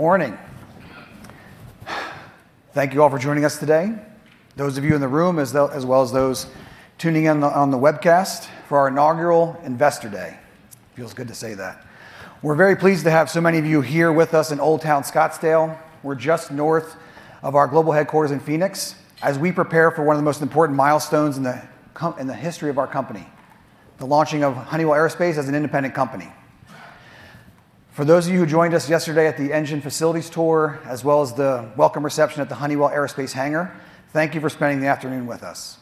Morning. Thank you all for joining us today. Those of you in the room, as well as those tuning in on the webcast for our inaugural Investor Day. Feels good to say that. We're very pleased to have so many of you here with us in Old Town Scottsdale. We're just north of our global headquarters in Phoenix as we prepare for one of the most important milestones in the history of our company, the launching of Honeywell Aerospace as an independent company. For those of you who joined us yesterday at the engine facilities tour, as well as the welcome reception at the Honeywell Aerospace hangar, thank you for spending the afternoon with us.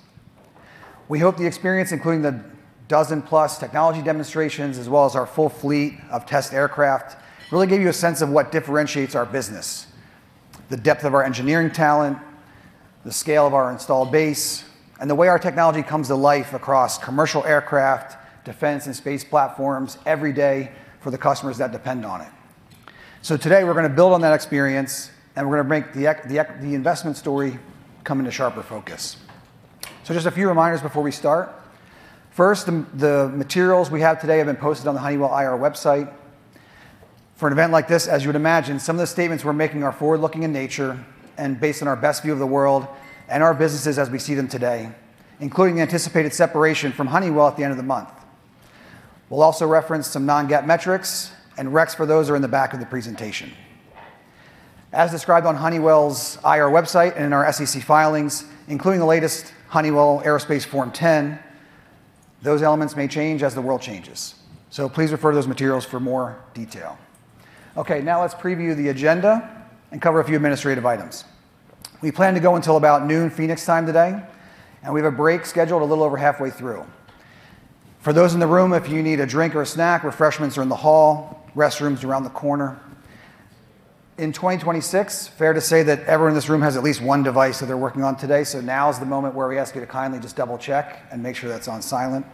We hope the experience, including the dozen-plus technology demonstrations, as well as our full fleet of test aircraft, really gave you a sense of what differentiates our business, the depth of our engineering talent, the scale of our installed base, and the way our technology comes to life across commercial aircraft, defense and space platforms every day for the customers that depend on it. Today, we're going to build on that experience, and we're going to make the investment story come into sharper focus. Just a few reminders before we start. First, the materials we have today have been posted on the Honeywell IR website. For an event like this, as you would imagine, some of the statements we're making are forward-looking in nature and based on our best view of the world and our businesses as we see them today, including the anticipated separation from Honeywell at the end of the month. We'll also reference some non-GAAP metrics, and recs for those are in the back of the presentation. As described on Honeywell's IR website and in our SEC filings, including the latest Honeywell Aerospace Form 10, those elements may change as the world changes. Please refer to those materials for more detail. Now let's preview the agenda and cover a few administrative items. We plan to go until about noon Phoenix time today, and we have a break scheduled a little over halfway through. For those in the room, if you need a drink or a snack, refreshments are in the hall, restrooms around the corner. In 2026, fair to say that everyone in this room has at least one device that they're working on today, so now is the moment where we ask you to kindly just double-check and make sure that's on silent.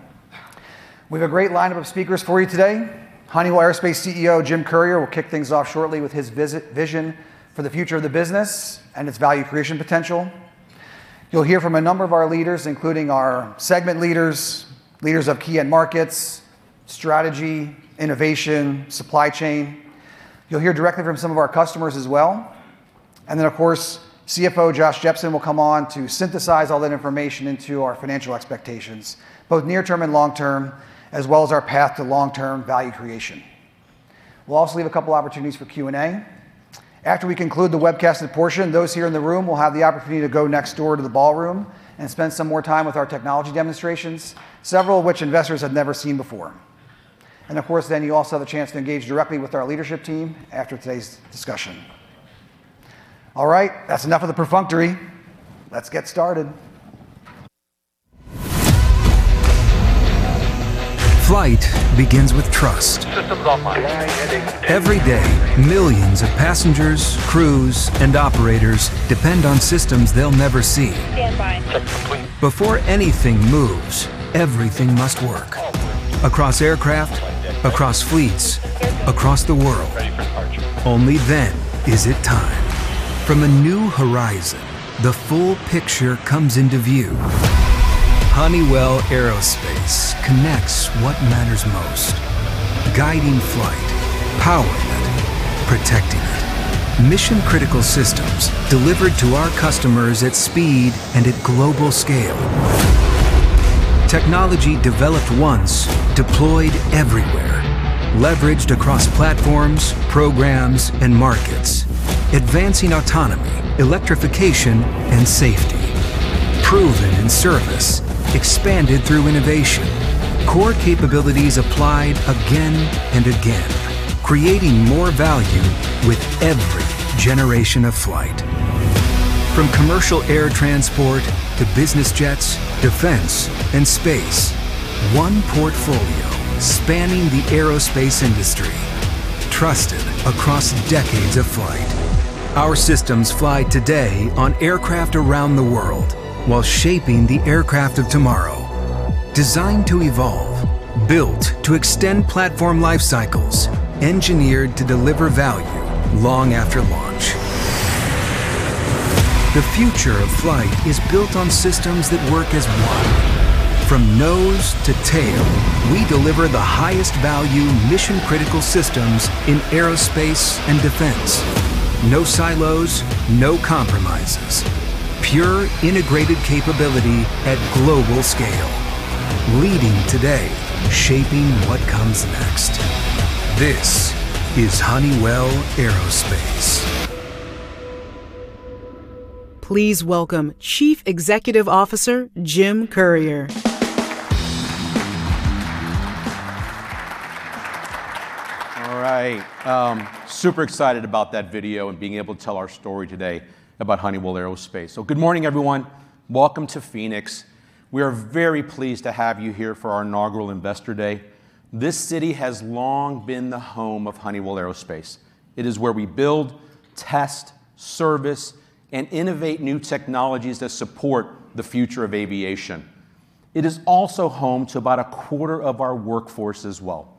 We have a great lineup of speakers for you today. Honeywell Aerospace CEO Jim Currier will kick things off shortly with his vision for the future of the business and its value creation potential. You'll hear from a number of our leaders, including our segment leaders of key end markets, strategy, innovation, supply chain. You'll hear directly from some of our customers as well. Then, of course, CFO Josh Jepsen will come on to synthesize all that information into our financial expectations, both near-term and long-term, as well as our path to long-term value creation. We'll also leave a couple opportunities for Q&A. After we conclude the webcasted portion, those here in the room will have the opportunity to go next door to the ballroom and spend some more time with our technology demonstrations, several of which investors have never seen before. Of course, then you also have the chance to engage directly with our leadership team after today's discussion. All right. That's enough of the perfunctory. Let's get started. Flight begins with trust. Systems online. Every day, millions of passengers, crews, and operators depend on systems they'll never see. Standby. Before anything moves, everything must work. Across aircraft, across fleets, across the world. Ready for departure. Only then is it time. From a new horizon, the full picture comes into view. Honeywell Aerospace connects what matters most, guiding flight, powering it, protecting it. Mission-critical systems delivered to our customers at speed and at global scale. Technology developed once, deployed everywhere, leveraged across platforms, programs, and markets. Advancing autonomy, electrification, and safety. Proven in service, expanded through innovation. Core capabilities applied again and again, creating more value with every generation of flight. From commercial air transport to business jets, defense, and space, one portfolio spanning the aerospace industry, trusted across decades of flight. Our systems fly today on aircraft around the world while shaping the aircraft of tomorrow. Designed to evolve, built to extend platform life cycles, engineered to deliver value long after launch. The future of flight is built on systems that work as one. From nose to tail, we deliver the highest value mission-critical systems in aerospace and defense. No silos, no compromises. Pure integrated capability at global scale. Leading today, shaping what comes next. This is Honeywell Aerospace. Please welcome Chief Executive Officer, Jim Currier. All right. Super excited about that video and being able to tell our story today about Honeywell Aerospace. Good morning, everyone. Welcome to Phoenix. We are very pleased to have you here for our inaugural Investor Day. This city has long been the home of Honeywell Aerospace. It is where we build, test, service, and innovate new technologies that support the future of aviation. It is also home to about a quarter of our workforce as well.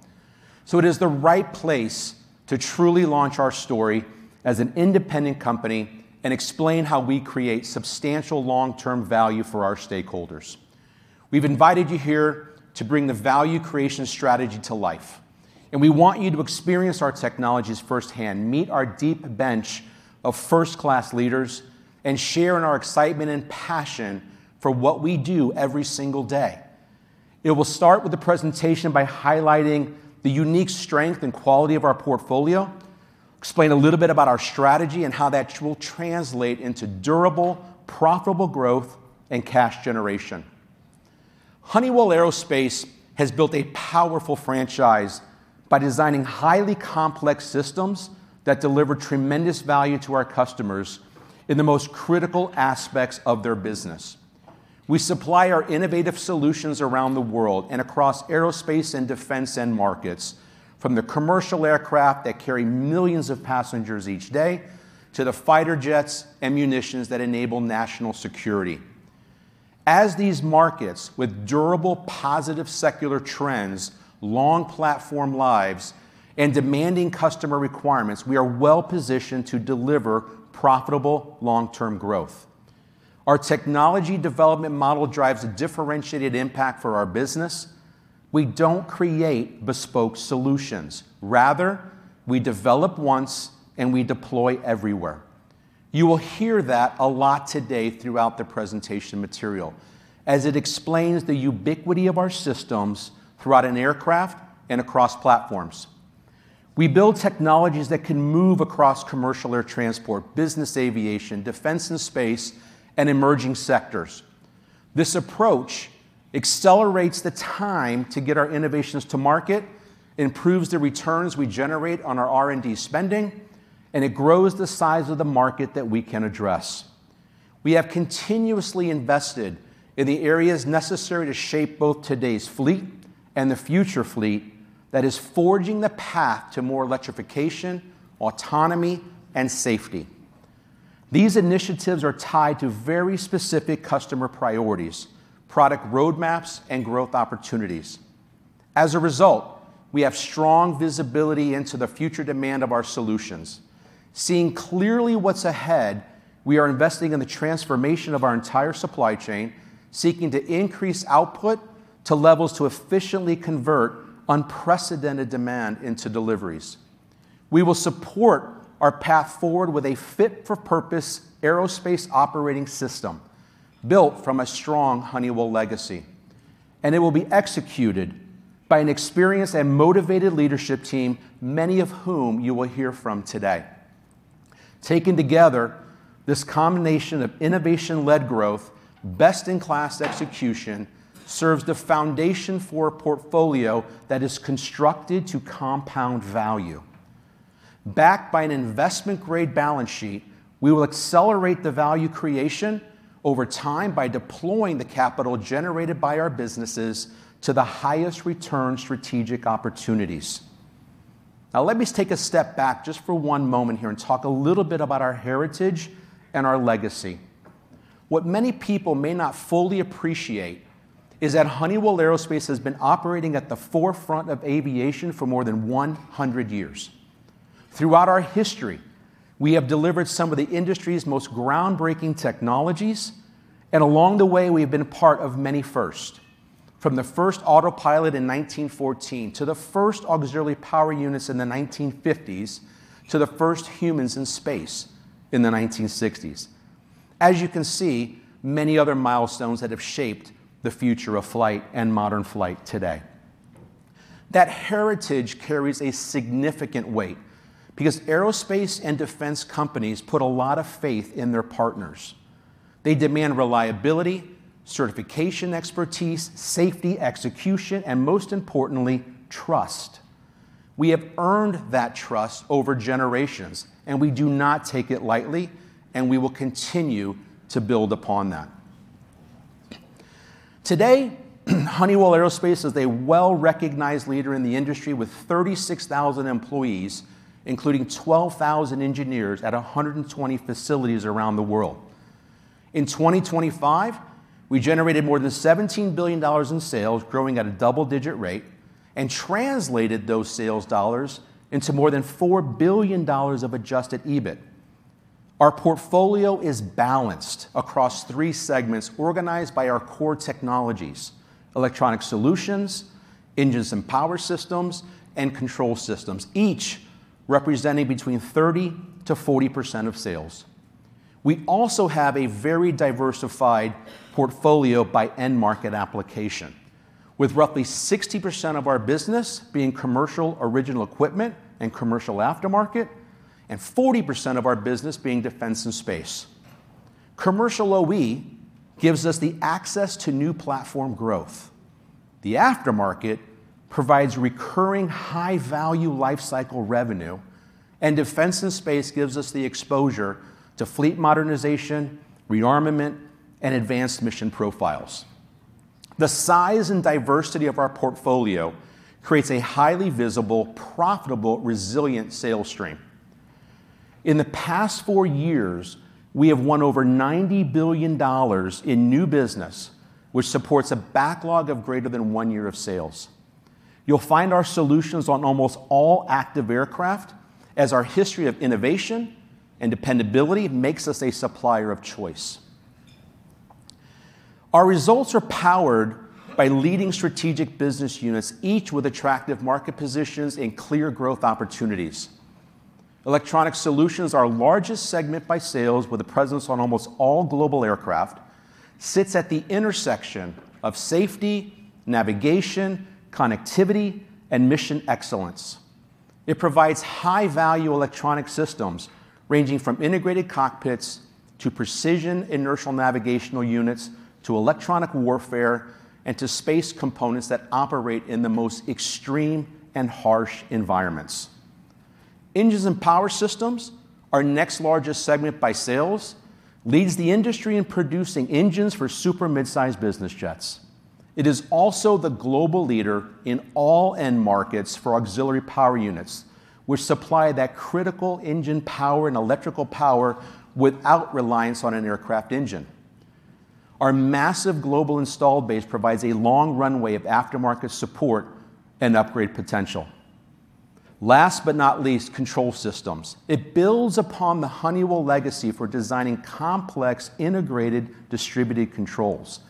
It is the right place to truly launch our story as an independent company and explain how we create substantial long-term value for our stakeholders. We've invited you here to bring the value creation strategy to life. We want you to experience our technologies firsthand, meet our deep bench of first-class leaders, and share in our excitement and passion for what we do every single day. It will start with the presentation by highlighting the unique strength and quality of our portfolio, explain a little bit about our strategy and how that will translate into durable, profitable growth, and cash generation. Honeywell Aerospace has built a powerful franchise by designing highly complex systems that deliver tremendous value to our customers in the most critical aspects of their business. We supply our innovative solutions around the world and across aerospace and defense end markets, from the commercial aircraft that carry millions of passengers each day, to the fighter jets and munitions that enable national security. As these markets with durable, positive secular trends, long platform lives, and demanding customer requirements, we are well-positioned to deliver profitable long-term growth. Our technology development model drives a differentiated impact for our business. We don't create bespoke solutions; rather, we develop once and we deploy everywhere. You will hear that a lot today throughout the presentation material, as it explains the ubiquity of our systems throughout an aircraft and across platforms. We build technologies that can move across commercial air transport, business aviation, defense and space, and emerging sectors. This approach accelerates the time to get our innovations to market, improves the returns we generate on our R&D spending, and it grows the size of the market that we can address. We have continuously invested in the areas necessary to shape both today's fleet and the future fleet that is forging the path to more electrification, autonomy, and safety. These initiatives are tied to very specific customer priorities, product roadmaps, and growth opportunities. As a result, we have strong visibility into the future demand of our solutions. Seeing clearly what's ahead, we are investing in the transformation of our entire supply chain, seeking to increase output to levels to efficiently convert unprecedented demand into deliveries. We will support our path forward with a fit-for-purpose Honeywell Aerospace Operating System built from a strong Honeywell legacy, and it will be executed by an experienced and motivated leadership team, many of whom you will hear from today. Taken together, this combination of innovation-led growth, best-in-class execution, serves the foundation for a portfolio that is constructed to compound value. Backed by an investment-grade balance sheet, we will accelerate the value creation over time by deploying the capital generated by our businesses to the highest return strategic opportunities. Let me take a step back just for one moment here and talk a little bit about our heritage and our legacy. What many people may not fully appreciate is that Honeywell Aerospace has been operating at the forefront of aviation for more than 100 years. Throughout our history, we have delivered some of the industry's most groundbreaking technologies, and along the way, we have been a part of many firsts. From the first autopilot in 1914, to the first Auxiliary Power Units in the 1950s, to the first humans in space in the 1960s. As you can see, many other milestones that have shaped the future of flight and modern flight today. That heritage carries a significant weight because aerospace and defense companies put a lot of faith in their partners. They demand reliability, certification expertise, safety execution, and most importantly, trust. We have earned that trust over generations, we do not take it lightly, and we will continue to build upon that. Today, Honeywell Aerospace is a well-recognized leader in the industry with 36,000 employees, including 12,000 engineers at 120 facilities around the world. In 2025, we generated more than $17 billion in sales, growing at a double-digit rate, and translated those sales dollars into more than $4 billion of adjusted EBIT. Our portfolio is balanced across three segments organized by our core technologies: Electronic Solutions, Engines & Power Systems, and Control Systems. Each representing between 30%-40% of sales. We also have a very diversified portfolio by end market application, with roughly 60% of our business being commercial original equipment and commercial aftermarket, and 40% of our business being Defense and Space. Commercial OE gives us the access to new platform growth. The aftermarket provides recurring high-value lifecycle revenue, Defense and Space gives us the exposure to fleet modernization, rearmament, and advanced mission profiles. The size and diversity of our portfolio creates a highly visible, profitable, resilient sales stream. In the past four years, we have won over $90 billion in new business, which supports a backlog of greater than one year of sales. You'll find our solutions on almost all active aircraft, as our history of innovation and dependability makes us a supplier of choice. Our results are powered by leading strategic business units, each with attractive market positions and clear growth opportunities. Electronic Solutions, our largest segment by sales, with a presence on almost all global aircraft, sits at the intersection of safety, navigation, connectivity, and mission excellence. It provides high-value electronic systems ranging from integrated cockpits to precision inertial navigational units, to electronic warfare, and to space components that operate in the most extreme and harsh environments. Engines & Power Systems, our next largest segment by sales, leads the industry in producing engines for super mid-sized business jets. It is also the global leader in all end markets for auxiliary power units, which supply that critical engine power and electrical power without reliance on an aircraft engine. Our massive global installed base provides a long runway of aftermarket support and upgrade potential. Last but not least, Control Systems. It builds upon the Honeywell legacy for designing complex integrated distributed controls.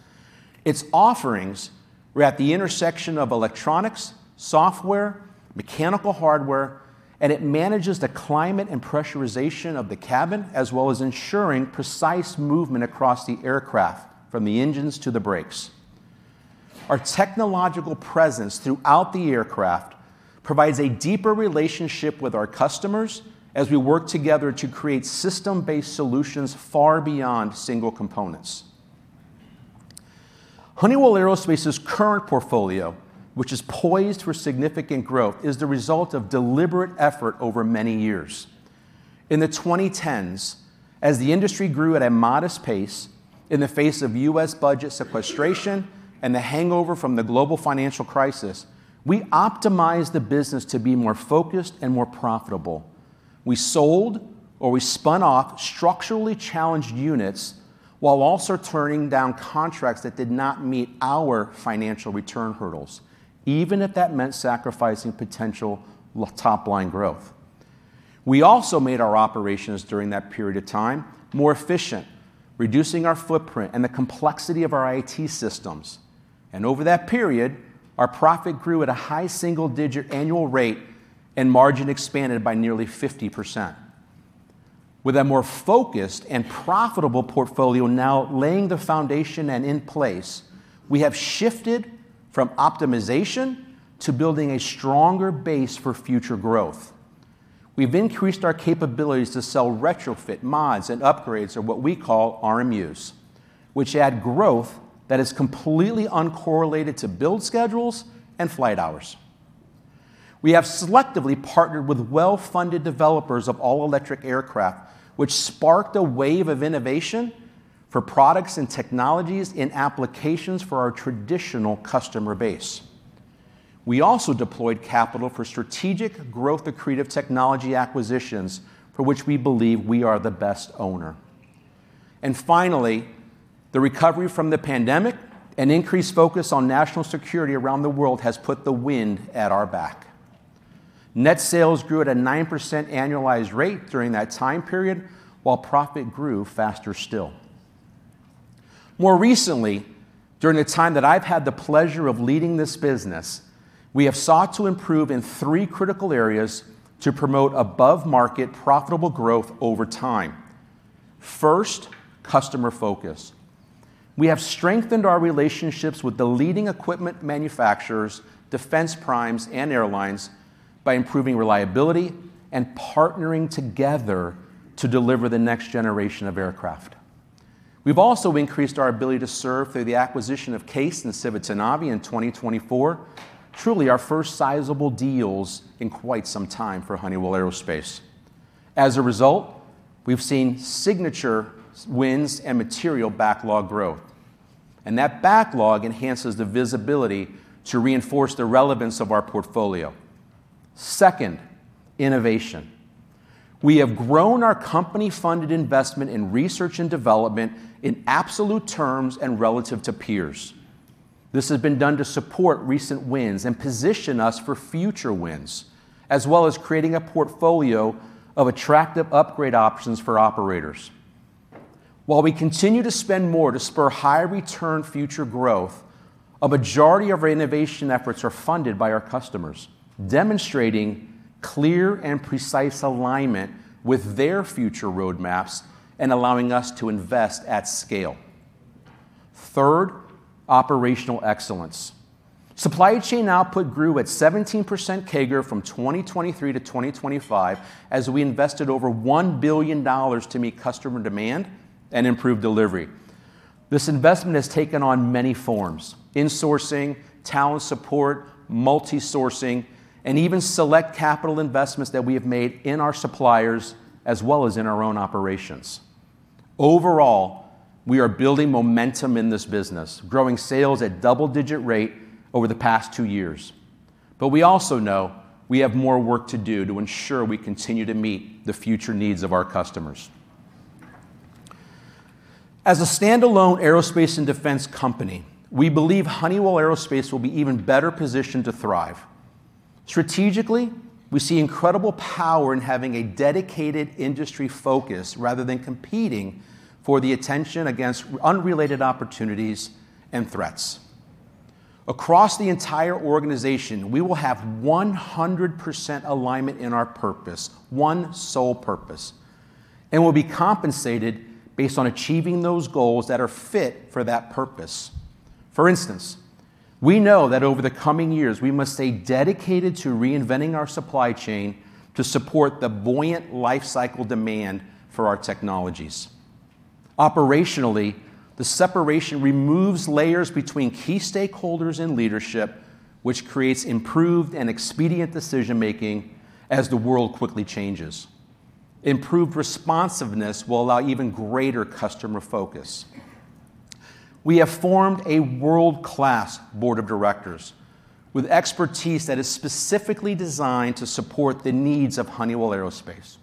Its offerings are at the intersection of electronics, software, mechanical hardware, and it manages the climate and pressurization of the cabin, as well as ensuring precise movement across the aircraft from the engines to the brakes. Our technological presence throughout the aircraft provides a deeper relationship with our customers as we work together to create system-based solutions far beyond single components. Honeywell Aerospace's current portfolio, which is poised for significant growth, is the result of deliberate effort over many years. In the 2010s, as the industry grew at a modest pace in the face of U.S. budget sequestration and the hangover from the global financial crisis, we optimized the business to be more focused and more profitable. We sold or we spun off structurally challenged units while also turning down contracts that did not meet our financial return hurdles, even if that meant sacrificing potential top-line growth. We also made our operations during that period of time more efficient, reducing our footprint and the complexity of our IT systems. Over that period, our profit grew at a high single-digit annual rate and margin expanded by nearly 50%. With a more focused and profitable portfolio now laying the foundation and in place, we have shifted from optimization to building a stronger base for future growth. We've increased our capabilities to sell retrofit mods and upgrades or what we call RMUs, which add growth that is completely uncorrelated to build schedules and flight hours. We have selectively partnered with well-funded developers of all-electric aircraft, which sparked a wave of innovation for products and technologies in applications for our traditional customer base. We also deployed capital for strategic growth accretive technology acquisitions for which we believe we are the best owner. Finally, the recovery from the pandemic and increased focus on national security around the world has put the wind at our back. Net sales grew at a 9% annualized rate during that time period, while profit grew faster still. More recently, during the time that I've had the pleasure of leading this business, we have sought to improve in three critical areas to promote above-market profitable growth over time. First, customer focus. We have strengthened our relationships with the leading equipment manufacturers, defense primes, and airlines by improving reliability and partnering together to deliver the next generation of aircraft. We've also increased our ability to serve through the acquisition of CAES and Civitanavi in 2024, truly our first sizable deals in quite some time for Honeywell Aerospace. As a result, we've seen signature wins and material backlog growth, and that backlog enhances the visibility to reinforce the relevance of our portfolio. Second, innovation. We have grown our company-funded investment in research and development in absolute terms and relative to peers. This has been done to support recent wins and position us for future wins, as well as creating a portfolio of attractive upgrade options for operators. While we continue to spend more to spur higher return future growth, a majority of our innovation efforts are funded by our customers, demonstrating clear and precise alignment with their future roadmaps and allowing us to invest at scale. Third, operational excellence. Supply chain output grew at 17% CAGR from 2023 to 2025 as we invested over $1 billion to meet customer demand and improve delivery. This investment has taken on many forms: insourcing, talent support, multi-sourcing, and even select capital investments that we have made in our suppliers as well as in our own operations. Overall, we are building momentum in this business, growing sales at double-digit rate over the past two years. We also know we have more work to do to ensure we continue to meet the future needs of our customers. As a standalone aerospace and defense company, we believe Honeywell Aerospace will be even better positioned to thrive. Strategically, we see incredible power in having a dedicated industry focus rather than competing for the attention against unrelated opportunities and threats. Across the entire organization, we will have 100% alignment in our purpose, one sole purpose, and we'll be compensated based on achieving those goals that are fit for that purpose. For instance, we know that over the coming years, we must stay dedicated to reinventing our supply chain to support the buoyant life cycle demand for our technologies. Operationally, the separation removes layers between key stakeholders and leadership, which creates improved and expedient decision-making as the world quickly changes. Improved responsiveness will allow even greater customer focus. We have formed a world-class board of directors with expertise that is specifically designed to support the needs of Honeywell Aerospace.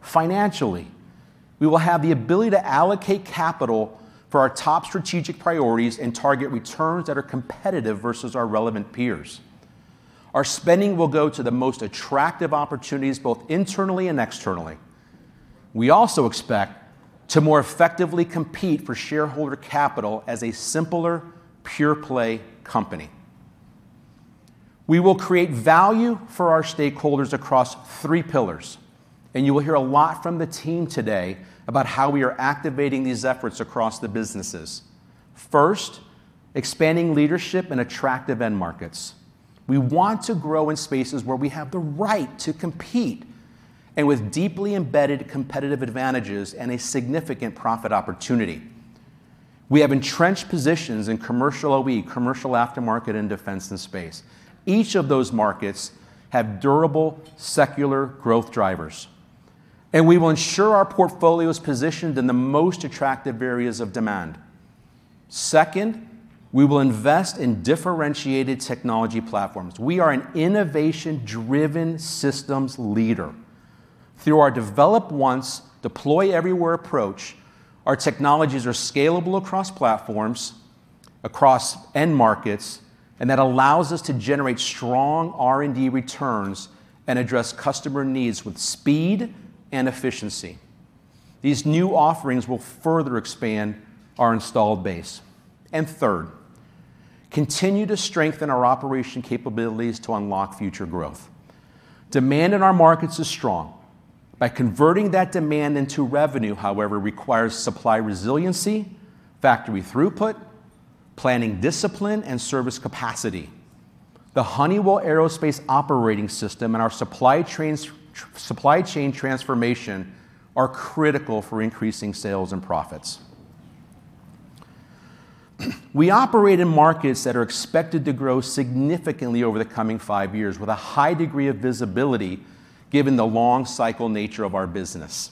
Financially, we will have the ability to allocate capital for our top strategic priorities and target returns that are competitive versus our relevant peers. Our spending will go to the most attractive opportunities, both internally and externally. We also expect to more effectively compete for shareholder capital as a simpler, pure-play company. We will create value for our stakeholders across three pillars, and you will hear a lot from the team today about how we are activating these efforts across the businesses. First, expanding leadership in attractive end markets. We want to grow in spaces where we have the right to compete, and with deeply embedded competitive advantages and a significant profit opportunity. We have entrenched positions in commercial OE, commercial aftermarket, and Defense and Space. Each of those markets have durable, secular growth drivers, we will ensure our portfolio is positioned in the most attractive areas of demand. Second, we will invest in differentiated technology platforms. We are an innovation-driven systems leader. Through our develop once, deploy everywhere approach, our technologies are scalable across platforms, across end markets, and that allows us to generate strong R&D returns and address customer needs with speed and efficiency. These new offerings will further expand our installed base. Third, continue to strengthen our operation capabilities to unlock future growth. Demand in our markets is strong. By converting that demand into revenue, however, requires supply resiliency, factory throughput, planning discipline, and service capacity. The Honeywell Aerospace Operating System and our supply chain transformation are critical for increasing sales and profits. We operate in markets that are expected to grow significantly over the coming five years with a high degree of visibility given the long cycle nature of our business.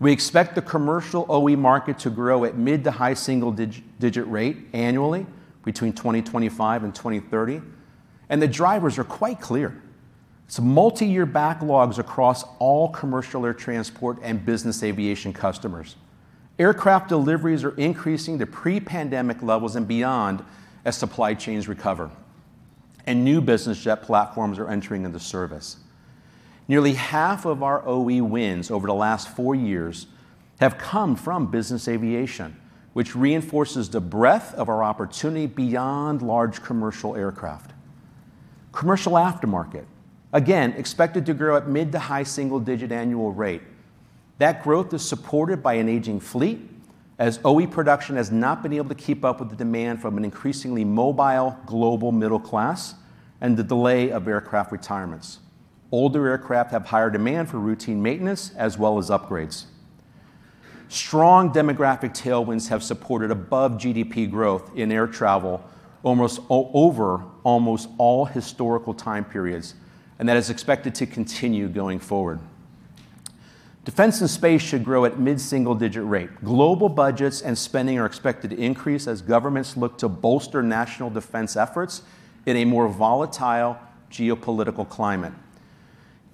We expect the commercial OE market to grow at mid to high single digit rate annually between 2025 and 2030. The drivers are quite clear. Multi-year backlogs across all commercial air transport and business aviation customers. Aircraft deliveries are increasing to pre-pandemic levels and beyond as supply chains recover and new business jet platforms are entering into service. Nearly half of our OE wins over the last four years have come from business aviation, which reinforces the breadth of our opportunity beyond large commercial aircraft. Commercial aftermarket, again, expected to grow at mid to high single digit annual rate. That growth is supported by an aging fleet, as OE production has not been able to keep up with the demand from an increasingly mobile global middle class and the delay of aircraft retirements. Older aircraft have higher demand for routine maintenance as well as upgrades. Strong demographic tailwinds have supported above GDP growth in air travel over almost all historical time periods. That is expected to continue going forward. Defense and space should grow at mid single digit rate. Global budgets and spending are expected to increase as governments look to bolster national defense efforts in a more volatile geopolitical climate.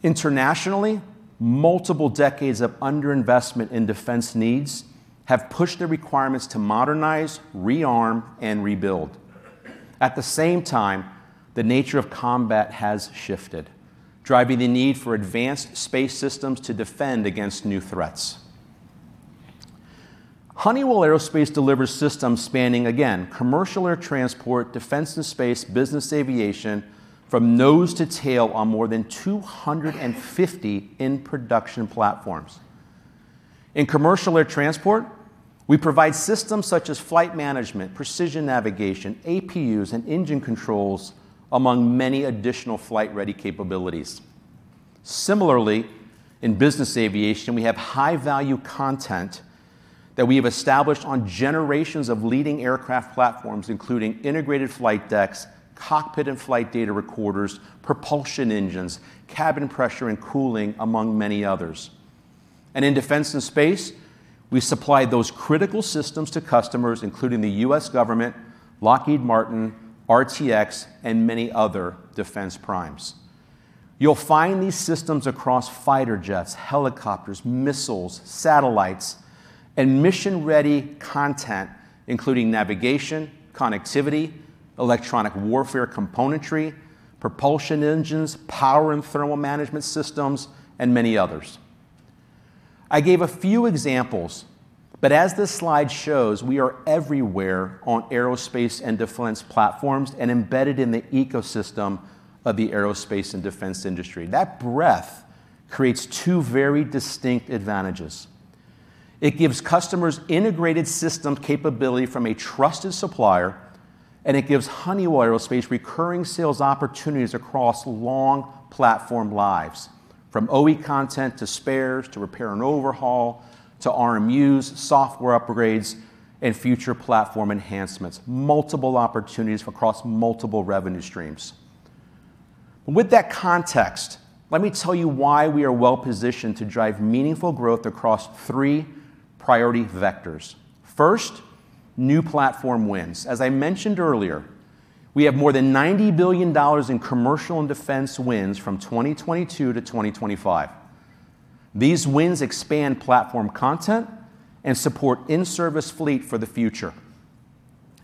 Internationally, multiple decades of underinvestment in defense needs have pushed the requirements to modernize, rearm, and rebuild. At the same time, the nature of combat has shifted, driving the need for advanced space systems to defend against new threats. Honeywell Aerospace delivers systems spanning, again, commercial air transport, defense and space, business aviation from nose to tail on more than 250 in-production platforms. In commercial air transport, we provide systems such as flight management, precision navigation, APUs, and engine controls, among many additional flight-ready capabilities. Similarly, in business aviation, we have high-value content that we have established on generations of leading aircraft platforms, including integrated flight decks, cockpit and flight data recorders, propulsion engines, cabin pressure and cooling, among many others. In defense and space, we supply those critical systems to customers, including the U.S. government, Lockheed Martin, RTX, and many other defense primes. You'll find these systems across fighter jets, helicopters, missiles, satellites, and mission-ready content, including navigation, connectivity, electronic warfare componentry, propulsion engines, Power and Thermal Management Systems, and many others. I gave a few examples. As this slide shows, we are everywhere on aerospace and defense platforms and embedded in the ecosystem of the aerospace and defense industry. That breadth creates two very distinct advantages. It gives customers integrated system capability from a trusted supplier, and it gives Honeywell Aerospace recurring sales opportunities across long platform lives, from OE content to spares, to repair and overhaul, to RMUs, software upgrades, and future platform enhancements. Multiple opportunities across multiple revenue streams. With that context, let me tell you why we are well-positioned to drive meaningful growth across three priority vectors. First, new platform wins. As I mentioned earlier, we have more than $90 billion in commercial and defense wins from 2022 to 2025. These wins expand platform content and support in-service fleet for the future.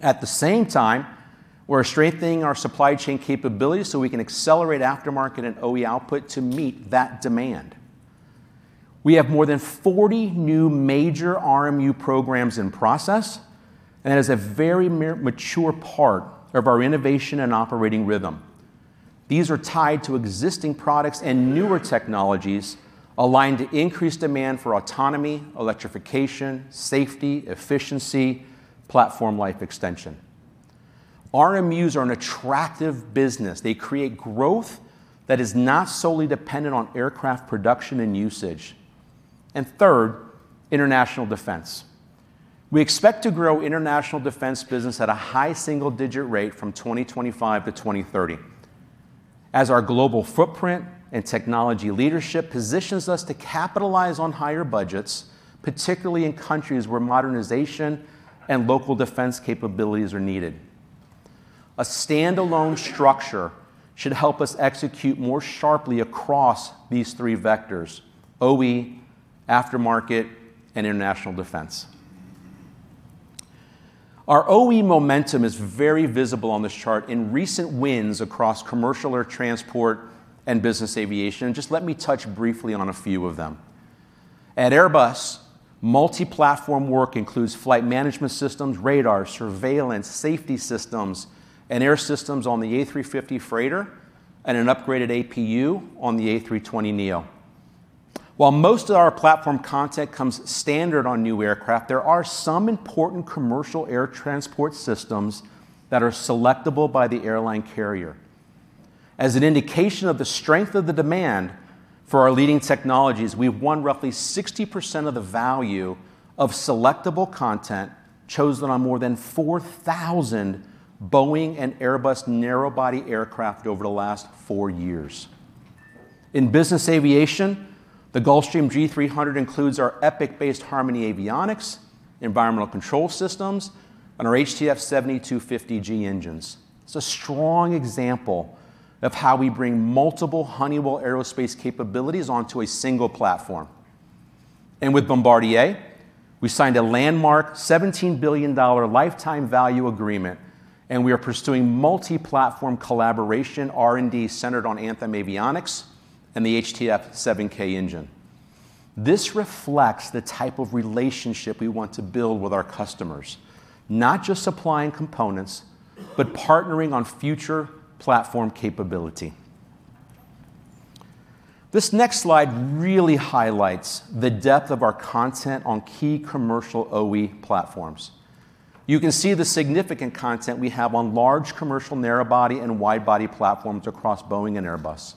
At the same time, we're strengthening our supply chain capabilities so we can accelerate aftermarket and OE output to meet that demand. We have more than 40 new major RMU programs in process, and that is a very mature part of our innovation and operating rhythm. These are tied to existing products and newer technologies aligned to increased demand for autonomy, electrification, safety, efficiency, platform life extension. RMUs are an attractive business. They create growth that is not solely dependent on aircraft production and usage. Third, international defense. We expect to grow international defense business at a high single-digit rate from 2025 to 2030, as our global footprint and technology leadership positions us to capitalize on higher budgets, particularly in countries where modernization and local defense capabilities are needed. A standalone structure should help us execute more sharply across these three vectors: OE, aftermarket, and international defense. Our OE momentum is very visible on this chart in recent wins across commercial air transport and business aviation, just let me touch briefly on a few of them. At Airbus, multi-platform work includes flight management systems, radar, surveillance, safety systems, and air systems on the Airbus A350 freighter, and an upgraded APU on the Airbus A320neo. While most of our platform content comes standard on new aircraft, there are some important commercial air transport systems that are selectable by the airline carrier. As an indication of the strength of the demand for our leading technologies, we have won roughly 60% of the value of selectable content chosen on more than 4,000 Boeing and Airbus narrow-body aircraft over the last four years. In business aviation, the Gulfstream G300 includes our Epic-based Harmony avionics, environmental control systems, and our HTF7250G engines. It's a strong example of how we bring multiple Honeywell Aerospace capabilities onto a single platform. With Bombardier, we signed a landmark $17 billion lifetime value agreement, and we are pursuing multi-platform collaboration R&D centered on Anthem Avionics and the HTF7K engine. This reflects the type of relationship we want to build with our customers, not just supplying components, but partnering on future platform capability. This next slide really highlights the depth of our content on key commercial OE platforms. You can see the significant content we have on large commercial narrow-body and wide-body platforms across Boeing and Airbus.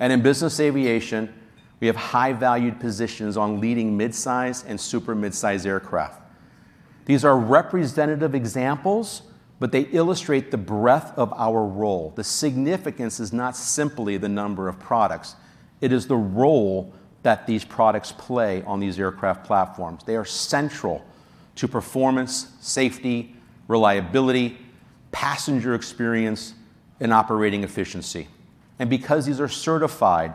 In business aviation, we have high-valued positions on leading midsize and super midsize aircraft. These are representative examples, they illustrate the breadth of our role. The significance is not simply the number of products. It is the role that these products play on these aircraft platforms. They are central to performance, safety, reliability, passenger experience, and operating efficiency. Because these are certified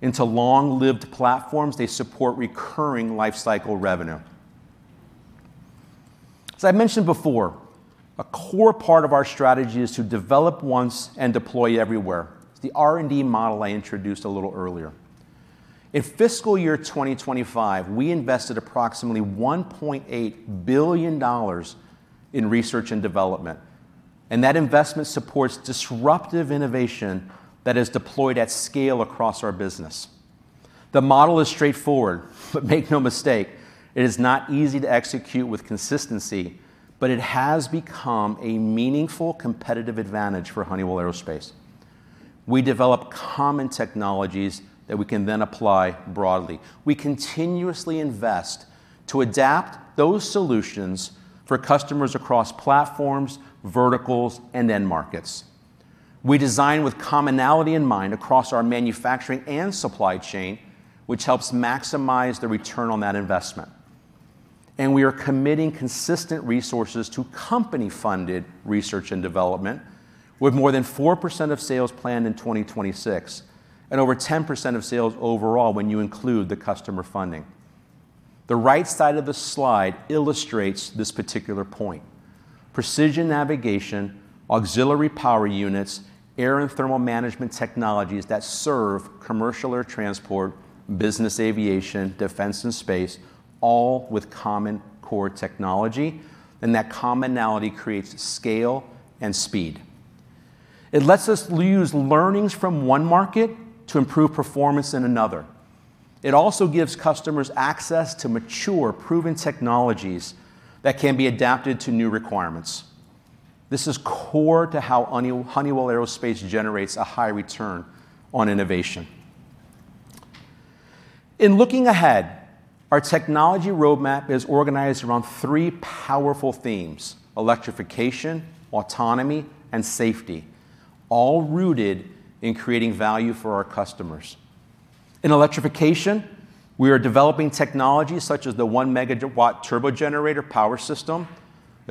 into long-lived platforms, they support recurring lifecycle revenue. As I mentioned before, a core part of our strategy is to develop once and deploy everywhere. It's the R&D model I introduced a little earlier. In FY 2025, we invested approximately $1.8 billion in research and development, that investment supports disruptive innovation that is deployed at scale across our business. The model is straightforward, make no mistake, it is not easy to execute with consistency, it has become a meaningful competitive advantage for Honeywell Aerospace. We develop common technologies that we can then apply broadly. We continuously invest to adapt those solutions for customers across platforms, verticals, and end markets. We design with commonality in mind across our manufacturing and supply chain, which helps maximize the return on that investment. We are committing consistent resources to company-funded research and development with more than 4% of sales planned in 2026 and over 10% of sales overall when you include the customer funding. The right side of the slide illustrates this particular point. Precision navigation, auxiliary power units, air and thermal management technologies that serve commercial air transport, business aviation, defense and space, all with common core technology, and that commonality creates scale and speed. It lets us use learnings from one market to improve performance in another. It also gives customers access to mature, proven technologies that can be adapted to new requirements. This is core to how Honeywell Aerospace generates a high return on innovation. In looking ahead, our technology roadmap is organized around three powerful themes: electrification, autonomy, and safety, all rooted in creating value for our customers. In electrification, we are developing technologies such as the one megawatt turbogenerator power system,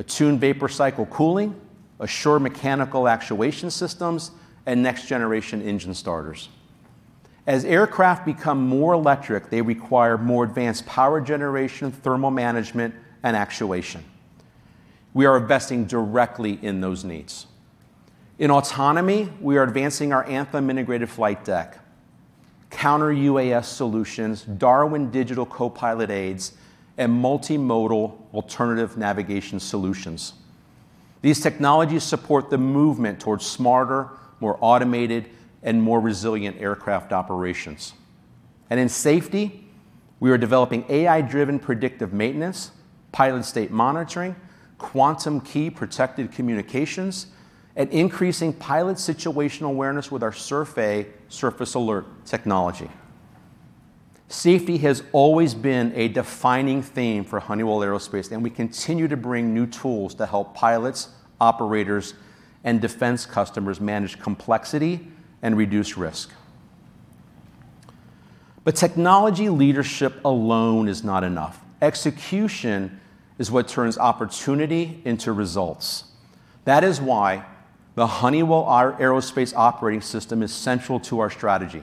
Attune vapor cycle cooling, Assured mechanical actuation systems, and next generation engine starters. As aircraft become more electric, they require more advanced power generation, thermal management, and actuation. We are investing directly in those needs. In autonomy, we are advancing our Honeywell Anthem integrated flight deck, counter UAS solutions, DARWIN digital co-pilot aids, and multimodal alternative navigation solutions. These technologies support the movement towards smarter, more automated, and more resilient aircraft operations. In safety, we are developing AI-driven predictive maintenance, pilot state monitoring, quantum key protected communications, and increasing pilot situational awareness with our Surface Alerts surface alert technology. Safety has always been a defining theme for Honeywell Aerospace, and we continue to bring new tools to help pilots, operators, and defense customers manage complexity and reduce risk. Technology leadership alone is not enough. Execution is what turns opportunity into results. That is why the Honeywell Aerospace Operating System is central to our strategy.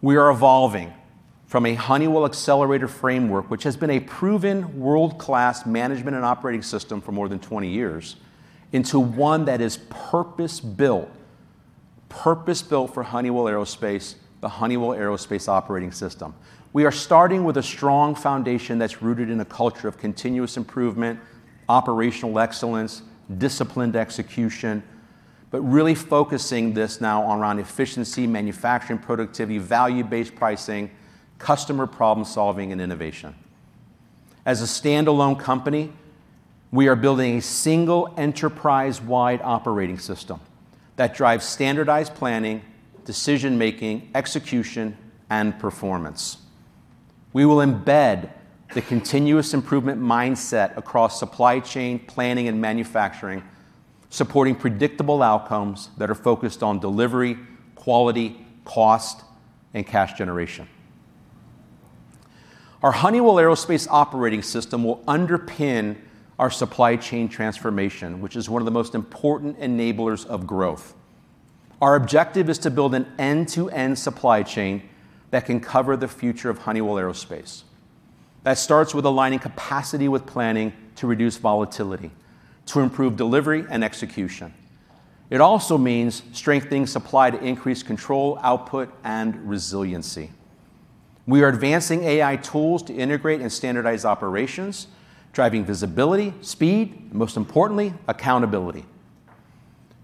We are evolving from a Honeywell Accelerator framework, which has been a proven world-class management and operating system for more than 20 years, into one that is purpose-built for Honeywell Aerospace, the Honeywell Aerospace Operating System. We are starting with a strong foundation that's rooted in a culture of continuous improvement, operational excellence, disciplined execution, but really focusing this now around efficiency, manufacturing productivity, value-based pricing, customer problem solving, and innovation. As a standalone company, we are building a single enterprise-wide operating system that drives standardized planning, decision-making, execution, and performance. We will embed the continuous improvement mindset across supply chain planning and manufacturing, supporting predictable outcomes that are focused on delivery, quality, cost, and cash generation. Our Honeywell Aerospace Operating System will underpin our supply chain transformation, which is one of the most important enablers of growth. Our objective is to build an end-to-end supply chain that can cover the future of Honeywell Aerospace. That starts with aligning capacity with planning to reduce volatility, to improve delivery and execution. It also means strengthening supply to increase control, output, and resiliency. We are advancing AI tools to integrate and standardize operations, driving visibility, speed, and most importantly, accountability.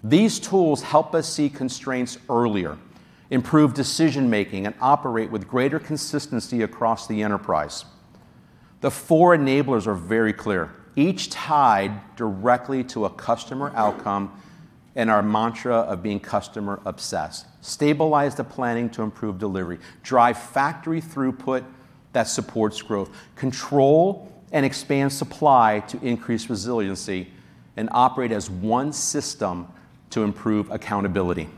These tools help us see constraints earlier, improve decision-making, and operate with greater consistency across the enterprise. The four enablers are very clear, each tied directly to a customer outcome and our mantra of being customer obsessed. Stabilize the planning to improve delivery, drive factory throughput that supports growth, control and expand supply to increase resiliency, and operate as one system to improve accountability.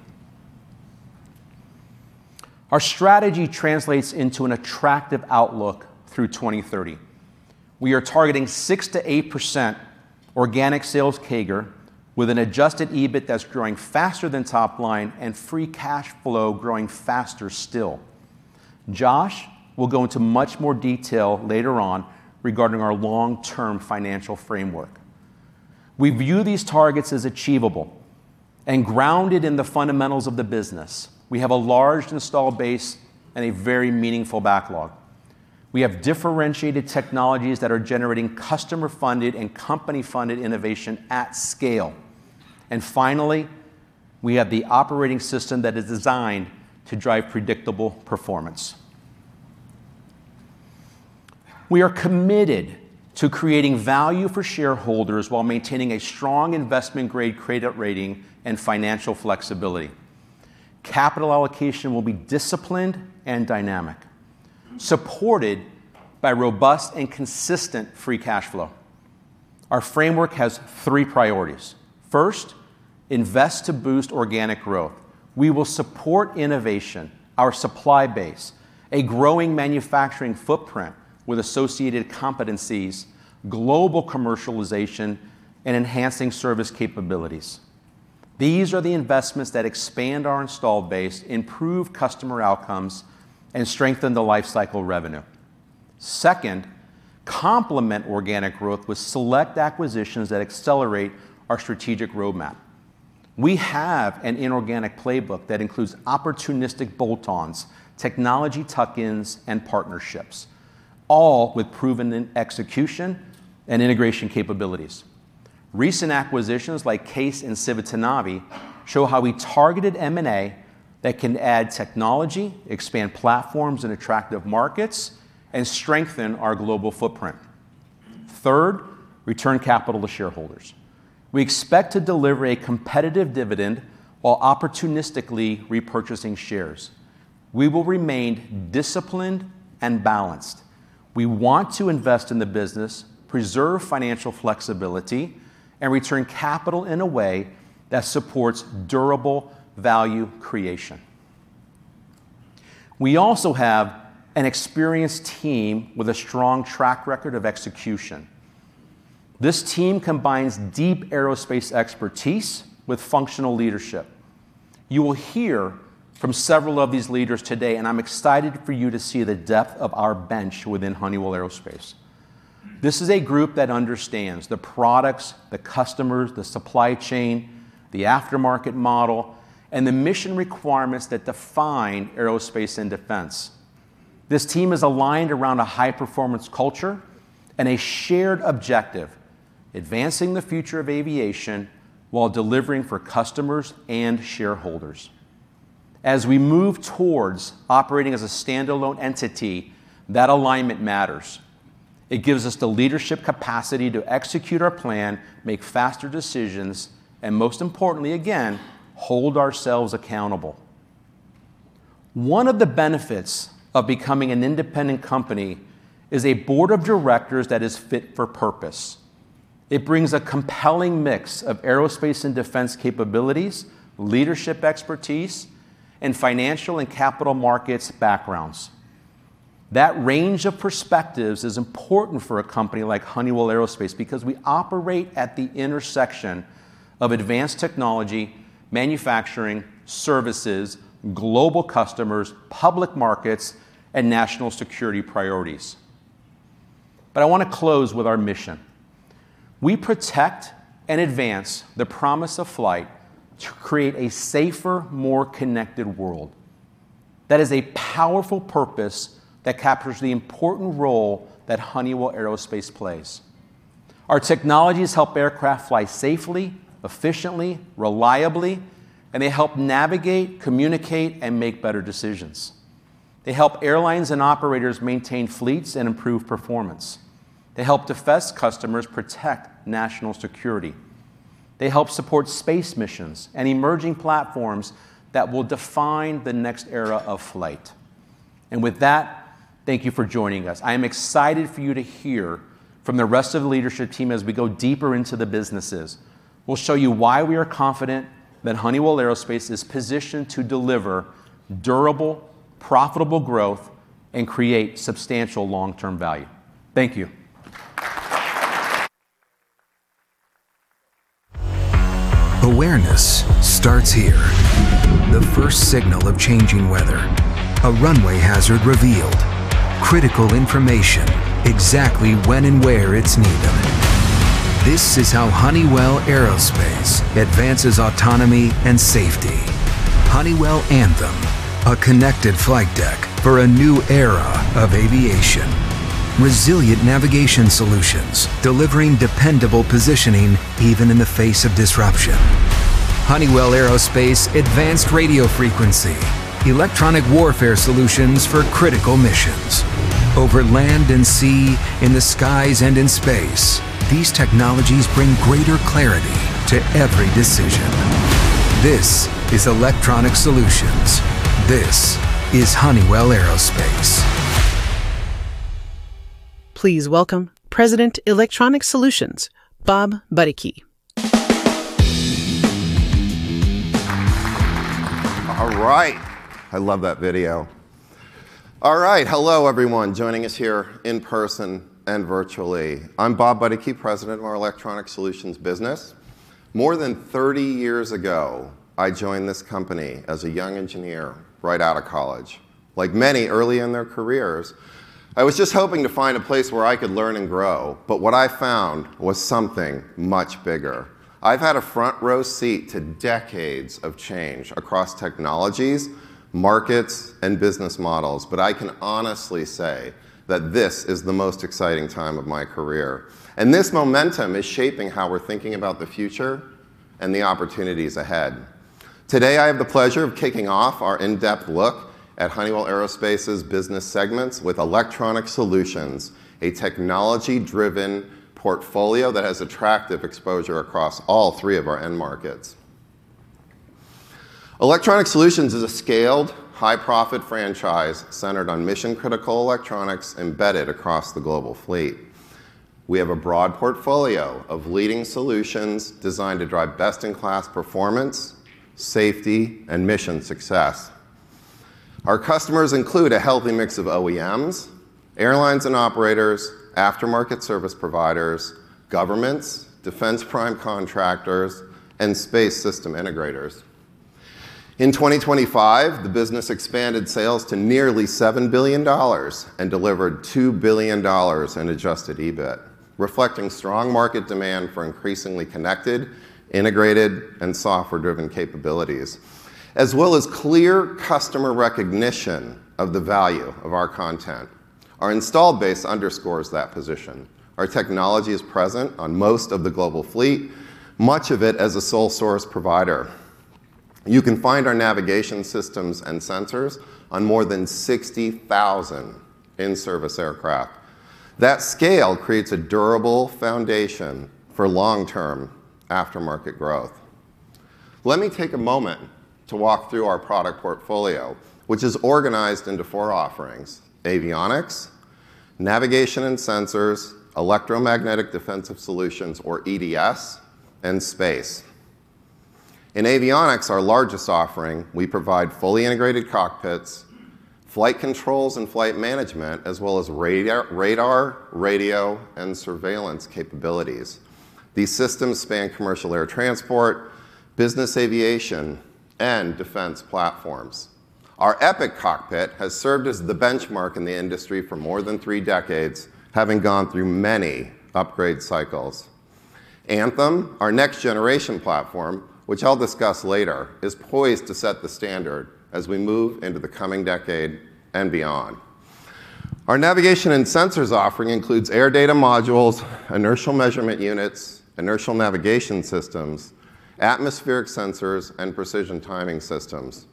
Our strategy translates into an attractive outlook through 2030. We are targeting 6%-8% organic sales CAGR with an adjusted EBIT that's growing faster than top line and free cash flow growing faster still. Josh will go into much more detail later on regarding our long-term financial framework. We view these targets as achievable and grounded in the fundamentals of the business. We have a large installed base and a very meaningful backlog. We have differentiated technologies that are generating customer-funded and company-funded innovation at scale. Finally, we have the operating system that is designed to drive predictable performance. We are committed to creating value for shareholders while maintaining a strong investment-grade credit rating and financial flexibility. Capital allocation will be disciplined and dynamic, supported by robust and consistent free cash flow. Our framework has three priorities. First, invest to boost organic growth. We will support innovation, our supply base, a growing manufacturing footprint with associated competencies, global commercialization, and enhancing service capabilities. These are the investments that expand our installed base, improve customer outcomes, and strengthen the life cycle revenue. Second, complement organic growth with select acquisitions that accelerate our strategic roadmap. We have an inorganic playbook that includes opportunistic bolt-ons, technology tuck-ins, and partnerships, all with proven execution and integration capabilities. Recent acquisitions like CAES and Civitanavi show how we targeted M&A that can add technology, expand platforms and attractive markets, and strengthen our global footprint. Third, return capital to shareholders. We expect to deliver a competitive dividend while opportunistically repurchasing shares. We will remain disciplined and balanced. We want to invest in the business, preserve financial flexibility, and return capital in a way that supports durable value creation. We also have an experienced team with a strong track record of execution. This team combines deep aerospace expertise with functional leadership. You will hear from several of these leaders today, and I'm excited for you to see the depth of our bench within Honeywell Aerospace. This is a group that understands the products, the customers, the supply chain, the aftermarket model, and the mission requirements that define aerospace and defense. This team is aligned around a high-performance culture and a shared objective: advancing the future of aviation while delivering for customers and shareholders. As we move towards operating as a standalone entity, that alignment matters. It gives us the leadership capacity to execute our plan, make faster decisions, and most importantly, again, hold ourselves accountable. One of the benefits of becoming an independent company is a board of directors that is fit for purpose. It brings a compelling mix of aerospace and defense capabilities, leadership expertise, and financial and capital markets backgrounds. That range of perspectives is important for a company like Honeywell Aerospace because we operate at the intersection of advanced technology, manufacturing, services, global customers, public markets, and national security priorities. I want to close with our mission. We protect and advance the promise of flight to create a safer, more connected world. That is a powerful purpose that captures the important role that Honeywell Aerospace plays. Our technologies help aircraft fly safely, efficiently, reliably, and they help navigate, communicate, and make better decisions. They help airlines and operators maintain fleets and improve performance. They help defense customers protect national security. They help support space missions and emerging platforms that will define the next era of flight. With that, thank you for joining us. I am excited for you to hear from the rest of the leadership team as we go deeper into the businesses. We'll show you why we are confident that Honeywell Aerospace is positioned to deliver durable, profitable growth, and create substantial long-term value. Thank you. Awareness starts here. The first signal of changing weather. A runway hazard revealed. Critical information, exactly when and where it's needed. This is how Honeywell Aerospace advances autonomy and safety. Honeywell Anthem, a connected flight deck for a new era of aviation. Resilient navigation solutions, delivering dependable positioning, even in the face of disruption. Honeywell Aerospace advanced radio frequency. Electronic warfare solutions for critical missions. Over land and sea, in the skies and in space, these technologies bring greater clarity to every decision. This is Electronic Solutions. This is Honeywell Aerospace. Please welcome President, Electronic Solutions, Bob Buddecke. All right. I love that video. All right. Hello, everyone joining us here in person and virtually. I'm Bob Buddecke, president of our Electronic Solutions business. More than 30 years ago, I joined this company as a young engineer right out of college. Like many early in their careers, I was just hoping to find a place where I could learn and grow, but what I found was something much bigger. I've had a front row seat to decades of change across technologies, markets, and business models, but I can honestly say that this is the most exciting time of my career, and this momentum is shaping how we're thinking about the future and the opportunities ahead. Today, I have the pleasure of kicking off our in-depth look at Honeywell Aerospace's business segments with Electronic Solutions, a technology-driven portfolio that has attractive exposure across all three of our end markets. Electronic Solutions is a scaled, high-profit franchise centered on mission-critical electronics embedded across the global fleet. We have a broad portfolio of leading solutions designed to drive best-in-class performance, safety, and mission success. Our customers include a healthy mix of OEMs, airlines and operators, aftermarket service providers, governments, defense prime contractors, and space system integrators. In 2025, the business expanded sales to nearly $7 billion and delivered $2 billion in adjusted EBIT, reflecting strong market demand for increasingly connected, integrated, and software-driven capabilities, as well as clear customer recognition of the value of our content. Our installed base underscores that position. Our technology is present on most of the global fleet, much of it as a sole source provider. You can find our navigation systems and sensors on more than 60,000 in-service aircraft. That scale creates a durable foundation for long-term aftermarket growth. Let me take a moment to walk through our product portfolio, which is organized into four offerings: avionics, Navigation and Sensors, electromagnetic defensive solutions or EDS, and space. In avionics, our largest offering, we provide fully integrated cockpits, flight controls and flight management, as well as radar, radio, and surveillance capabilities. These systems span commercial air transport, business aviation, and defense platforms. Our Epic cockpit has served as the benchmark in the industry for more than three decades, having gone through many upgrade cycles. Anthem, our next-generation platform, which I'll discuss later, is poised to set the standard as we move into the coming decade and beyond. Our Navigation and Sensors offering includes air data modules, inertial measurement units, inertial navigation systems, atmospheric sensors, and precision timing systems.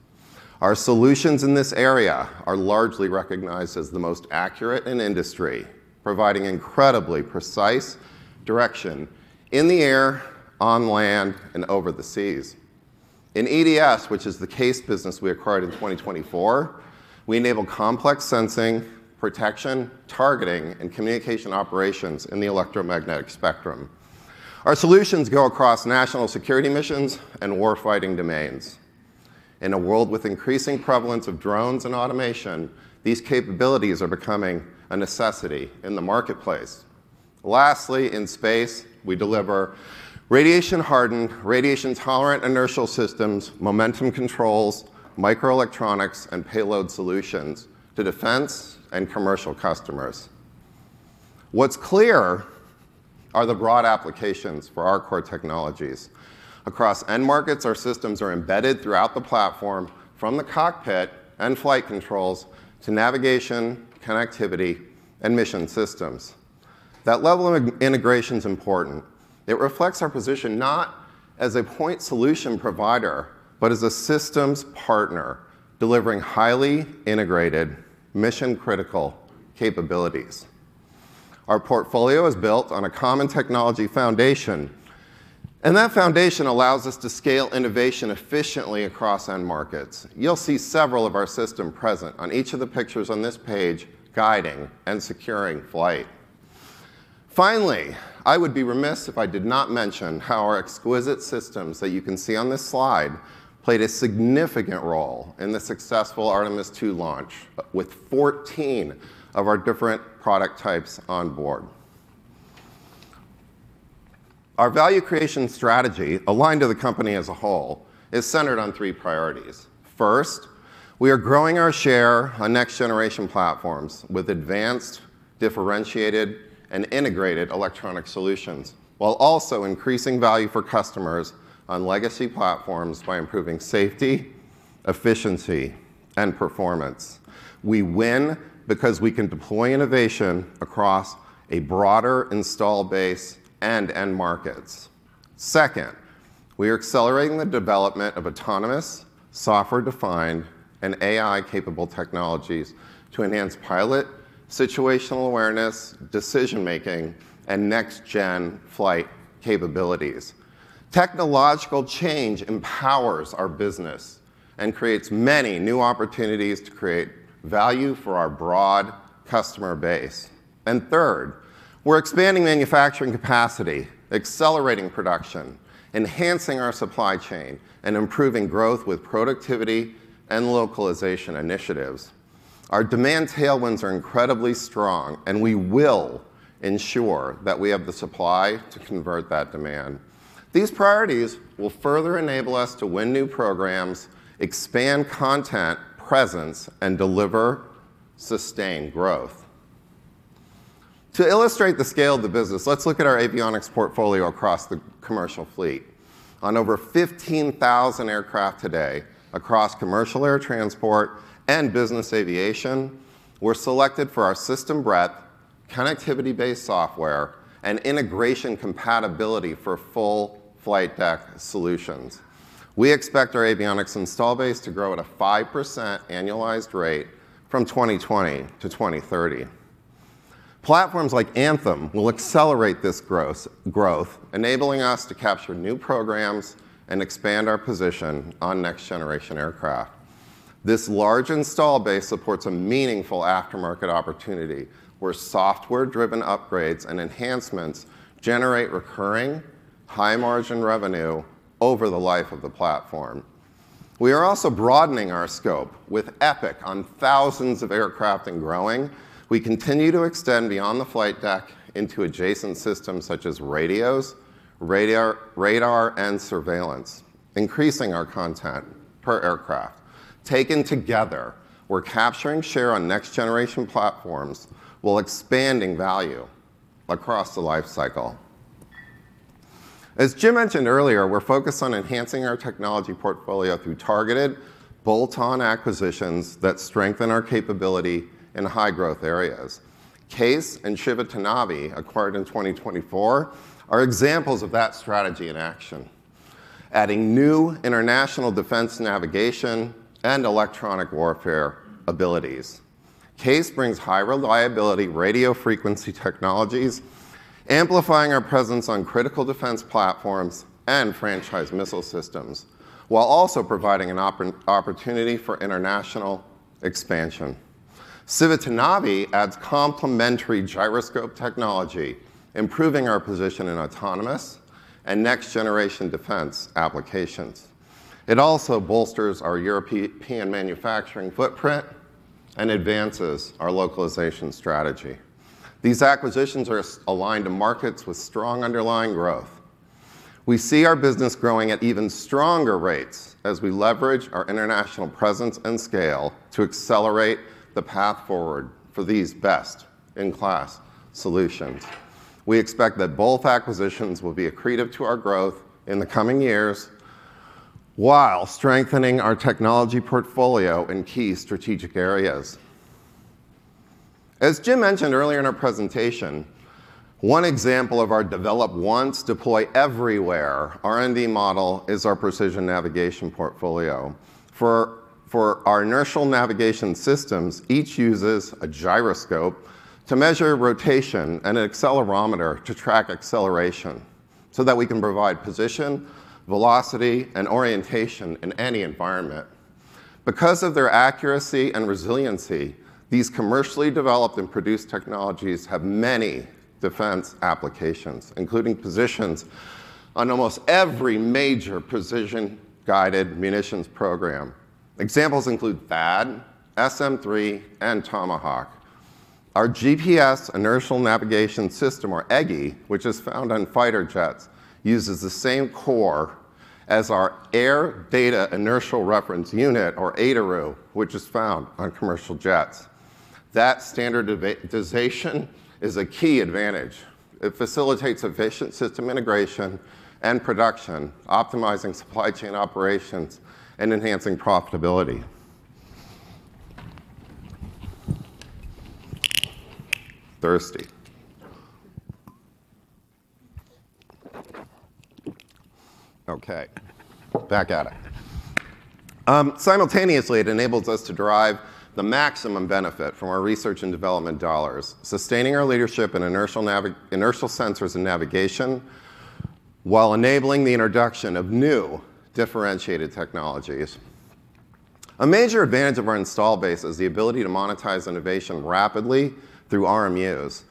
Our solutions in this area are largely recognized as the most accurate in the industry, providing incredibly precise direction in the air, on land, and over the seas. In EDS, which is the CAES business we acquired in 2024, we enable complex sensing, protection, targeting, and communication operations in the electromagnetic spectrum. Our solutions go across national security missions and warfighting domains. In a world with increasing prevalence of drones and automation, these capabilities are becoming a necessity in the marketplace. Lastly, in space, we deliver radiation-hardened, radiation-tolerant inertial systems, momentum controls, microelectronics, and payload solutions to defense and commercial customers. What's clear are the broad applications for our core technologies. Across end markets, our systems are embedded throughout the platform, from the cockpit and flight controls to navigation, connectivity, and mission systems. That level of integration is important. It reflects our position not as a point solution provider, but as a systems partner delivering highly integrated mission-critical capabilities. Our portfolio is built on a common technology foundation, that foundation allows us to scale innovation efficiently across end markets. You'll see several of our systems present on each of the pictures on this page, guiding and securing flight. Finally, I would be remiss if I did not mention how our exquisite systems that you can see on this slide played a significant role in the successful Artemis II launch with 14 of our different product types on board. Our value creation strategy, aligned to the company as a whole, is centered on three priorities. First, we are growing our share on next-generation platforms with advanced, differentiated, and integrated electronic solutions, while also increasing value for customers on legacy platforms by improving safety, efficiency, and performance. We win because we can deploy innovation across a broader installed base and end markets. Second, we are accelerating the development of autonomous, software-defined, and AI-capable technologies to enhance pilot situational awareness, decision-making, and next-gen flight capabilities. Technological change empowers our business and creates many new opportunities to create value for our broad customer base. Third, we're expanding manufacturing capacity, accelerating production, enhancing our supply chain, and improving growth with productivity and localization initiatives. Our demand tailwinds are incredibly strong, and we will ensure that we have the supply to convert that demand. These priorities will further enable us to win new programs, expand content presence, and deliver sustained growth. To illustrate the scale of the business, let's look at our avionics portfolio across the commercial fleet. On over 15,000 aircraft today across commercial air transport and business aviation were selected for our system breadth, connectivity-based software, and integration compatibility for full flight deck solutions. We expect our avionics install base to grow at a 5% annualized rate from 2020 to 2030. Platforms like Anthem will accelerate this growth, enabling us to capture new programs and expand our position on next-generation aircraft. This large install base supports a meaningful aftermarket opportunity, where software-driven upgrades and enhancements generate recurring, high-margin revenue over the life of the platform. We are also broadening our scope with Epic on thousands of aircraft and growing. We continue to extend beyond the flight deck into adjacent systems such as radios, radar, and surveillance, increasing our content per aircraft. Taken together, we're capturing share on next-generation platforms while expanding value across the life cycle. As Jim mentioned earlier, we're focused on enhancing our technology portfolio through targeted bolt-on acquisitions that strengthen our capability in high-growth areas. CAES and Civitanavi, acquired in 2024, are examples of that strategy in action, adding new international defense navigation and electronic warfare abilities. CAES brings high reliability radio frequency technologies, amplifying our presence on critical defense platforms and franchise missile systems, while also providing an opportunity for international expansion. Civitanavi adds complementary gyroscope technology, improving our position in autonomous and next-generation defense applications. It also bolsters our European manufacturing footprint and advances our localization strategy. These acquisitions are aligned to markets with strong underlying growth. We see our business growing at even stronger rates as we leverage our international presence and scale to accelerate the path forward for these best-in-class solutions. We expect that both acquisitions will be accretive to our growth in the coming years while strengthening our technology portfolio in key strategic areas. As Jim mentioned earlier in our presentation, one example of our develop once, deploy everywhere R&D model is our precision navigation portfolio. For our inertial navigation systems, each uses a gyroscope to measure rotation and an accelerometer to track acceleration so that we can provide position, velocity, and orientation in any environment. Because of their accuracy and resiliency, these commercially developed and produced technologies have many defense applications, including positions on almost every major precision-guided munitions program. Examples include THAAD, SM-3, and Tomahawk. Our GPS inertial navigation system, or EGI, which is found on fighter jets, uses the same core as our air data inertial reference unit, or ADIRU, which is found on commercial jets. That standardization is a key advantage. It facilitates efficient system integration and production, optimizing supply chain operations and enhancing profitability. Thirsty. Okay, back at it. Simultaneously, it enables us to derive the maximum benefit from our research and development dollars, sustaining our leadership in inertial sensors and navigation while enabling the introduction of new differentiated technologies. A major advantage of our install base is the ability to monetize innovation rapidly through RMUs.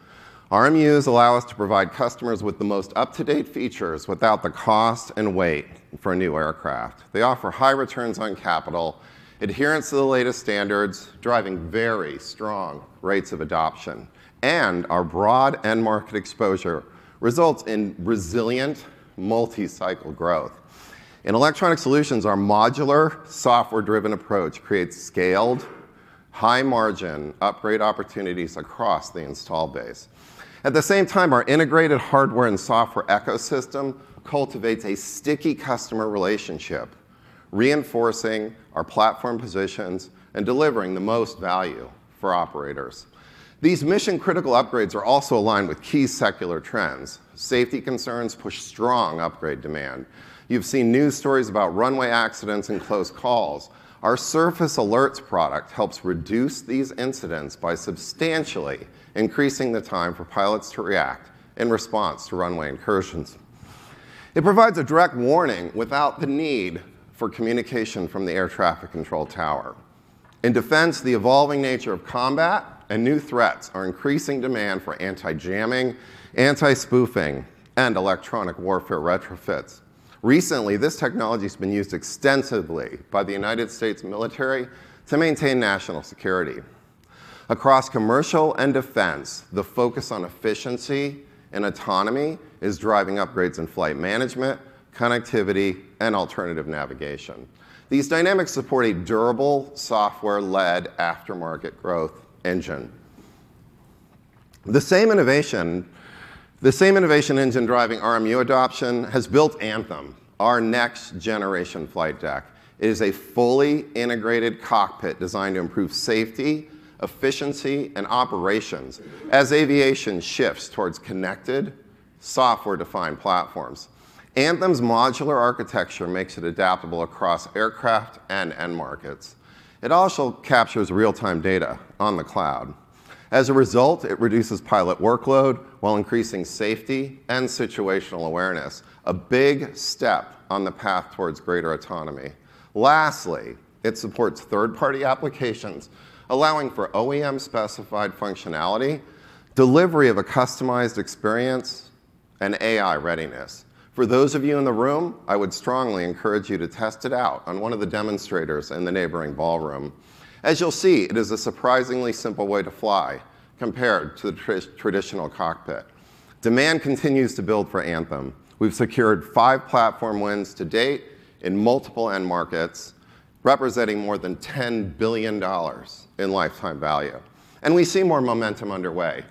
RMUs allow us to provide customers with the most up-to-date features without the cost and weight for a new aircraft. They offer high returns on capital, adherence to the latest standards, driving very strong rates of adoption. Our broad end market exposure results in resilient multi-cycle growth. In Electronic Solutions, our modular software-driven approach creates scaled high-margin upgrade opportunities across the install base. At the same time, our integrated hardware and software ecosystem cultivates a sticky customer relationship, reinforcing our platform positions and delivering the most value for operators. These mission-critical upgrades are also aligned with key secular trends. Safety concerns push strong upgrade demand. You've seen news stories about runway accidents and close calls. Our Surface Alerts product helps reduce these incidents by substantially increasing the time for pilots to react in response to runway incursions. It provides a direct warning without the need for communication from the air traffic control tower. In defense, the evolving nature of combat and new threats are increasing demand for anti-jamming, anti-spoofing, and electronic warfare retrofits. Recently, this technology has been used extensively by the U.S. military to maintain national security. Across commercial and defense, the focus on efficiency and autonomy is driving upgrades in flight management, connectivity, and alternative navigation. These dynamics support a durable software-led aftermarket growth engine. The same innovation engine driving RMU adoption has built Anthem, our next-generation flight deck. It is a fully integrated cockpit designed to improve safety, efficiency, and operations as aviation shifts towards connected software-defined platforms. Anthem's modular architecture makes it adaptable across aircraft and end markets. It also captures real-time data on the cloud. As a result, it reduces pilot workload while increasing safety and situational awareness, a big step on the path towards greater autonomy. Lastly, it supports third-party applications, allowing for OEM specified functionality, delivery of a customized experience, and AI readiness. For those of you in the room, I would strongly encourage you to test it out on one of the demonstrators in the neighboring ballroom. As you'll see, it is a surprisingly simple way to fly compared to the traditional cockpit. Demand continues to build for Anthem. We've secured five platform wins to date in multiple end markets, representing more than $10 billion in lifetime value, and we see more momentum underway.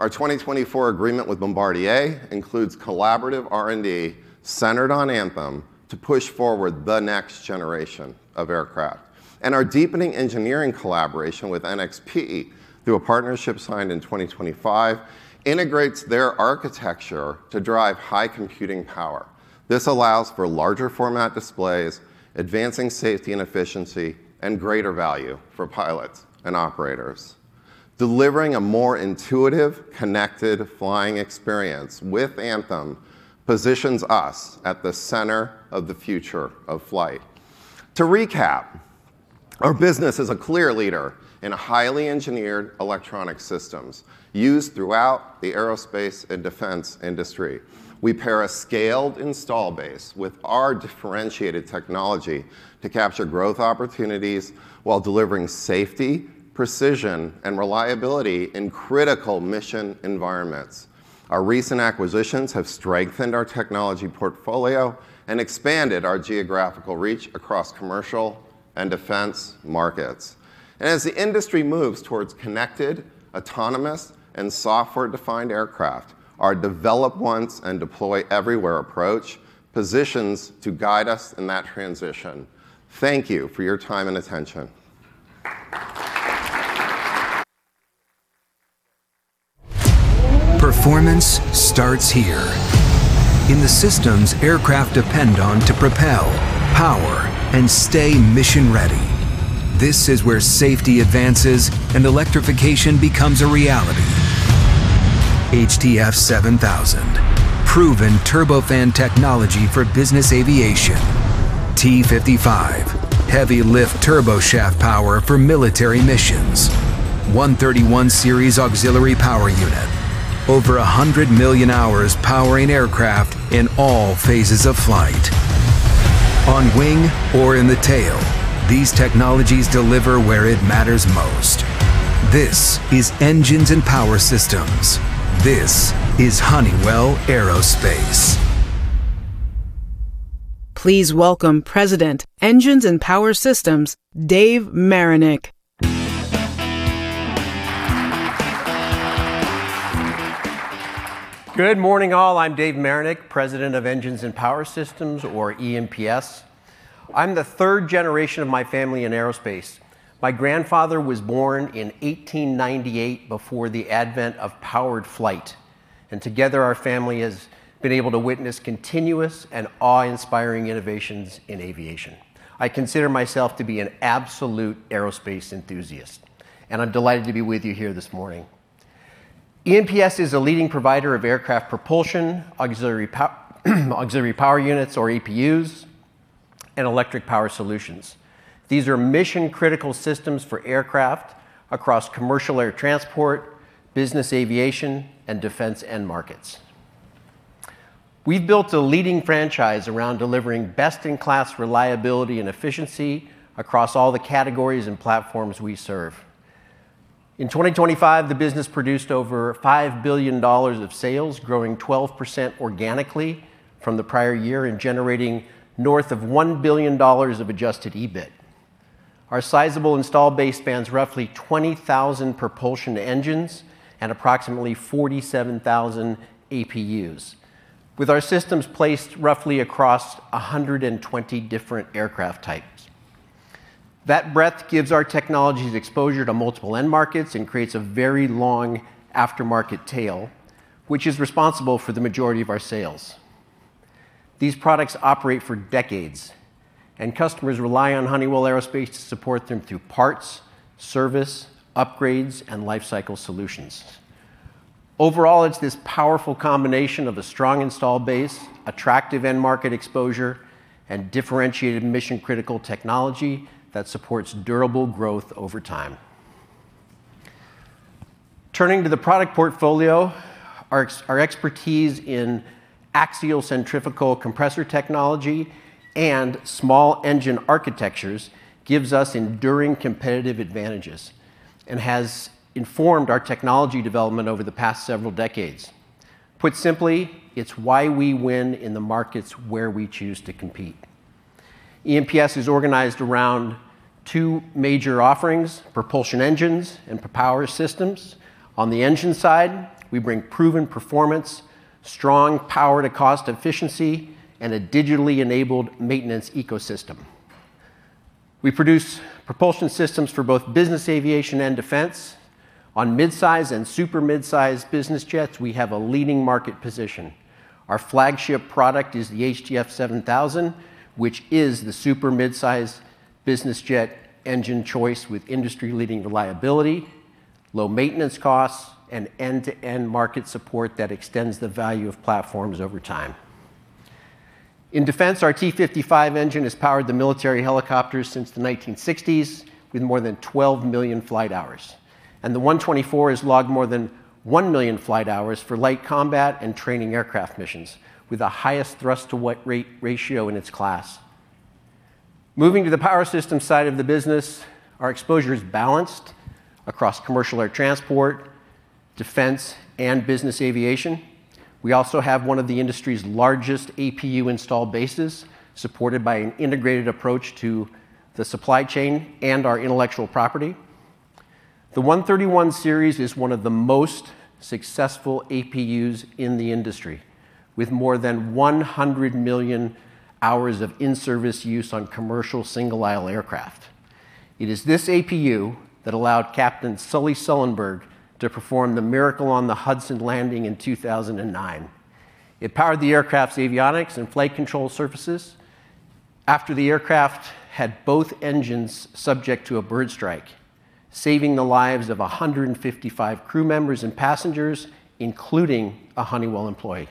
Our 2024 agreement with Bombardier includes collaborative R&D centered on Anthem to push forward the next generation of aircraft. Our deepening engineering collaboration with NXP through a partnership signed in 2025 integrates their architecture to drive high computing power. This allows for larger format displays, advancing safety and efficiency, and greater value for pilots and operators. Delivering a more intuitive, connected flying experience with Anthem positions us at the center of the future of flight. To recap, our business is a clear leader in highly engineered electronic systems used throughout the aerospace and defense industry. We pair a scaled install base with our differentiated technology to capture growth opportunities while delivering safety, precision, and reliability in critical mission environments. Our recent acquisitions have strengthened our technology portfolio and expanded our geographical reach across commercial and defense markets. As the industry moves towards connected, autonomous, and software-defined aircraft, our develop once and deploy everywhere approach positions to guide us in that transition. Thank you for your time and attention. Performance starts here. In the systems aircraft depend on to propel, power, and stay mission ready. This is where safety advances and electrification becomes a reality. HTF7000. Proven turbofan technology for business aviation. T55. Heavy lift turboshaft power for military missions. 131 Series auxiliary power unit. Over 100 million hours powering aircraft in all phases of flight. On wing or in the tail, these technologies deliver where it matters most. This is Engines & Power Systems. This is Honeywell Aerospace. Please welcome President, Engines & Power Systems, Dave Marinick. Good morning, all. I'm Dave Marinick, President of Engines & Power Systems, or EMPS. I'm the third generation of my family in aerospace. My grandfather was born in 1898 before the advent of powered flight, and together our family has been able to witness continuous and awe-inspiring innovations in aviation. I consider myself to be an absolute aerospace enthusiast, and I'm delighted to be with you here this morning. EMPS is a leading provider of aircraft propulsion, auxiliary power units, or APUs, and electric power solutions. These are mission critical systems for aircraft across commercial air transport, business aviation, and defense end markets. We've built a leading franchise around delivering best-in-class reliability and efficiency across all the categories and platforms we serve. In 2025, the business produced over $5 billion of sales, growing 12% organically from the prior year and generating north of $1 billion of adjusted EBIT. Our sizable install base spans roughly 20,000 propulsion engines and approximately 47,000 APUs, with our systems placed roughly across 120 different aircraft types. That breadth gives our technologies exposure to multiple end markets and creates a very long aftermarket tail, which is responsible for the majority of our sales. These products operate for decades, and customers rely on Honeywell Aerospace to support them through parts, service, upgrades, and life cycle solutions. Overall, it's this powerful combination of a strong install base, attractive end market exposure, and differentiated mission critical technology that supports durable growth over time. Turning to the product portfolio, our expertise in axial centrifugal compressor technology and small engine architectures gives us enduring competitive advantages and has informed our technology development over the past several decades. Put simply, it's why we win in the markets where we choose to compete. EMPS is organized around two major offerings, propulsion engines and power systems. On the engine side, we bring proven performance, strong power to cost efficiency, and a digitally enabled maintenance ecosystem. We produce propulsion systems for both business aviation and defense. On mid-size and super mid-size business jets, we have a leading market position. Our flagship product is the HTF7000, which is the super mid-size business jet engine choice with industry-leading reliability, low maintenance costs, and end-to-end market support that extends the value of platforms over time. In defense, our T55 engine has powered the military helicopters since the 1960s with more than 12 million flight hours. The F124 has logged more than 1 million flight hours for light combat and training aircraft missions, with the highest thrust-to-weight ratio in its class. Moving to the power systems side of the business, our exposure is balanced across commercial air transport, defense, and business aviation. We also have one of the industry's largest APU install bases, supported by an integrated approach to the supply chain and our intellectual property. The 131 Series is one of the most successful APUs in the industry, with more than 100 million hours of in-service use on commercial single-aisle aircraft. It is this APU that allowed Captain Sully Sullenberger to perform the Miracle on the Hudson landing in 2009. It powered the aircraft's avionics and flight control surfaces after the aircraft had both engines subject to a bird strike, saving the lives of 155 crew members and passengers, including a Honeywell employee.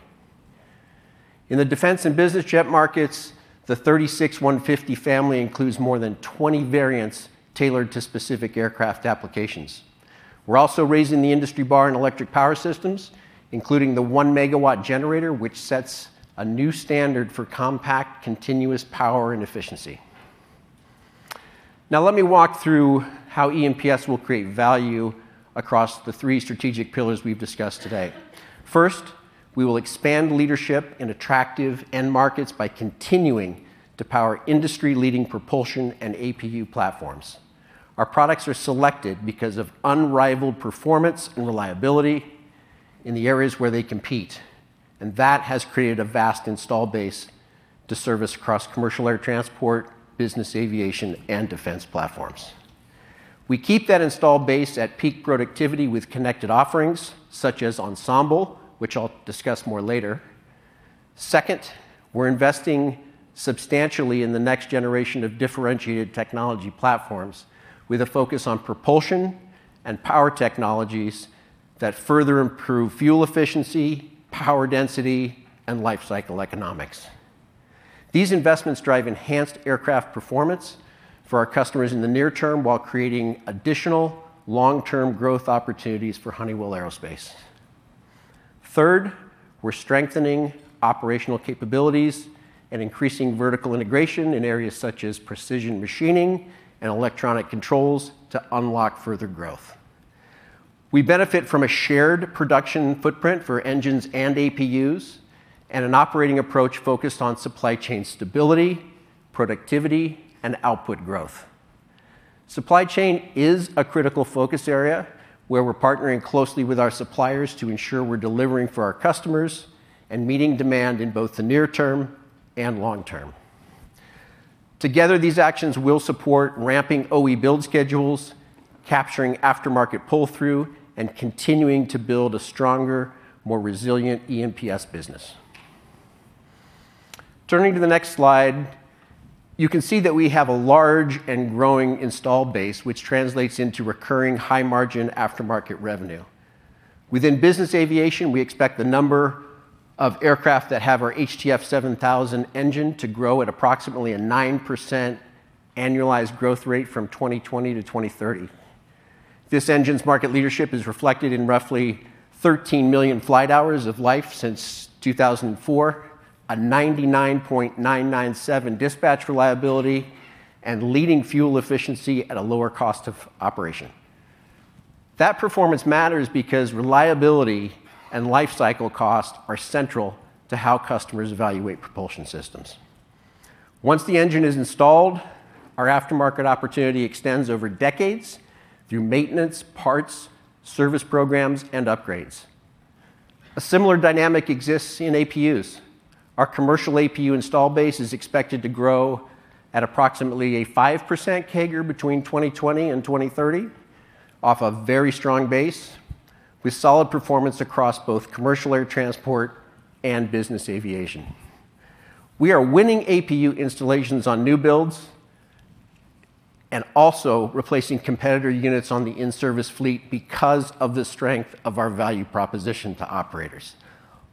In the defense and business jet markets, the 36-150 family includes more than 20 variants tailored to specific aircraft applications. We're also raising the industry bar in electric power systems, including the 1-megawatt generator, which sets a new standard for compact, continuous power and efficiency. Now let me walk through how EMPS will create value across the three strategic pillars we've discussed today. First, we will expand leadership in attractive end markets by continuing to power industry-leading propulsion and APU platforms. Our products are selected because of unrivaled performance and reliability in the areas where they compete, and that has created a vast installed base to service across commercial air transport, business aviation, and defense platforms. We keep that installed base at peak productivity with connected offerings such as Ensemble, which I'll discuss more later. Second, we're investing substantially in the next generation of differentiated technology platforms with a focus on propulsion and power technologies that further improve fuel efficiency, power density, and life cycle economics. These investments drive enhanced aircraft performance for our customers in the near term while creating additional long-term growth opportunities for Honeywell Aerospace. Third, we're strengthening operational capabilities and increasing vertical integration in areas such as precision machining and electronic controls to unlock further growth. We benefit from a shared production footprint for engines and APUs and an operating approach focused on supply chain stability, productivity, and output growth. Supply chain is a critical focus area where we're partnering closely with our suppliers to ensure we're delivering for our customers and meeting demand in both the near term and long term. Together, these actions will support ramping OE build schedules, capturing aftermarket pull-through, and continuing to build a stronger, more resilient EMPS business. Turning to the next slide, you can see that we have a large and growing installed base, which translates into recurring high-margin aftermarket revenue. Within business aviation, we expect the number of aircraft that have our HTF7000 engine to grow at approximately a 9% annualized growth rate from 2020 to 2030. This engine's market leadership is reflected in roughly 13 million flight hours of life since 2004, a 99.997 dispatch reliability, and leading fuel efficiency at a lower cost of operation. That performance matters because reliability and life cycle cost are central to how customers evaluate propulsion systems. Once the engine is installed, our aftermarket opportunity extends over decades through maintenance, parts, service programs, and upgrades. A similar dynamic exists in APUs. Our commercial APU install base is expected to grow at approximately a 5% CAGR between 2020 and 2030 off a very strong base, with solid performance across both commercial air transport and business aviation. We are winning APU installations on new builds and also replacing competitor units on the in-service fleet because of the strength of our value proposition to operators.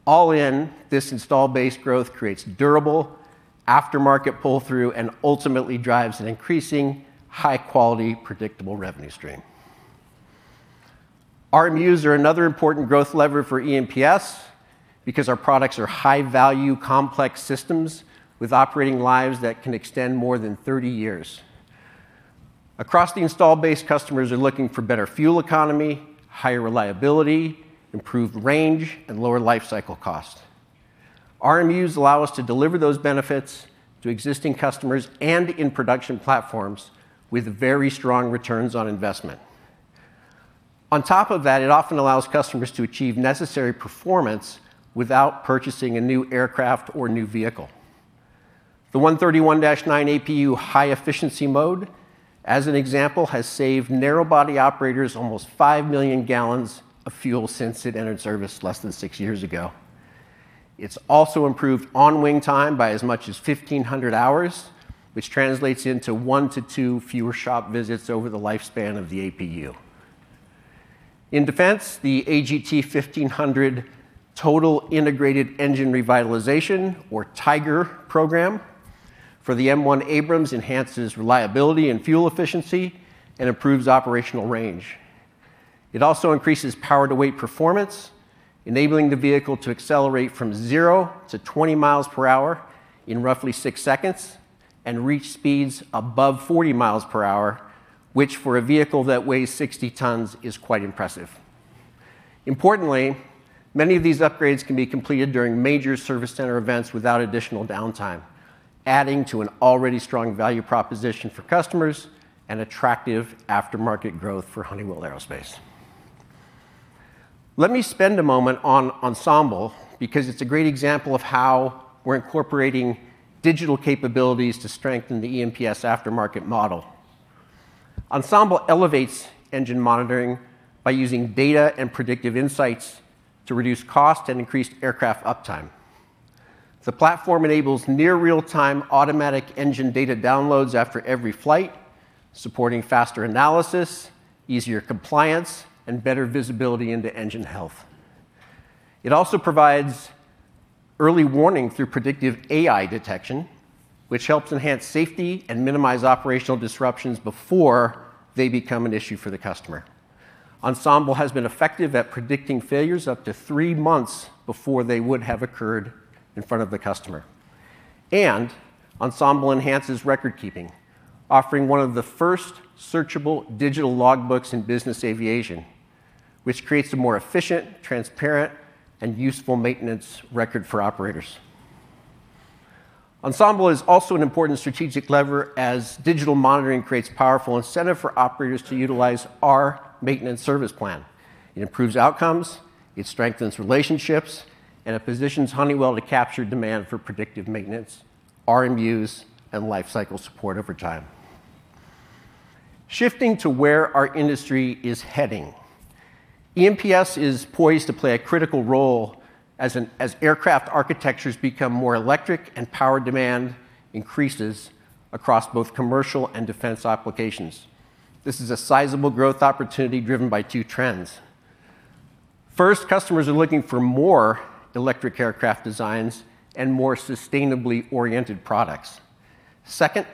All in, this installed base growth creates durable aftermarket pull-through and ultimately drives an increasing high-quality, predictable revenue stream. RMUs are another important growth lever for EMPS because our products are high-value, complex systems with operating lives that can extend more than 30 years. Across the installed base, customers are looking for better fuel economy, higher reliability, improved range, and lower life cycle cost. RMUs allow us to deliver those benefits to existing customers and in production platforms with very strong returns on investment. On top of that, it often allows customers to achieve necessary performance without purchasing a new aircraft or new vehicle. The 131-9 APU high-efficiency mode, as an example, has saved narrow body operators almost five million gallons of fuel since it entered service less than six years ago. It's also improved on-wing time by as much as 1,500 hours, which translates into one to two fewer shop visits over the lifespan of the APU. In defense, the AGT1500 Total Integrated Engine Revitalization, or TIGER program, for the M1 Abrams enhances reliability and fuel efficiency and improves operational range. It also increases power-to-weight performance, enabling the vehicle to accelerate from zero to 20 miles per hour in roughly six seconds and reach speeds above 40 miles per hour, which, for a vehicle that weighs 60 tons, is quite impressive. Importantly, many of these upgrades can be completed during major service center events without additional downtime, adding to an already strong value proposition for customers and attractive aftermarket growth for Honeywell Aerospace. Let me spend a moment on Ensemble because it's a great example of how we're incorporating digital capabilities to strengthen the EMPS aftermarket model. Ensemble elevates engine monitoring by using data and predictive insights to reduce cost and increase aircraft uptime. The platform enables near real-time automatic engine data downloads after every flight, supporting faster analysis, easier compliance, and better visibility into engine health. It also provides early warning through predictive AI detection, which helps enhance safety and minimize operational disruptions before they become an issue for the customer. Ensemble has been effective at predicting failures up to three months before they would have occurred in front of the customer. Ensemble enhances record keeping, offering one of the first searchable digital logbooks in business aviation, which creates a more efficient, transparent, and useful maintenance record for operators. Ensemble is also an important strategic lever as digital monitoring creates powerful incentive for operators to utilize our maintenance service plan. It improves outcomes, it strengthens relationships, and it positions Honeywell to capture demand for predictive maintenance, RMUs, and life cycle support over time. Shifting to where our industry is heading, EMPS is poised to play a critical role as aircraft architectures become more electric and power demand increases across both commercial and defense applications. This is a sizable growth opportunity driven by two trends. First, customers are looking for more electric aircraft designs and more sustainably oriented products. Second,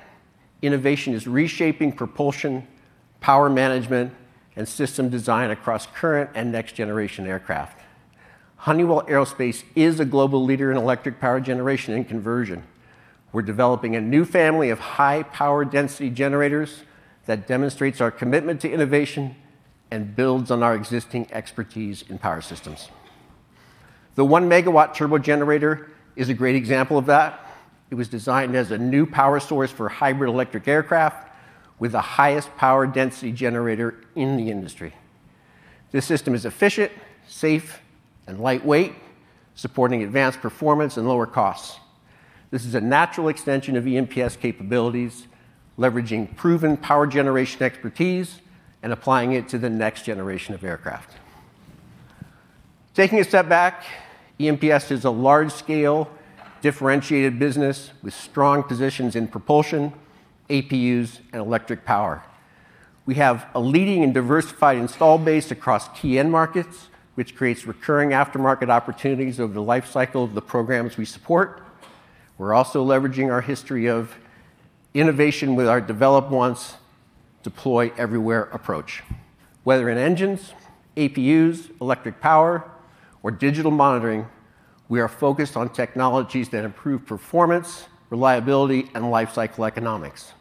innovation is reshaping propulsion, power management, and system design across current and next-generation aircraft. Honeywell Aerospace is a global leader in electric power generation and conversion. We're developing a new family of high power density generators that demonstrates our commitment to innovation and builds on our existing expertise in power systems. The one-megawatt turbogenerator is a great example of that. It was designed as a new power source for hybrid electric aircraft with the highest power density generator in the industry. This system is efficient, safe, and lightweight, supporting advanced performance and lower costs. This is a natural extension of EMPS capabilities, leveraging proven power generation expertise and applying it to the next generation of aircraft. Taking a step back, EMPS is a large-scale, differentiated business with strong positions in propulsion, APUs, and electric power. We have a leading and diversified install base across 10 markets, which creates recurring aftermarket opportunities over the life cycle of the programs we support. We're also leveraging our history of innovation with our develop once, deploy everywhere approach. Whether in engines, APUs, electric power, or digital monitoring, we are focused on technologies that improve performance, reliability, and life cycle economics.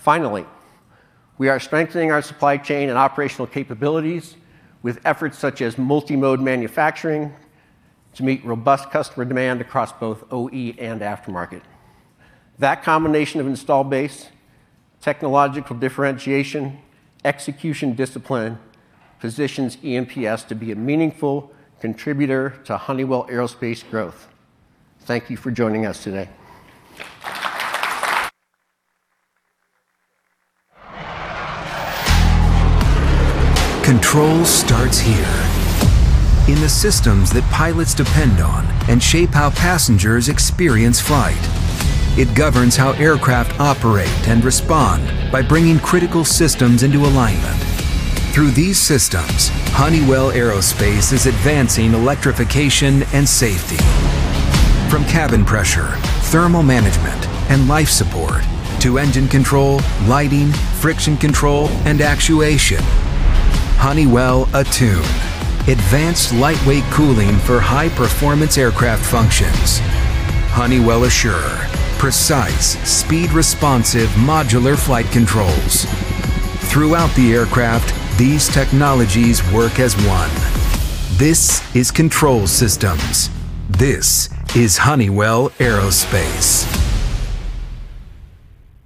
Finally, we are strengthening our supply chain and operational capabilities with efforts such as multi-mode manufacturing to meet robust customer demand across both OE and aftermarket. That combination of install base, technological differentiation, execution discipline, positions EMPS to be a meaningful contributor to Honeywell Aerospace growth. Thank you for joining us today. Control starts here. In the systems that pilots depend on and shape how passengers experience flight. It governs how aircraft operate and respond by bringing critical systems into alignment. Through these systems, Honeywell Aerospace is advancing electrification and safety. From cabin pressure, thermal management, and life support, to engine control, lighting, friction control, and actuation. Honeywell Attune, advanced lightweight cooling for high-performance aircraft functions. Honeywell Assured, precise, speed responsive, modular flight controls. Throughout the aircraft, these technologies work as one. This is Control Systems. This is Honeywell Aerospace.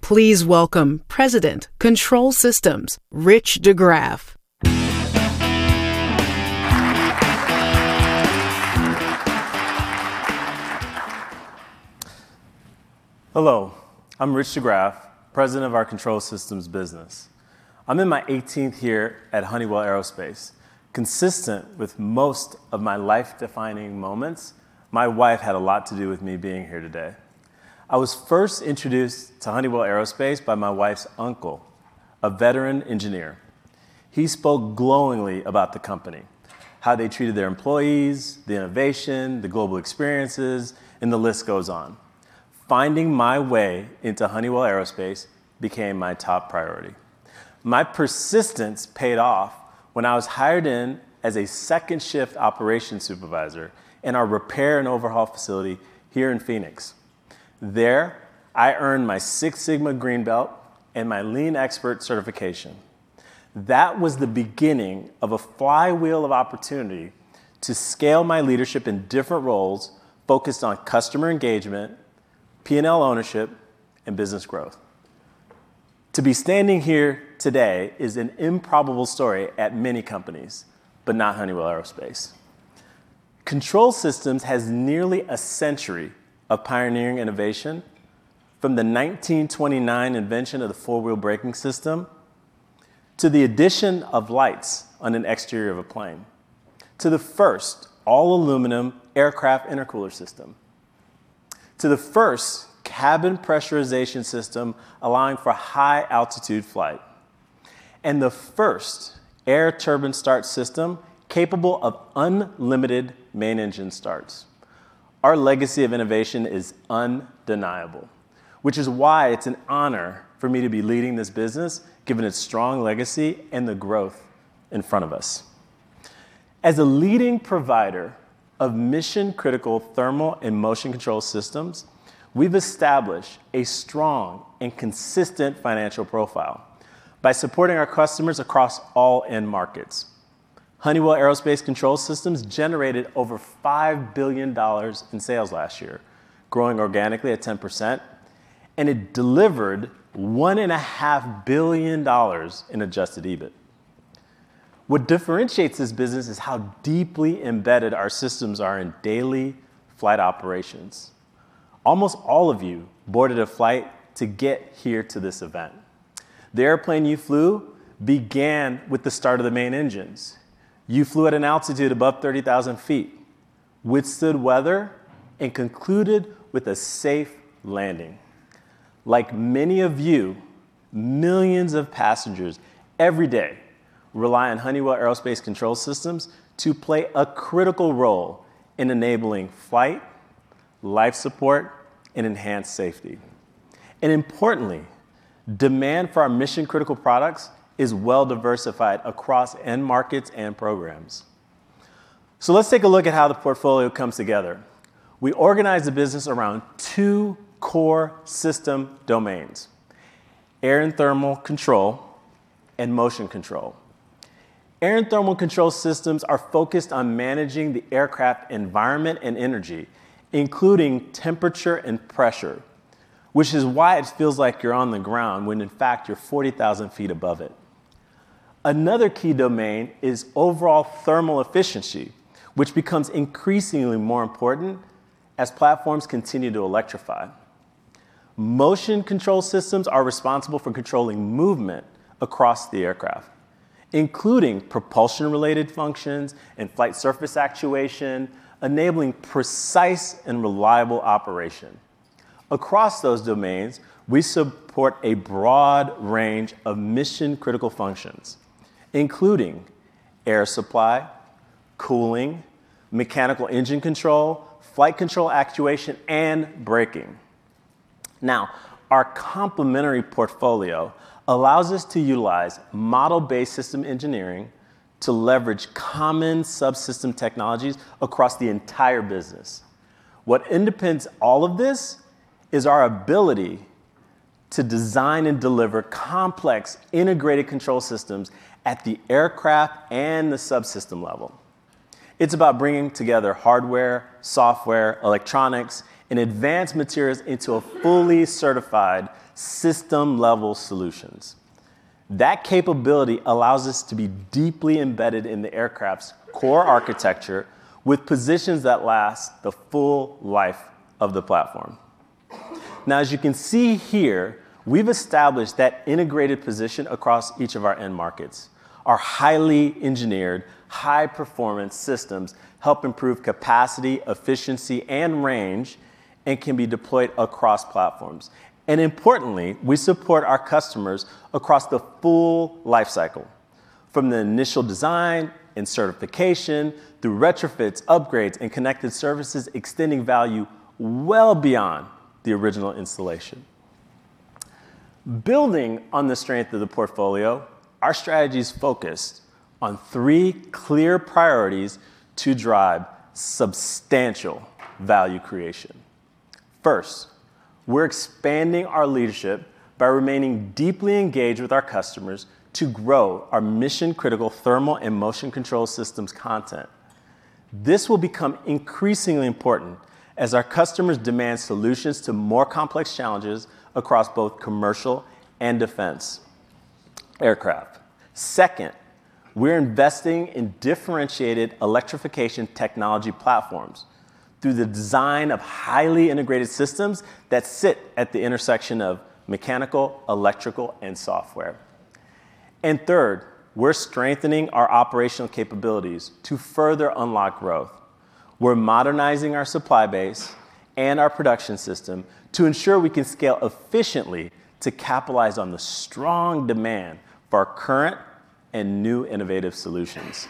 Please welcome President, Control Systems, Rich DeGraff. Hello, I'm Rich DeGraff, president of our Control Systems business. I'm in my 18th year at Honeywell Aerospace. Consistent with most of my life-defining moments, my wife had a lot to do with me being here today. I was first introduced to Honeywell Aerospace by my wife's uncle, a veteran engineer. He spoke glowingly about the company, how they treated their employees, the innovation, the global experiences, and the list goes on. Finding my way into Honeywell Aerospace became my top priority. My persistence paid off when I was hired in as a second shift operations supervisor in our repair and overhaul facility here in Phoenix. There, I earned my Six Sigma Green Belt and my Lean Expert certification. That was the beginning of a flywheel of opportunity to scale my leadership in different roles focused on customer engagement, P&L ownership, and business growth. To be standing here today is an improbable story at many companies, not Honeywell Aerospace. Control Systems has nearly a century of pioneering innovation from the 1929 invention of the four-wheel braking system, to the addition of lights on an exterior of a plane, to the first all-aluminum aircraft intercooler system, to the first cabin pressurization system allowing for high altitude flight, the first air turbine start system capable of unlimited main engine starts. Our legacy of innovation is undeniable, which is why it's an honor for me to be leading this business, given its strong legacy and the growth in front of us. As a leading provider of mission critical thermal and motion control systems, we've established a strong and consistent financial profile by supporting our customers across all end markets. Honeywell Aerospace Control Systems generated over $5 billion in sales last year, growing organically at 10%, and it delivered $1.5 billion in adjusted EBIT. What differentiates this business is how deeply embedded our systems are in daily flight operations. Almost all of you boarded a flight to get here to this event. The airplane you flew began with the start of the main engines. You flew at an altitude above 30,000 feet, withstood weather, and concluded with a safe landing. Like many of you, millions of passengers every day rely on Honeywell Aerospace Control Systems to play a critical role in enabling flight, life support, and enhanced safety. Importantly, demand for our mission-critical products is well diversified across end markets and programs. Let's take a look at how the portfolio comes together. We organize the business around two core system domains, air and thermal control and motion control. Air and thermal control systems are focused on managing the aircraft environment and energy, including temperature and pressure, which is why it feels like you're on the ground when in fact you're 40,000 feet above it. Another key domain is overall thermal efficiency, which becomes increasingly more important as platforms continue to electrify. Motion control systems are responsible for controlling movement across the aircraft, including propulsion related functions and flight surface actuation, enabling precise and reliable operation. Across those domains, we support a broad range of mission critical functions, including air supply, cooling, mechanical engine control, flight control actuation, and braking. Our complementary portfolio allows us to utilize model-based system engineering to leverage common subsystem technologies across the entire business. What underpins all of this is our ability to design and deliver complex integrated control systems at the aircraft and the subsystem level. It's about bringing together hardware, software, electronics, and advanced materials into a fully certified system-level solutions. That capability allows us to be deeply embedded in the aircraft's core architecture with positions that last the full life of the platform. As you can see here, we've established that integrated position across each of our end markets. Our highly engineered, high performance systems help improve capacity, efficiency, and range, and can be deployed across platforms. Importantly, we support our customers across the full life cycle from the initial design and certification through retrofits, upgrades, and connected services, extending value well beyond the original installation. Building on the strength of the portfolio, our strategy's focused on three clear priorities to drive substantial value creation. First, we're expanding our leadership by remaining deeply engaged with our customers to grow our mission critical thermal and motion control systems content. This will become increasingly important as our customers demand solutions to more complex challenges across both commercial and defense aircraft. Second, we're investing in differentiated electrification technology platforms through the design of highly integrated systems that sit at the intersection of mechanical, electrical, and software. Third, we're strengthening our operational capabilities to further unlock growth. We're modernizing our supply base and our production system to ensure we can scale efficiently to capitalize on the strong demand for our current and new innovative solutions.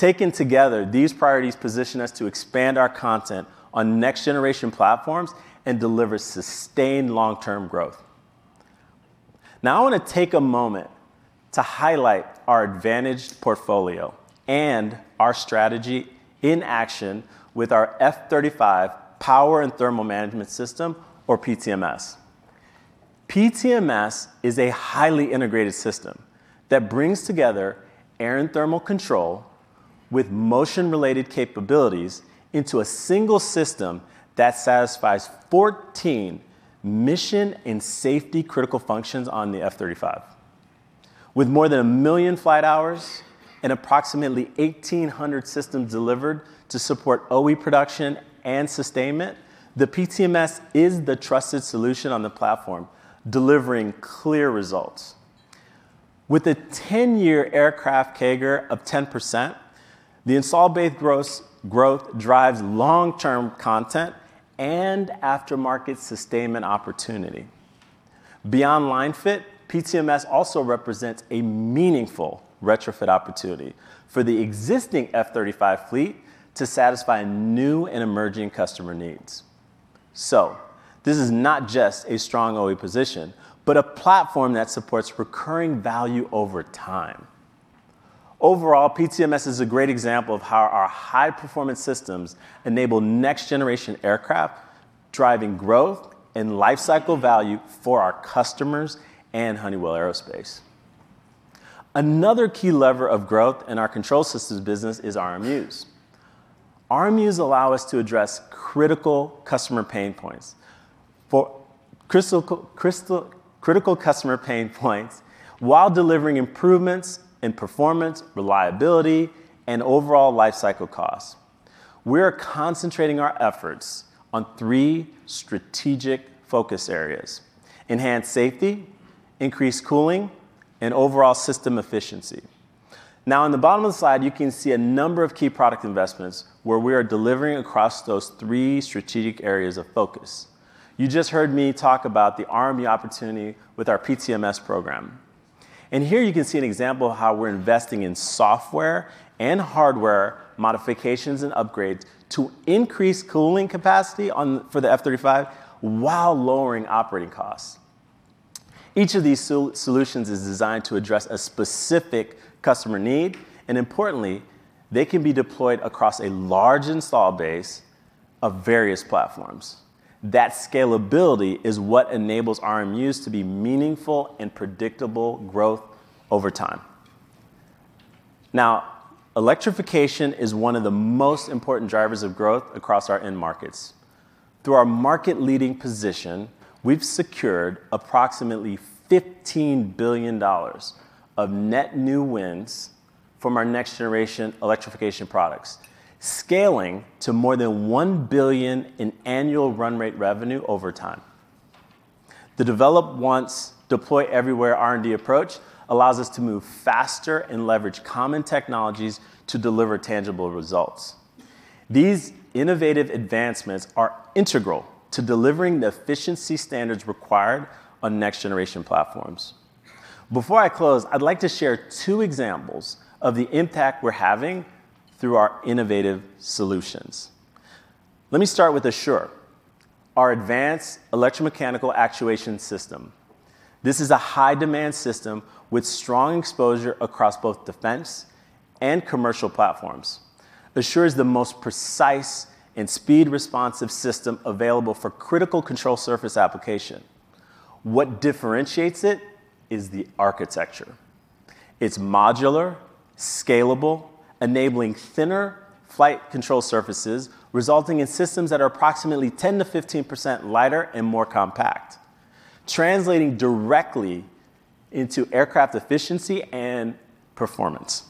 Taken together, these priorities position us to expand our content on next generation platforms and deliver sustained long-term growth. I want to take a moment to highlight our advantaged portfolio and our strategy in action with our F-35 Power and Thermal Management System, or PTMS. PTMS is a highly integrated system that brings together air and thermal control with motion-related capabilities into a single system that satisfies 14 mission and safety critical functions on the F-35. With more than a million flight hours and approximately 1,800 systems delivered to support OE production and sustainment, the PTMS is the trusted solution on the platform, delivering clear results. With a 10-year aircraft CAGR of 10%, the install base growth drives long-term content and aftermarket sustainment opportunity. Beyond line fit, PTMS also represents a meaningful retrofit opportunity for the existing F-35 fleet to satisfy new and emerging customer needs. This is not just a strong OE position, but a platform that supports recurring value over time. Overall, PTMS is a great example of how our high-performance systems enable next generation aircraft, driving growth and life cycle value for our customers and Honeywell Aerospace. Another key lever of growth in our Control Systems business is RMUs. RMUs allow us to address critical customer pain points while delivering improvements in performance, reliability, and overall life cycle costs. We are concentrating our efforts on three strategic focus areas: enhanced safety, increased cooling, and overall system efficiency. In the bottom of the slide, you can see a number of key product investments where we are delivering across those three strategic areas of focus. You just heard me talk about the RMU opportunity with our PTMS program, and here you can see an example of how we're investing in software and hardware modifications and upgrades to increase cooling capacity for the F-35 while lowering operating costs. Each of these solutions is designed to address a specific customer need, and importantly, they can be deployed across a large install base of various platforms. That scalability is what enables RMUs to be meaningful and predictable growth over time. Electrification is one of the most important drivers of growth across our end markets. Through our market leading position, we've secured approximately $15 billion of net new wins from our next generation electrification products, scaling to more than 1 billion in annual run rate revenue over time. The develop once, deploy everywhere R&D approach allows us to move faster and leverage common technologies to deliver tangible results. These innovative advancements are integral to delivering the efficiency standards required on next generation platforms. Before I close, I'd like to share two examples of the impact we're having through our innovative solutions. Let me start with ASSURE, our advanced electromechanical actuation system. This is a high demand system with strong exposure across both defense and commercial platforms. ASSURE is the most precise and speed responsive system available for critical control surface application. What differentiates it is the architecture. It's modular, scalable, enabling thinner flight control surfaces, resulting in systems that are approximately 10%-15% lighter and more compact, translating directly into aircraft efficiency and performance.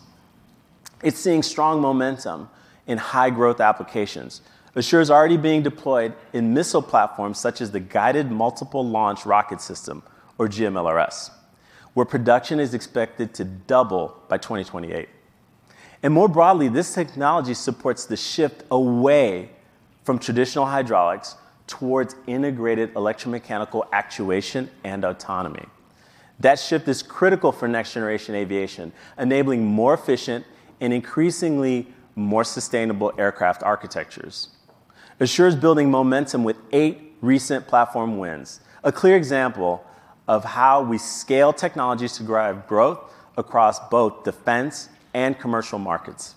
It's seeing strong momentum in high growth applications. ASSURE is already being deployed in missile platforms such as the Guided Multiple Launch Rocket System, or GMLRS, where production is expected to double by 2028. More broadly, this technology supports the shift away from traditional hydraulics towards integrated electromechanical actuation and autonomy. This shift is critical for next generation aviation, enabling more efficient and increasingly more sustainable aircraft architectures. ASSURE is building momentum with eight recent platform wins. A clear example of how we scale technologies to drive growth across both defense and commercial markets.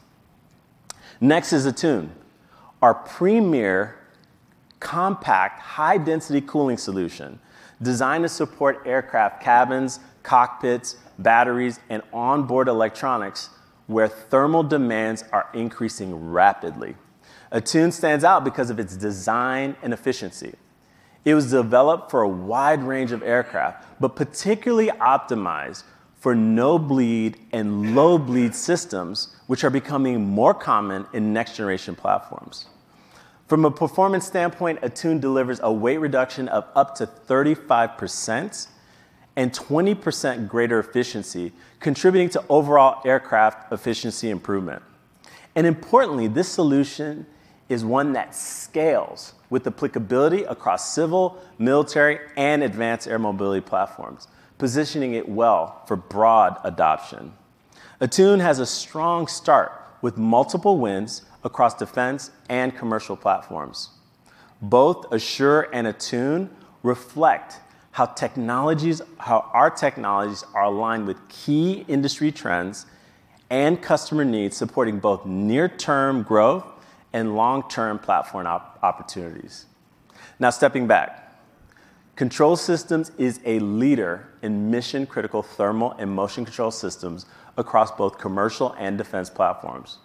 Next is Attune, our premier compact, high-density cooling solution designed to support aircraft cabins, cockpits, batteries, and onboard electronics where thermal demands are increasing rapidly. Attune stands out because of its design and efficiency. It was developed for a wide range of aircraft, but particularly optimized for no-bleed and low-bleed systems, which are becoming more common in next-generation platforms. From a performance standpoint, Attune delivers a weight reduction of up to 35% and 20% greater efficiency, contributing to overall aircraft efficiency improvement. Importantly, this solution is one that scales with applicability across civil, military, and advanced air mobility platforms, positioning it well for broad adoption. Attune has a strong start with multiple wins across defense and commercial platforms. Both Assure and Attune reflect how our technologies are aligned with key industry trends and customer needs, supporting both near-term growth and long-term platform opportunities. Stepping back, Control Systems is a leader in mission-critical thermal and motion control systems across both commercial and defense platforms.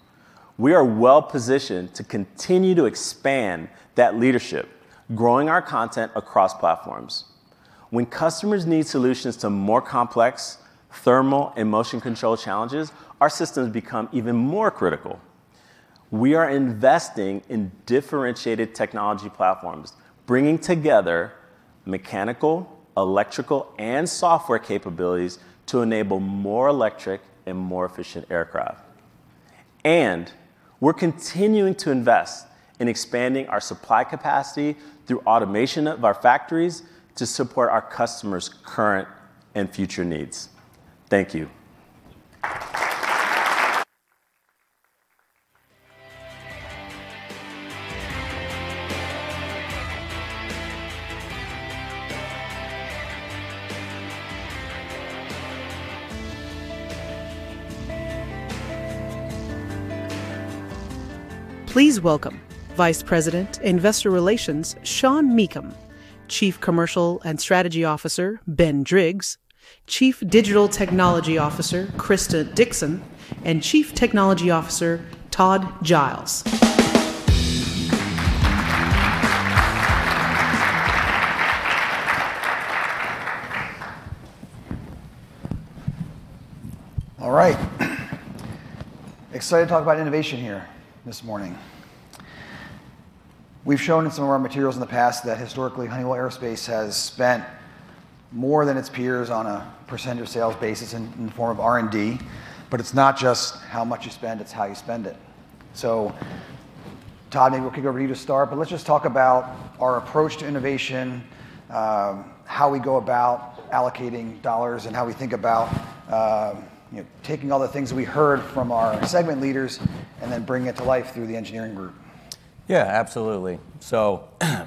We are well-positioned to continue to expand that leadership, growing our content across platforms. When customers need solutions to more complex thermal and motion control challenges, our systems become even more critical. We are investing in differentiated technology platforms, bringing together mechanical, electrical, and software capabilities to enable more electric and more efficient aircraft. We're continuing to invest in expanding our supply capacity through automation of our factories to support our customers' current and future needs. Thank you. Please welcome Vice President, Investor Relations, Sean Meakim; Chief Commercial and Strategy Officer, Ben Driggs; Chief Digital Technology Officer, Krista Dixon; and Chief Technology Officer, Todd Giles. All right. Excited to talk about innovation here this morning. We've shown in some of our materials in the past that historically, Honeywell Aerospace has spent more than its peers on a percentage of sales basis in form of R&D. It's not just how much you spend, it's how you spend it. Todd, maybe we'll kick over to you to start. Let's just talk about our approach to innovation, how we go about allocating dollars, and how we think about taking all the things we heard from our segment leaders and then bringing it to life through the engineering group.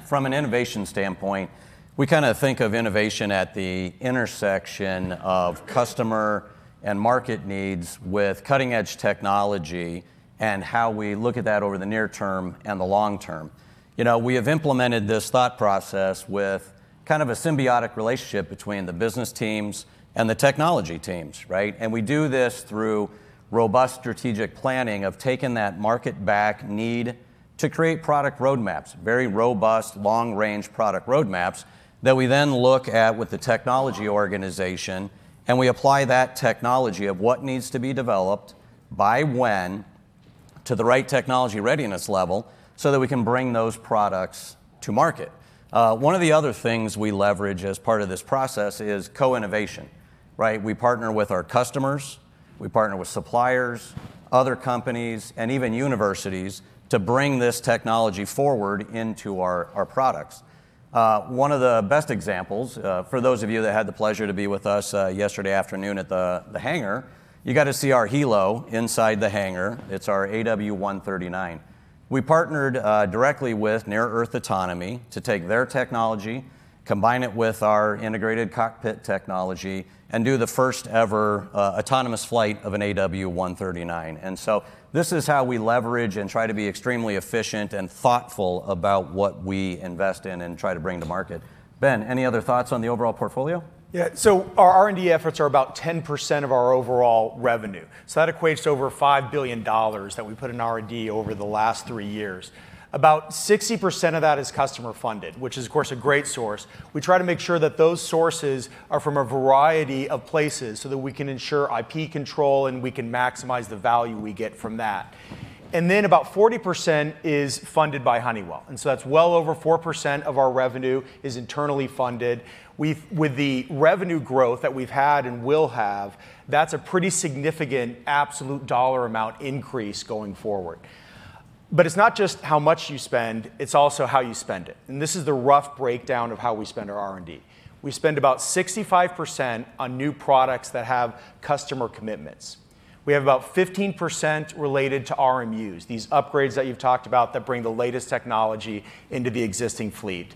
From an innovation standpoint, we kind of think of innovation at the intersection of customer and market needs with cutting-edge technology and how we look at that over the near term and the long term. We have implemented this thought process with kind of a symbiotic relationship between the business teams and the technology teams, right? We do this through robust strategic planning of taking that market back need to create product roadmaps, very robust long-range product roadmaps, that we then look at with the technology organization, and we apply that technology of what needs to be developed, by when, to the right technology readiness level so that we can bring those products to market. One of the other things we leverage as part of this process is co-innovation, right? We partner with our customers, we partner with suppliers, other companies, and even universities to bring this technology forward into our products. One of the best examples, for those of you that had the pleasure to be with us yesterday afternoon at the hangar, you got to see our helo inside the hangar. It's our AW139. We partnered directly with Near Earth Autonomy to take their technology, combine it with our integrated cockpit technology, and do the first ever autonomous flight of an AW139. This is how we leverage and try to be extremely efficient and thoughtful about what we invest in and try to bring to market. Ben, any other thoughts on the overall portfolio? Yeah. Our R&D efforts are about 10% of our overall revenue. That equates to over $5 billion that we put in R&D over the last three years. About 60% of that is customer funded, which is, of course, a great source. We try to make sure that those sources are from a variety of places so that we can ensure IP control and we can maximize the value we get from that. About 40% is funded by Honeywell, that's well over 4% of our revenue is internally funded. With the revenue growth that we've had and will have, that's a pretty significant absolute dollar amount increase going forward. It's not just how much you spend, it's also how you spend it. This is the rough breakdown of how we spend our R&D. We spend about 65% on new products that have customer commitments. We have about 15% related to RMUs, these upgrades that you've talked about that bring the latest technology into the existing fleet.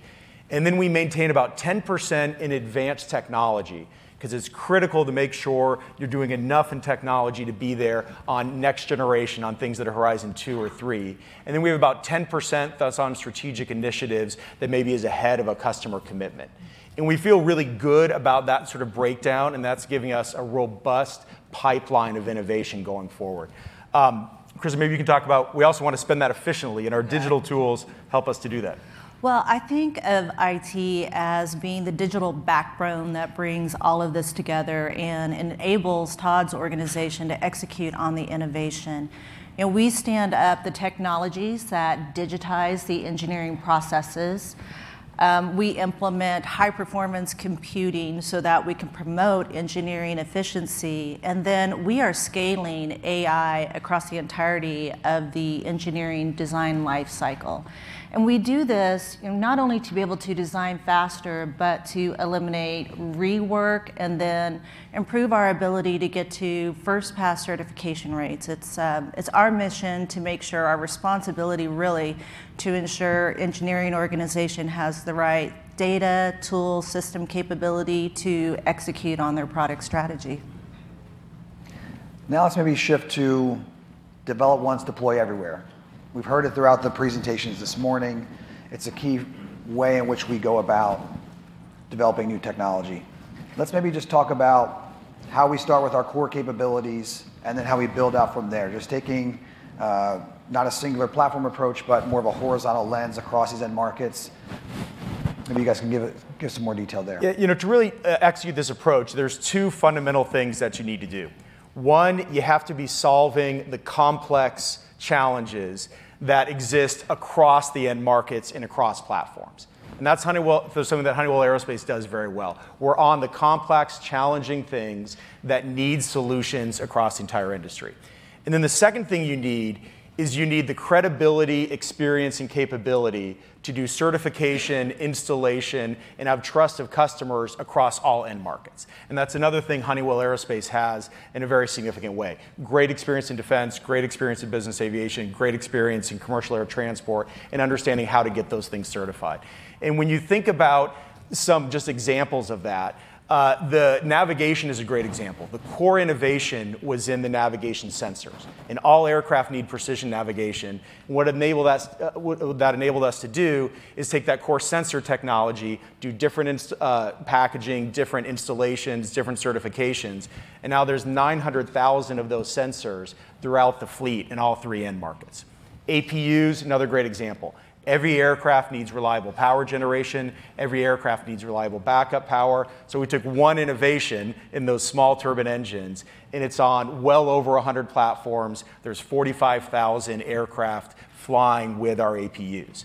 We maintain about 10% in advanced technology, because it's critical to make sure you're doing enough in technology to be there on next generation, on things that are horizon 2 or 3. We have about 10% that's on strategic initiatives that maybe is ahead of a customer commitment. We feel really good about that sort of breakdown, and that's giving us a robust pipeline of innovation going forward. Krista, maybe you can talk about, we also want to spend that efficiently, our digital tools help us to do that. Well, I think of IT as being the digital backbone that brings all of this together and enables Todd's organization to execute on the innovation. We stand up the technologies that digitize the engineering processes. We implement high-performance computing so that we can promote engineering efficiency, and then we are scaling AI across the entirety of the engineering design life cycle. We do this not only to be able to design faster, but to eliminate rework and then improve our ability to get to first pass certification rates. It's our mission to make sure, our responsibility really, to ensure engineering organization has the right data, tools, system capability to execute on their product strategy. Now let's maybe shift to develop once, deploy everywhere. We've heard it throughout the presentations this morning. It's a key way in which we go about developing new technology. Let's maybe just talk about how we start with our core capabilities, and then how we build out from there, just taking not a singular platform approach, but more of a horizontal lens across these end markets. Maybe you guys can give some more detail there. To really execute this approach, there's two fundamental things that you need to do. One, you have to be solving the complex challenges that exist across the end markets and across platforms. That's something that Honeywell Aerospace does very well. We're on the complex, challenging things that need solutions across the entire industry. The second thing you need, is you need the credibility, experience, and capability to do certification, installation, and have trust of customers across all end markets. That's another thing Honeywell Aerospace has in a very significant way. Great experience in defense, great experience in business aviation, great experience in commercial air transport, and understanding how to get those things certified. When you think about some just examples of that, the navigation is a great example. The core innovation was in the navigation sensors, and all aircraft need precision navigation. What that enabled us to do is take that core sensor technology, do different packaging, different installations, different certifications, and now there's 900,000 of those sensors throughout the fleet in all three end markets. APU is another great example. Every aircraft needs reliable power generation. Every aircraft needs reliable backup power. We took one innovation in those small turbine engines, and it's on well over 100 platforms. There's 45,000 aircraft flying with our APUs.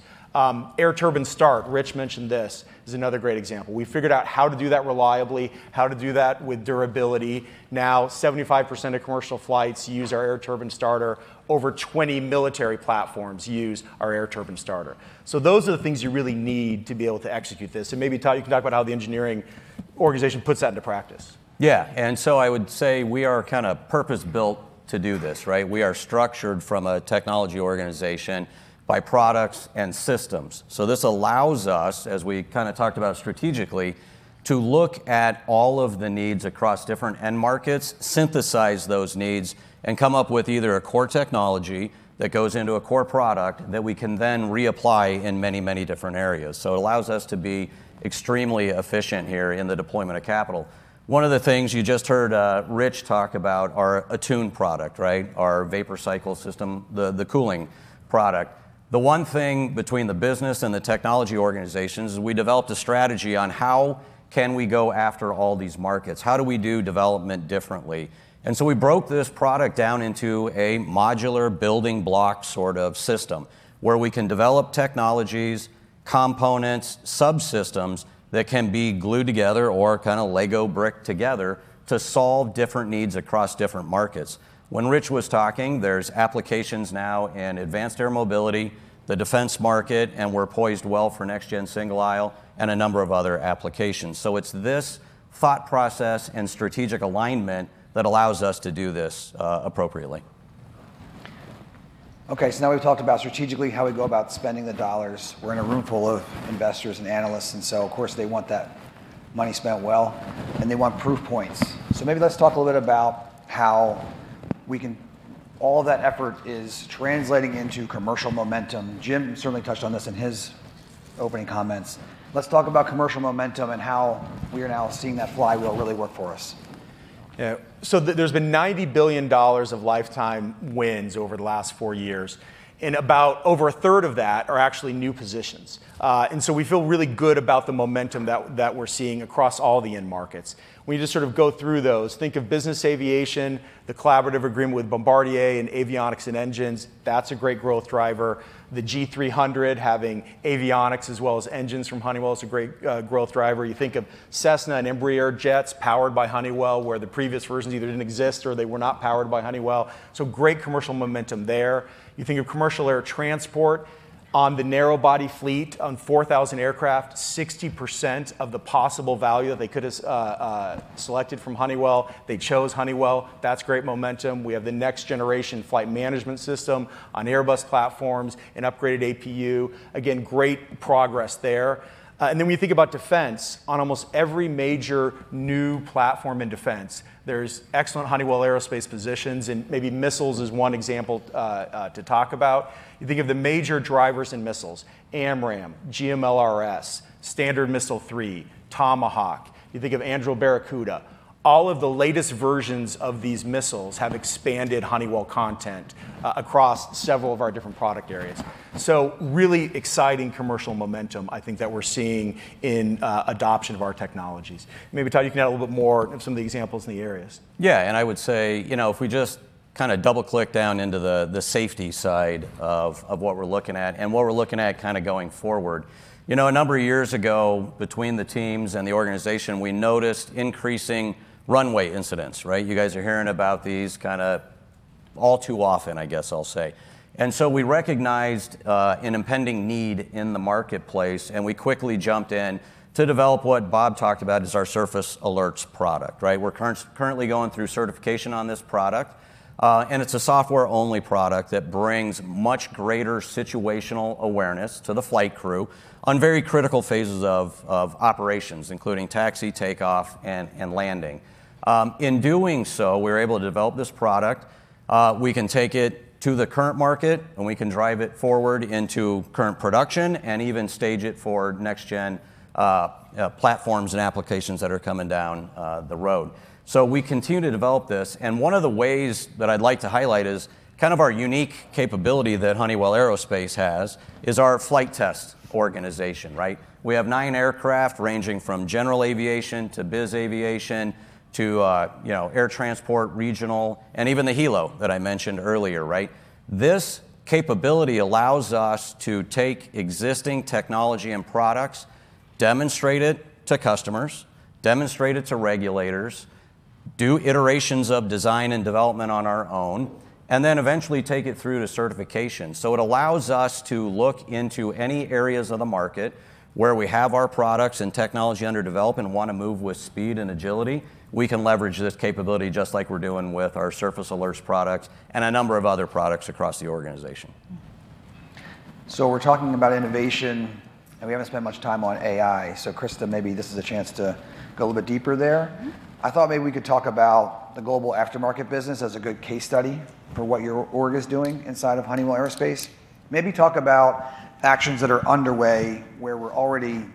Air turbine start, Rich mentioned this, is another great example. We figured out how to do that reliably, how to do that with durability. Now, 75% of commercial flights use our air turbine starter. Over 20 military platforms use our air turbine starter. Those are the things you really need to be able to execute this. Maybe, Todd, you can talk about how the engineering organization puts that into practice. Yeah. I would say we are kind of purpose-built to do this, right? We are structured from a technology organization by products and systems. This allows us, as we kind of talked about strategically, to look at all of the needs across different end markets, synthesize those needs, and come up with either a core technology that goes into a core product that we can then reapply in many, many different areas. It allows us to be extremely efficient here in the deployment of capital. One of the things you just heard Rich DeGraff talk about, our Honeywell Attune product, right? Our vapor cycle system, the cooling product. The one thing between the business and the technology organizations is we developed a strategy on how can we go after all these markets? How do we do development differently? We broke this product down into a modular building block sort of system, where we can develop technologies, components, subsystems that can be glued together or kind of Lego brick together to solve different needs across different markets. When Rich DeGraff was talking, there's applications now in advanced air mobility, the defense market, and we're poised well for next-gen single aisle, and a number of other applications. It's this thought process and strategic alignment that allows us to do this appropriately. Okay, now we've talked about strategically how we go about spending the U.S. dollars. We're in a room full of investors and analysts, of course they want that money spent well, and they want proof points. Maybe let's talk a little bit about how all that effort is translating into commercial momentum. Jim Currier certainly touched on this in his opening comments. Let's talk about commercial momentum and how we are now seeing that flywheel really work for us. Yeah. There's been $90 billion of lifetime wins over the last 4 years, and about over a third of that are actually new positions. We feel really good about the momentum that we're seeing across all the end markets. When you just sort of go through those, think of business aviation, the collaborative agreement with Bombardier and Avionics and Engines, that's a great growth driver. The G300 having avionics as well as engines from Honeywell is a great growth driver. You think of Cessna and Embraer jets powered by Honeywell, where the previous versions either didn't exist or they were not powered by Honeywell. Great commercial momentum there. You think of commercial air transport on the narrow body fleet, on 4,000 aircraft, 60% of the possible value that they could have selected from Honeywell, they chose Honeywell. That's great momentum. We have the next generation flight management system on Airbus platforms and upgraded APU. Again, great progress there. When you think about defense, on almost every major new platform in defense, there's excellent Honeywell Aerospace positions, and maybe missiles is one example to talk about. You think of the major drivers in missiles, AMRAAM, GMLRS, Standard Missile 3, Tomahawk. You think of Anduril Barracuda. All of the latest versions of these missiles have expanded Honeywell content across several of our different product areas. Really exciting commercial momentum I think that we're seeing in adoption of our technologies. Maybe, Todd, you can add a little bit more of some of the examples in the areas. I would say, if we just kind of double-click down into the safety side of what we're looking at and what we're looking at going forward. A number of years ago, between the teams and the organization, we noticed increasing runway incidents, right. You guys are hearing about these kind of all too often, I guess I'll say. We recognized an impending need in the marketplace, and we quickly jumped in to develop what Bob talked about as our Surface Alerts product, right. We're currently going through certification on this product. It's a software-only product that brings much greater situational awareness to the flight crew on very critical phases of operations, including taxi, takeoff, and landing. In doing so, we were able to develop this product. We can take it to the current market, and we can drive it forward into current production and even stage it for next gen platforms and applications that are coming down the road. We continue to develop this, and one of the ways that I'd like to highlight is kind of our unique capability that Honeywell Aerospace has is our flight test organization, right. We have nine aircraft ranging from general aviation to biz aviation to air transport, regional, and even the helo that I mentioned earlier, right. This capability allows us to take existing technology and products, demonstrate it to customers, demonstrate it to regulators, do iterations of design and development on our own, and then eventually take it through to certification. It allows us to look into any areas of the market where we have our products and technology under development and want to move with speed and agility. We can leverage this capability just like we're doing with our Surface Alerts product and a number of other products across the organization. We're talking about innovation, we haven't spent much time on AI. Krista, maybe this is a chance to go a little bit deeper there. I thought maybe we could talk about the global aftermarket business as a good case study for what your org is doing inside of Honeywell Aerospace. Maybe talk about actions that are underway where we're already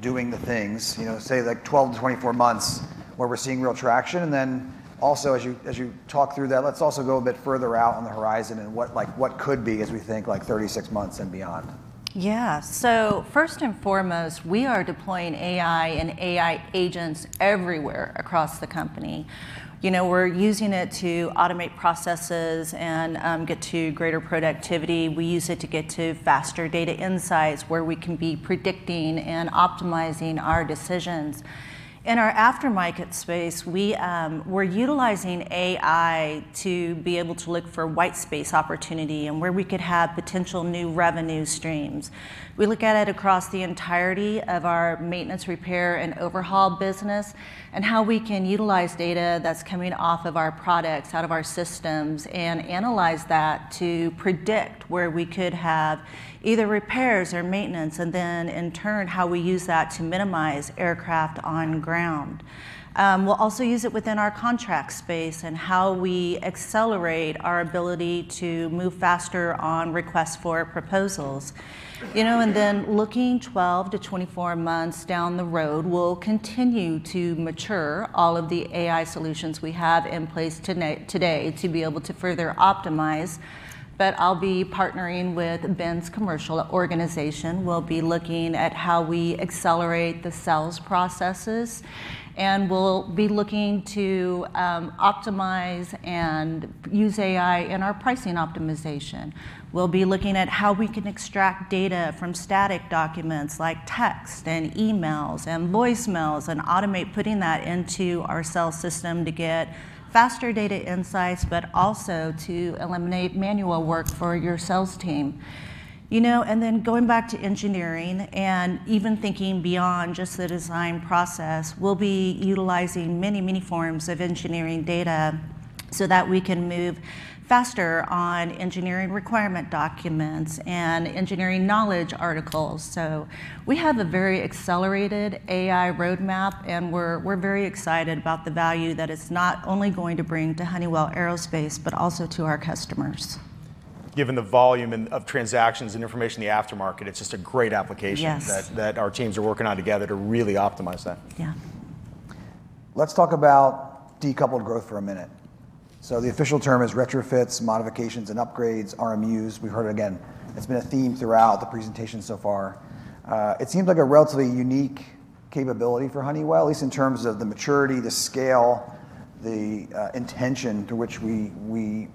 doing the things, say, 12-24 months, where we're seeing real traction. Also as you talk through that, let's also go a bit further out on the horizon and what could be as we think 36 months and beyond. Yeah. First and foremost, we are deploying AI and AI agents everywhere across the company. We're using it to automate processes and get to greater productivity. We use it to get to faster data insights where we can be predicting and optimizing our decisions. In our aftermarket space, we're utilizing AI to be able to look for white space opportunity and where we could have potential new revenue streams. We look at it across the entirety of our maintenance, repair, and overhaul business, and how we can utilize data that's coming off of our products, out of our systems, and analyze that to predict where we could have either repairs or maintenance, and then in turn, how we use that to minimize aircraft on ground. We'll also use it within our contract space and how we accelerate our ability to move faster on requests for proposals. Looking 12-24 months down the road, we'll continue to mature all of the AI solutions we have in place today to be able to further optimize. I'll be partnering with Ben's commercial organization. We'll be looking at how we accelerate the sales processes, and we'll be looking to optimize and use AI in our pricing optimization. We'll be looking at how we can extract data from static documents like text and emails and voicemails, and automate putting that into our sales system to get faster data insights, but also to eliminate manual work for your sales team. Going back to engineering and even thinking beyond just the design process, we'll be utilizing many forms of engineering data so that we can move faster on engineering requirement documents and engineering knowledge articles. We have a very accelerated AI roadmap, and we're very excited about the value that it's not only going to bring to Honeywell Aerospace, but also to our customers. Given the volume of transactions and information in the aftermarket, it's just a great application. Yes That our teams are working on together to really optimize that. Yeah. Let's talk about decoupled growth for a minute. The official term is retrofits, modifications, and upgrades, RMUs. We've heard it again. It's been a theme throughout the presentation so far. It seems like a relatively unique capability for Honeywell, at least in terms of the maturity, the scale, the intention to which we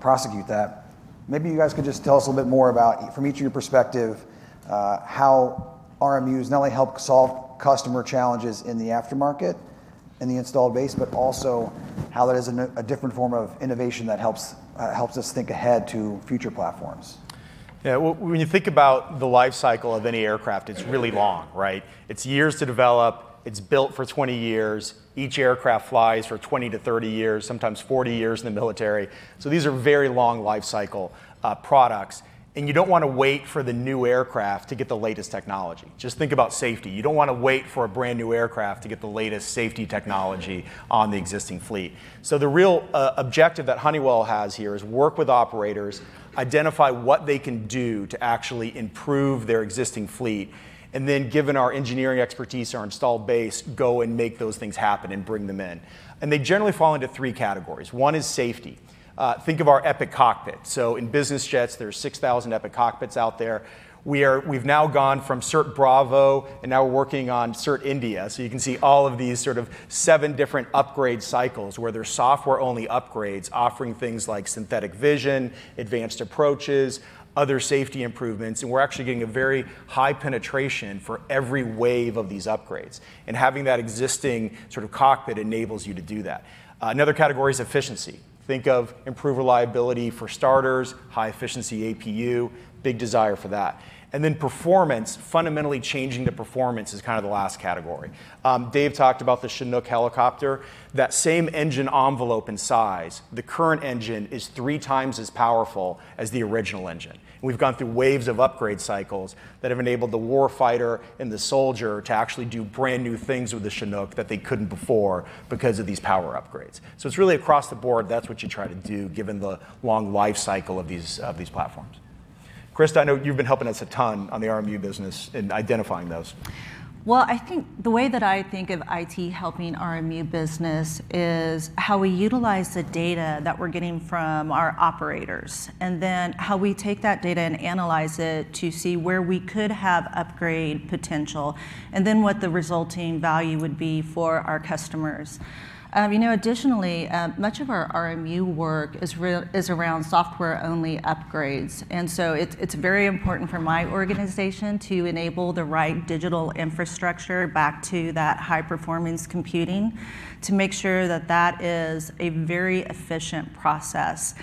prosecute that. Maybe you guys could just tell us a little bit more about, from each of your perspective, how RMUs not only help solve customer challenges in the aftermarket and the installed base, but also how that is a different form of innovation that helps us think ahead to future platforms. Yeah. When you think about the life cycle of any aircraft, it's really long, right? It's years to develop. It's built for 20 years. Each aircraft flies for 20 to 30 years, sometimes 40 years in the military. These are very long life cycle products, and you don't want to wait for the new aircraft to get the latest technology. Just think about safety. You don't want to wait for a brand-new aircraft to get the latest safety technology on the existing fleet. The real objective that Honeywell has here is work with operators, identify what they can do to actually improve their existing fleet, and then, given our engineering expertise, our installed base, go and make those things happen and bring them in. They generally fall into three categories. One is safety. Think of our Epic cockpit. In business jets, there's 6,000 Epic cockpits out there. We've now gone from Class Bravo, and now we're working on Certification in India. You can see all of these sort of seven different upgrade cycles where there's software-only upgrades offering things like synthetic vision, advanced approaches, other safety improvements, and we're actually getting a very high penetration for every wave of these upgrades. Having that existing sort of cockpit enables you to do that. Another category is efficiency. Think of improved reliability for starters, high-efficiency APU, big desire for that. Performance, fundamentally changing the performance is kind of the last category. Dave talked about the Chinook helicopter. That same engine envelope and size, the current engine is three times as powerful as the original engine. We've gone through waves of upgrade cycles that have enabled the war fighter and the soldier to actually do brand-new things with the Chinook that they couldn't before because of these power upgrades. It's really across the board, that's what you try to do given the long life cycle of these platforms. Krista, I know you've been helping us a ton on the RMU business in identifying those. Well, I think the way that I think of IT helping RMU business is how we utilize the data that we're getting from our operators, and then how we take that data and analyze it to see where we could have upgrade potential, and then what the resulting value would be for our customers. Additionally, much of our RMU work is around software-only upgrades, it's very important for my organization to enable the right digital infrastructure back to that high-performance computing to make sure that that is a very efficient process.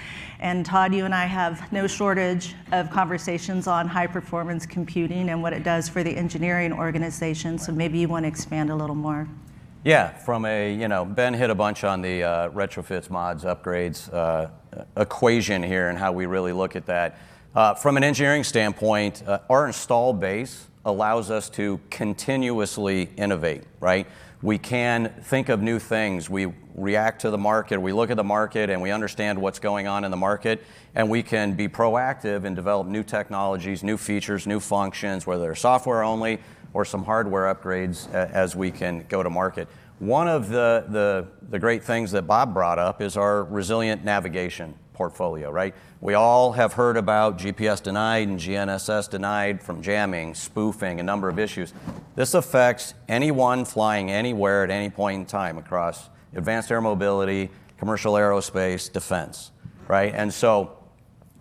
Todd, you and I have no shortage of conversations on high-performance computing and what it does for the engineering organization. Right. maybe you want to expand a little more. Ben hit a bunch on the retrofits, mods, upgrades equation here and how we really look at that. From an engineering standpoint, our installed base allows us to continuously innovate, right? We can think of new things. We react to the market, we look at the market, and we understand what's going on in the market, and we can be proactive and develop new technologies, new features, new functions, whether they're software only or some hardware upgrades, as we can go to market. One of the great things that Bob brought up is our resilient navigation portfolio, right? We all have heard about GPS denied and GNSS denied from jamming, spoofing, a number of issues. This affects anyone flying anywhere at any point in time across advanced air mobility, commercial aerospace, defense, right?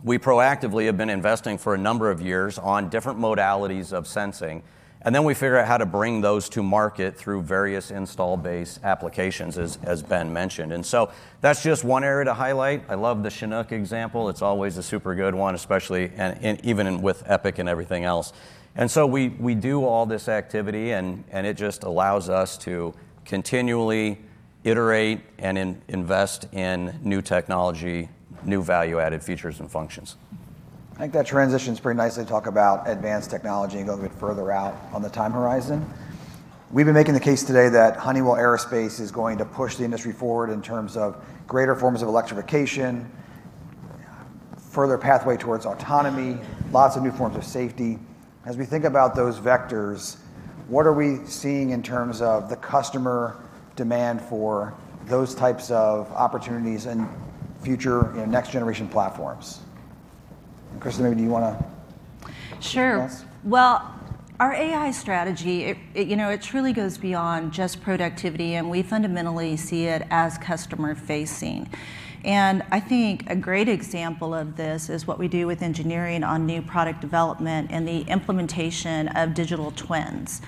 We proactively have been investing for a number of years on different modalities of sensing, and then we figure out how to bring those to market through various install base applications as Ben mentioned. That's just one area to highlight. I love the Chinook example. It's always a super good one, especially, and even with Epic and everything else. We do all this activity, and it just allows us to continually iterate and invest in new technology, new value-added features and functions. I think that transitions pretty nicely to talk about advanced technology and go a bit further out on the time horizon. We've been making the case today that Honeywell Aerospace is going to push the industry forward in terms of greater forms of electrification, further pathway towards autonomy, lots of new forms of safety. As we think about those vectors, what are we seeing in terms of the customer demand for those types of opportunities and future next-generation platforms? Krista, maybe do you want to- Sure yes? Our AI strategy, it truly goes beyond just productivity. We fundamentally see it as customer-facing. I think a great example of this is what we do with engineering on new product development and the implementation of digital twins.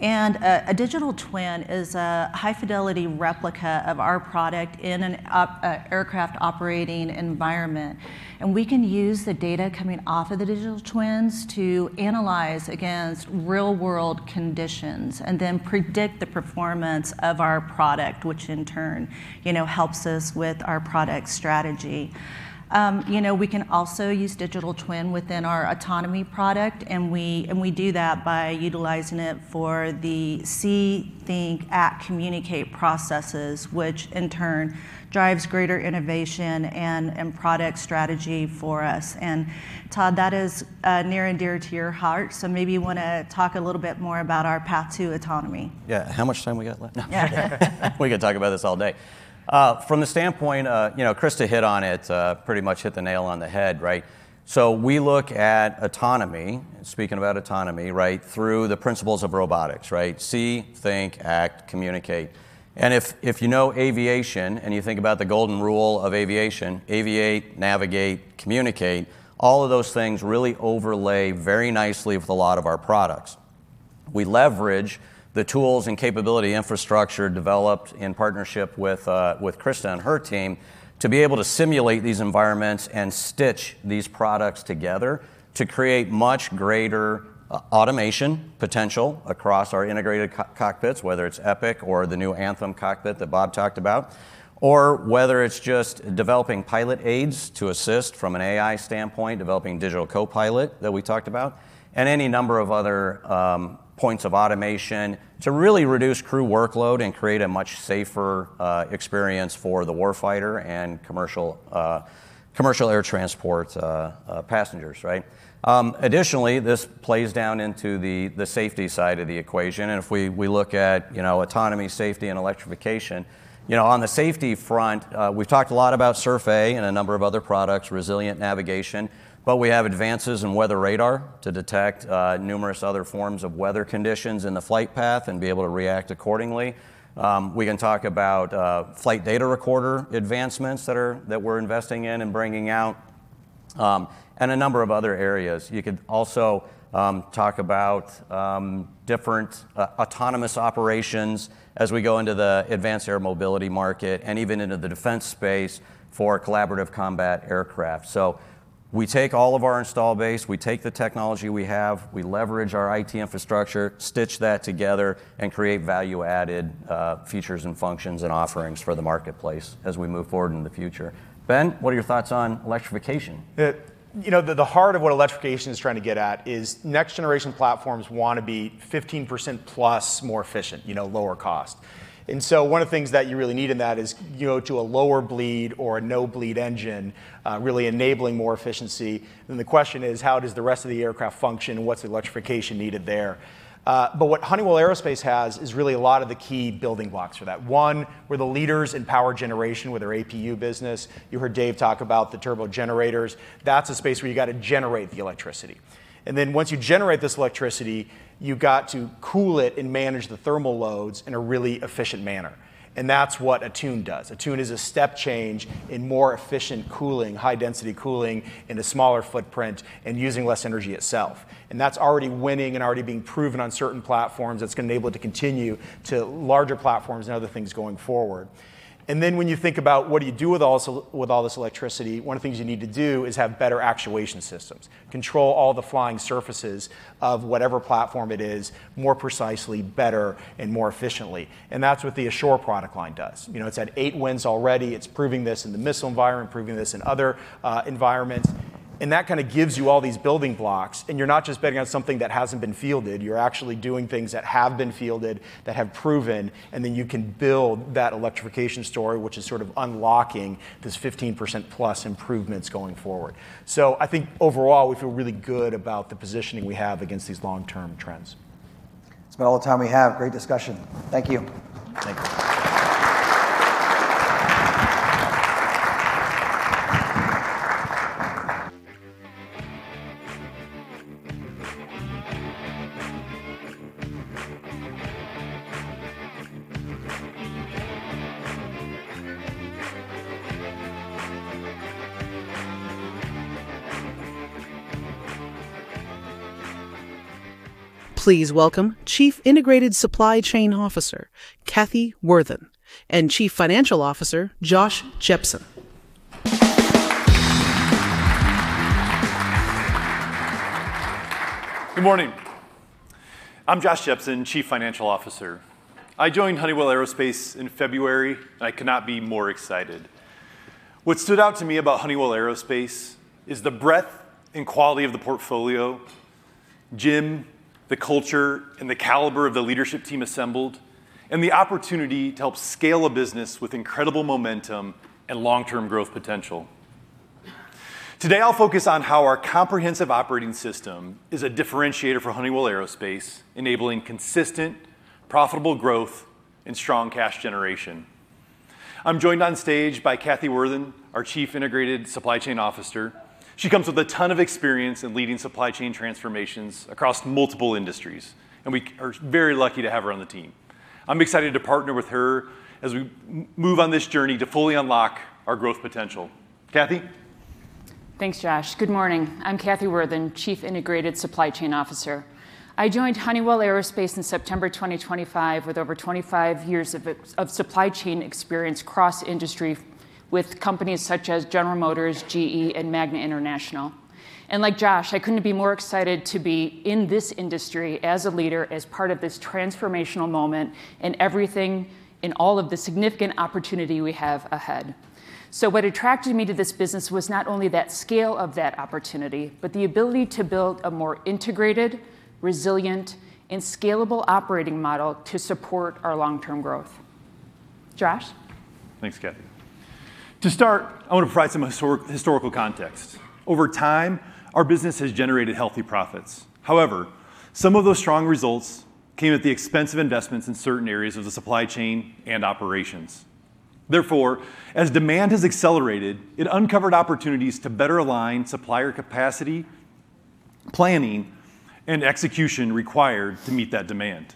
A digital twin is a high-fidelity replica of our product in an aircraft operating environment. We can use the data coming off of the digital twins to analyze against real-world conditions, then predict the performance of our product, which in turn helps us with our product strategy. We can also use digital twin within our autonomy product. We do that by utilizing it for the see, think, act, communicate processes, which in turn drives greater innovation and product strategy for us. Todd, that is near and dear to your heart. Maybe you want to talk a little bit more about our path to autonomy. Yeah. How much time we got left? Yeah. We could talk about this all day. From the standpoint, Krista hit on it, pretty much hit the nail on the head, right? We look at autonomy, speaking about autonomy, right, through the principles of robotics, right? See, think, act, communicate. If you know aviation and you think about the golden rule of aviation, aviate, navigate, communicate, all of those things really overlay very nicely with a lot of our products. We leverage the tools and capability infrastructure developed in partnership with Krista and her team to be able to simulate these environments and stitch these products together to create much greater automation potential across our integrated cockpits, whether it's Epic or the new Anthem cockpit that Bob talked about, or whether it's just developing pilot aids to assist from an AI standpoint, developing digital copilot that we talked about, and any number of other points of automation to really reduce crew workload and create a much safer experience for the warfighter and commercial air transport passengers. Additionally, this plays down into the safety side of the equation, and if we look at autonomy, safety, and electrification. On the safety front, we've talked a lot about SURF-A and a number of other products, resilient navigation. We have advances in weather radar to detect numerous other forms of weather conditions in the flight path and be able to react accordingly. We can talk about flight data recorder advancements that we're investing in and bringing out, and a number of other areas. You could also talk about different autonomous operations as we go into the advanced air mobility market and even into the defense space for collaborative combat aircraft. We take all of our install base, we take the technology we have, we leverage our IT infrastructure, stitch that together, and create value-added features and functions and offerings for the marketplace as we move forward in the future. Ben, what are your thoughts on electrification? The heart of what electrification is trying to get at is next-generation platforms want to be 15% plus more efficient, lower cost. One of the things that you really need in that is to a lower bleed or a no-bleed engine, really enabling more efficiency. The question is, how does the rest of the aircraft function and what's the electrification needed there? What Honeywell Aerospace has is really a lot of the key building blocks for that. One, we're the leaders in power generation with our APU business. You heard Dave talk about the turbogenerators. That's a space where you got to generate the electricity. Once you generate this electricity, you've got to cool it and manage the thermal loads in a really efficient manner. That's what Attune does. Attune is a step change in more efficient cooling, high-density cooling in a smaller footprint and using less energy itself. That's already winning and already being proven on certain platforms. That's going to enable it to continue to larger platforms and other things going forward. When you think about what do you do with all this electricity, one of the things you need to do is have better actuation systems. Control all the flying surfaces of whatever platform it is more precisely, better, and more efficiently. That's what the Assure product line does. It's had eight wins already. It's proving this in the missile environment, proving this in other environments, and that kind of gives you all these building blocks, and you're not just betting on something that hasn't been fielded. You're actually doing things that have been fielded, that have proven, and then you can build that electrification story, which is sort of unlocking this 15%+ improvements going forward. I think overall, we feel really good about the positioning we have against these long-term trends. That's about all the time we have. Great discussion. Thank you. Thank you. Please welcome Chief Integrated Supply Chain Officer, Kathy Worthen, and Chief Financial Officer, Josh Jepsen. Good morning. I'm Josh Jepsen, Chief Financial Officer. I joined Honeywell Aerospace in February. I could not be more excited. What stood out to me about Honeywell Aerospace is the breadth and quality of the portfolio, Jim, the culture, the caliber of the leadership team assembled, and the opportunity to help scale a business with incredible momentum and long-term growth potential. Today, I'll focus on how our comprehensive operating system is a differentiator for Honeywell Aerospace, enabling consistent, profitable growth, strong cash generation. I'm joined on stage by Kathy Worthen, our Chief Integrated Supply Chain Officer. She comes with a ton of experience in leading supply chain transformations across multiple industries. We are very lucky to have her on the team. I'm excited to partner with her as we move on this journey to fully unlock our growth potential. Kathy? Thanks, Josh. Good morning. I'm Kathy Worthen, Chief Integrated Supply Chain Officer. I joined Honeywell Aerospace in September 2025 with over 25 years of supply chain experience cross-industry with companies such as General Motors, GE, and Magna International. Like Josh, I couldn't be more excited to be in this industry as a leader as part of this transformational moment, everything in all of the significant opportunity we have ahead. What attracted me to this business was not only that scale of that opportunity, the ability to build a more integrated, resilient, and scalable operating model to support our long-term growth. Josh? Thanks, Kathy. To start, I want to provide some historical context. Over time, our business has generated healthy profits. However, some of those strong results came at the expense of investments in certain areas of the supply chain, operations. Therefore, as demand has accelerated, it uncovered opportunities to better align supplier capacity, planning, execution required to meet that demand.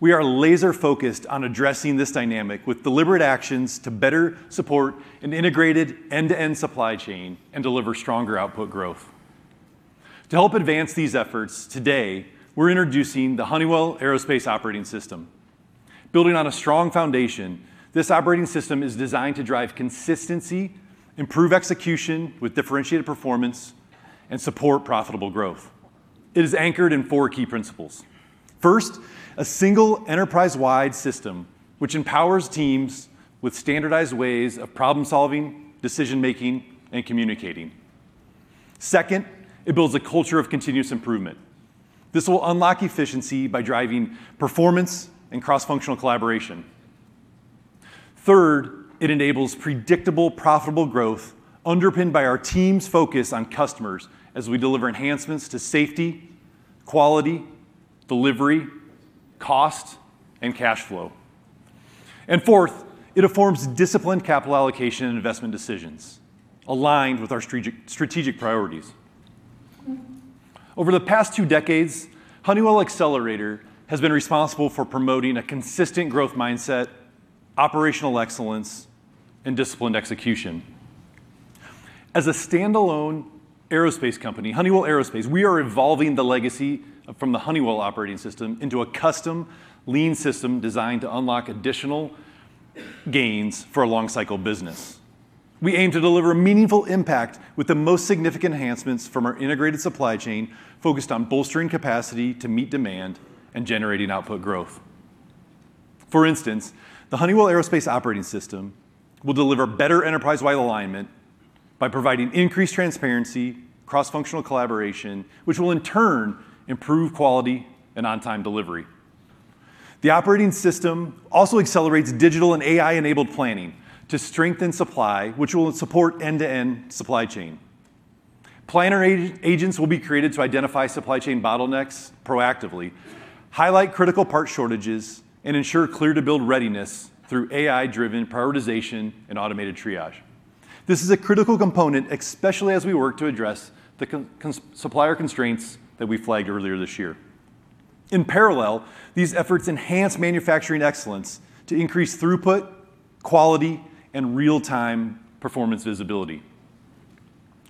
We are laser focused on addressing this dynamic with deliberate actions to better support an integrated end-to-end supply chain, deliver stronger output growth. To help advance these efforts, today, we're introducing the Honeywell Aerospace Operating System. Building on a strong foundation, this operating system is designed to drive consistency, improve execution with differentiated performance, support profitable growth. It is anchored in four key principles. First, a single enterprise-wide system, which empowers teams with standardized ways of problem-solving, decision-making, communicating. Second, it builds a culture of continuous improvement. This will unlock efficiency by driving performance, cross-functional collaboration. Third, it enables predictable, profitable growth underpinned by our team's focus on customers as we deliver enhancements to safety, quality, delivery, cost, cash flow. Fourth, it affirms disciplined capital allocation, investment decisions, aligned with our strategic priorities. Over the past two decades, Honeywell Accelerator has been responsible for promoting a consistent growth mindset, operational excellence, disciplined execution. As a standalone aerospace company, Honeywell Aerospace, we are evolving the legacy from the Honeywell operating system into a custom lean system designed to unlock additional gains for a long cycle business. We aim to deliver meaningful impact with the most significant enhancements from our integrated supply chain, focused on bolstering capacity to meet demand, generating output growth. For instance, the Honeywell Aerospace Operating System will deliver better enterprise-wide alignment by providing increased transparency, cross-functional collaboration, which will in turn improve quality and on-time delivery. The operating system also accelerates digital and AI-enabled planning to strengthen supply, which will support end-to-end supply chain. Planner agents will be created to identify supply chain bottlenecks proactively, highlight critical part shortages, and ensure clear to build readiness through AI-driven prioritization and automated triage. This is a critical component, especially as we work to address the supplier constraints that we flagged earlier this year. In parallel, these efforts enhance manufacturing excellence to increase throughput, quality, and real-time performance visibility.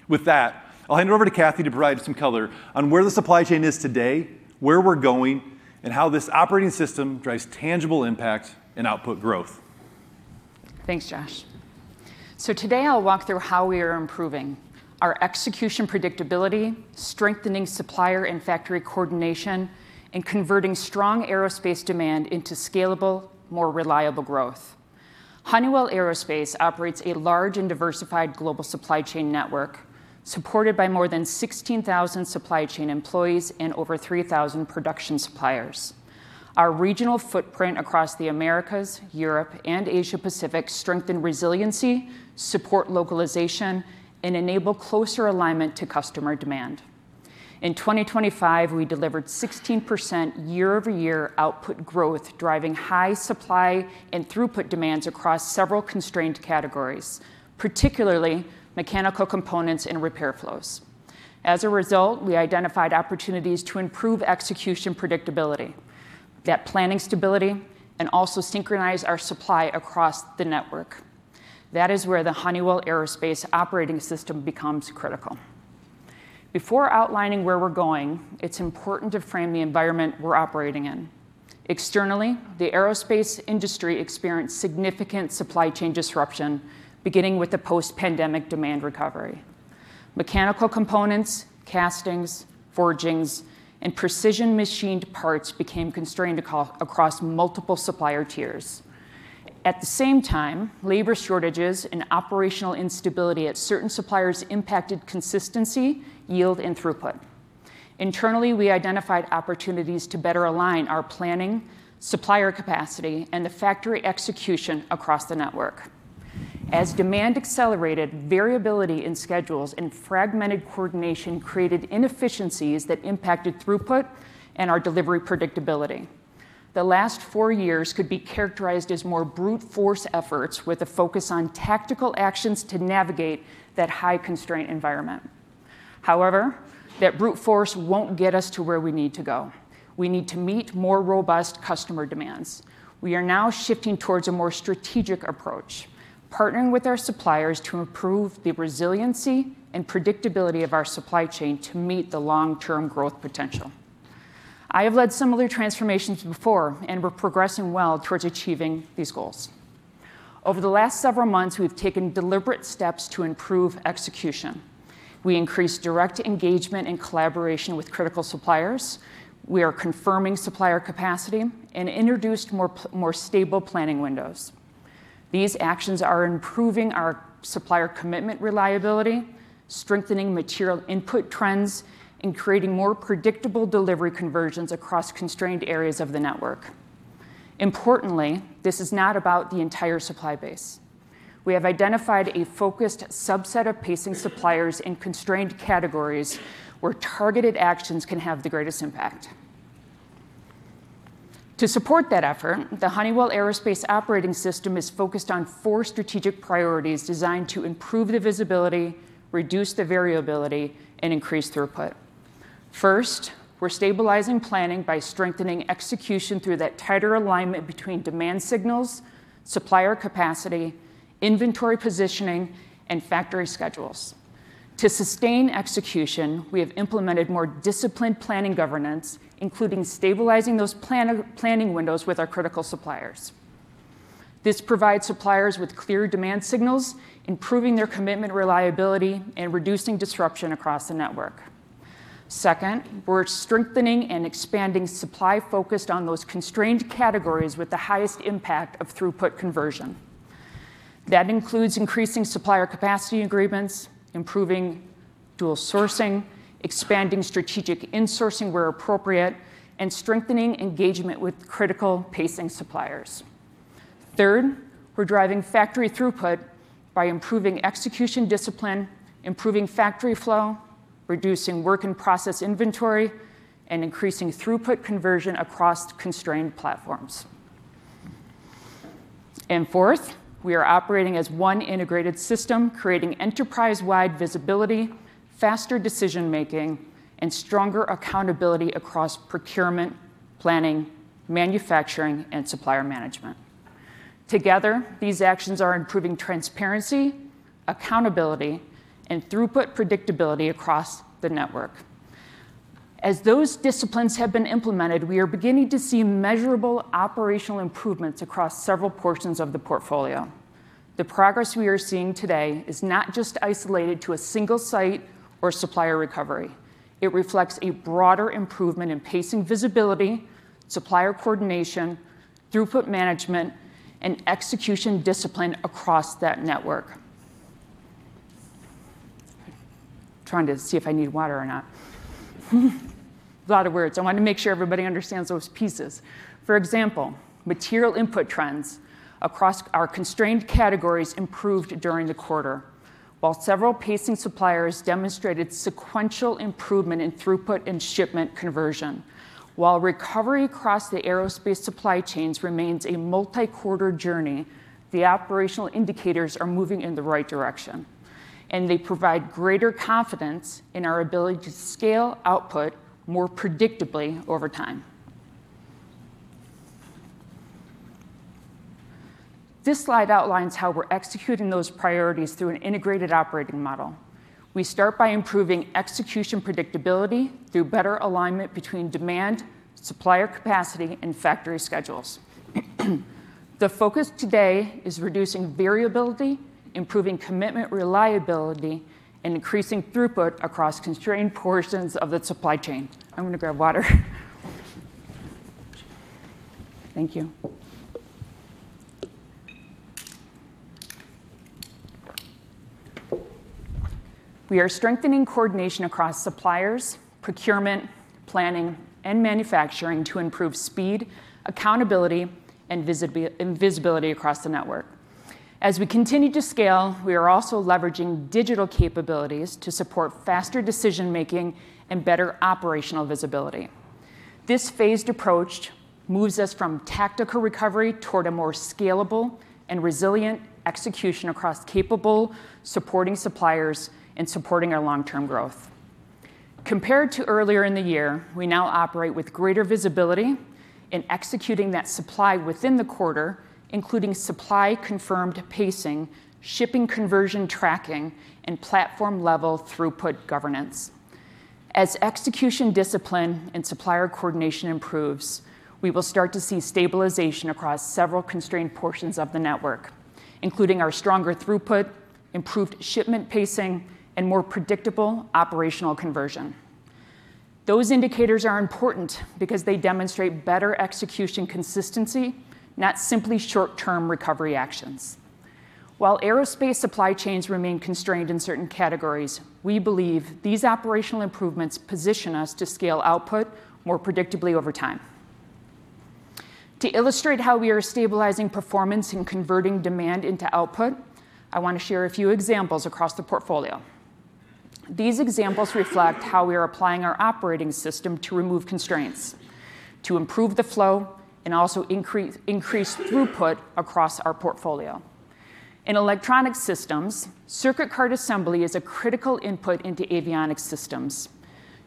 With that, I'll hand it over to Kathy to provide some color on where the supply chain is today, where we're going, and how this operating system drives tangible impact and output growth. Thanks, Josh. Today I'll walk through how we are improving our execution predictability, strengthening supplier and factory coordination, and converting strong aerospace demand into scalable, more reliable growth. Honeywell Aerospace operates a large and diversified global supply chain network supported by more than 16,000 supply chain employees and over 3,000 production suppliers. Our regional footprint across the Americas, Europe, and Asia-Pacific strengthen resiliency, support localization, and enable closer alignment to customer demand. In 2025, we delivered 16% year-over-year output growth, driving high supply and throughput demands across several constrained categories, particularly mechanical components and repair flows. As a result, we identified opportunities to improve execution predictability, that planning stability, and also synchronize our supply across the network. That is where the Honeywell Aerospace Operating System becomes critical. Before outlining where we're going, it's important to frame the environment we're operating in. Externally, the aerospace industry experienced significant supply chain disruption, beginning with the post-pandemic demand recovery. Mechanical components, castings, forgings, and precision machined parts became constrained across multiple supplier tiers. At the same time, labor shortages and operational instability at certain suppliers impacted consistency, yield, and throughput. Internally, we identified opportunities to better align our planning, supplier capacity, and the factory execution across the network. As demand accelerated, variability in schedules and fragmented coordination created inefficiencies that impacted throughput and our delivery predictability. The last four years could be characterized as more brute force efforts with a focus on tactical actions to navigate that high constraint environment. That brute force won't get us to where we need to go. We need to meet more robust customer demands. We are now shifting towards a more strategic approach, partnering with our suppliers to improve the resiliency and predictability of our supply chain to meet the long-term growth potential. I have led similar transformations before, and we're progressing well towards achieving these goals. Over the last several months, we've taken deliberate steps to improve execution. We increased direct engagement and collaboration with critical suppliers. We are confirming supplier capacity and introduced more stable planning windows. These actions are improving our supplier commitment reliability, strengthening material input trends, and creating more predictable delivery conversions across constrained areas of the network. Importantly, this is not about the entire supply base. We have identified a focused subset of pacing suppliers in constrained categories where targeted actions can have the greatest impact. To support that effort, the Honeywell Aerospace Operating System is focused on four strategic priorities designed to improve the visibility, reduce the variability, and increase throughput. First, we're stabilizing planning by strengthening execution through that tighter alignment between demand signals, supplier capacity, inventory positioning, and factory schedules. To sustain execution, we have implemented more disciplined planning governance, including stabilizing those planning windows with our critical suppliers. This provides suppliers with clear demand signals, improving their commitment reliability, and reducing disruption across the network. Second, we're strengthening and expanding supply focused on those constrained categories with the highest impact of throughput conversion. That includes increasing supplier capacity agreements, improving dual sourcing, expanding strategic insourcing where appropriate, and strengthening engagement with critical pacing suppliers. Third, we're driving factory throughput by improving execution discipline, improving factory flow, reducing work in process inventory, and increasing throughput conversion across constrained platforms. Fourth, we're operating as one integrated system, creating enterprise-wide visibility, faster decision-making, and stronger accountability across procurement, planning, manufacturing, and supplier management. Together, these actions are improving transparency, accountability, and throughput predictability across the network. As those disciplines have been implemented, we are beginning to see measurable operational improvements across several portions of the portfolio. The progress we are seeing today is not just isolated to a single site or supplier recovery. It reflects a broader improvement in pacing visibility, supplier coordination, throughput management, and execution discipline across that network. Trying to see if I need water or not. A lot of words. I want to make sure everybody understands those pieces. For example, material input trends across our constrained categories improved during the quarter, while several pacing suppliers demonstrated sequential improvement in throughput and shipment conversion. While recovery across the aerospace supply chains remains a multi-quarter journey, the operational indicators are moving in the right direction, and they provide greater confidence in our ability to scale output more predictably over time. This slide outlines how we're executing those priorities through an integrated operating model. We start by improving execution predictability through better alignment between demand, supplier capacity, and factory schedules. The focus today is reducing variability, improving commitment reliability, and increasing throughput across constrained portions of the supply chain. I'm going to grab water. Thank you. We are strengthening coordination across suppliers, procurement, planning, and manufacturing to improve speed, accountability, and visibility across the network. As we continue to scale, we are also leveraging digital capabilities to support faster decision-making and better operational visibility. This phased approach moves us from tactical recovery toward a more scalable and resilient execution across capable supporting suppliers and supporting our long-term growth. Compared to earlier in the year, we now operate with greater visibility in executing that supply within the quarter, including supply confirmed pacing, shipping conversion tracking, and platform-level throughput governance. As execution discipline and supplier coordination improves, we will start to see stabilization across several constrained portions of the network, including our stronger throughput, improved shipment pacing, and more predictable operational conversion. Those indicators are important because they demonstrate better execution consistency, not simply short-term recovery actions. While aerospace supply chains remain constrained in certain categories, we believe these operational improvements position us to scale output more predictably over time. To illustrate how we are stabilizing performance and converting demand into output, I want to share a few examples across the portfolio. These examples reflect how we are applying our operating system to remove constraints, to improve the flow, and also increase throughput across our portfolio. In Electronic Solutions, circuit card assembly is a critical input into avionics systems.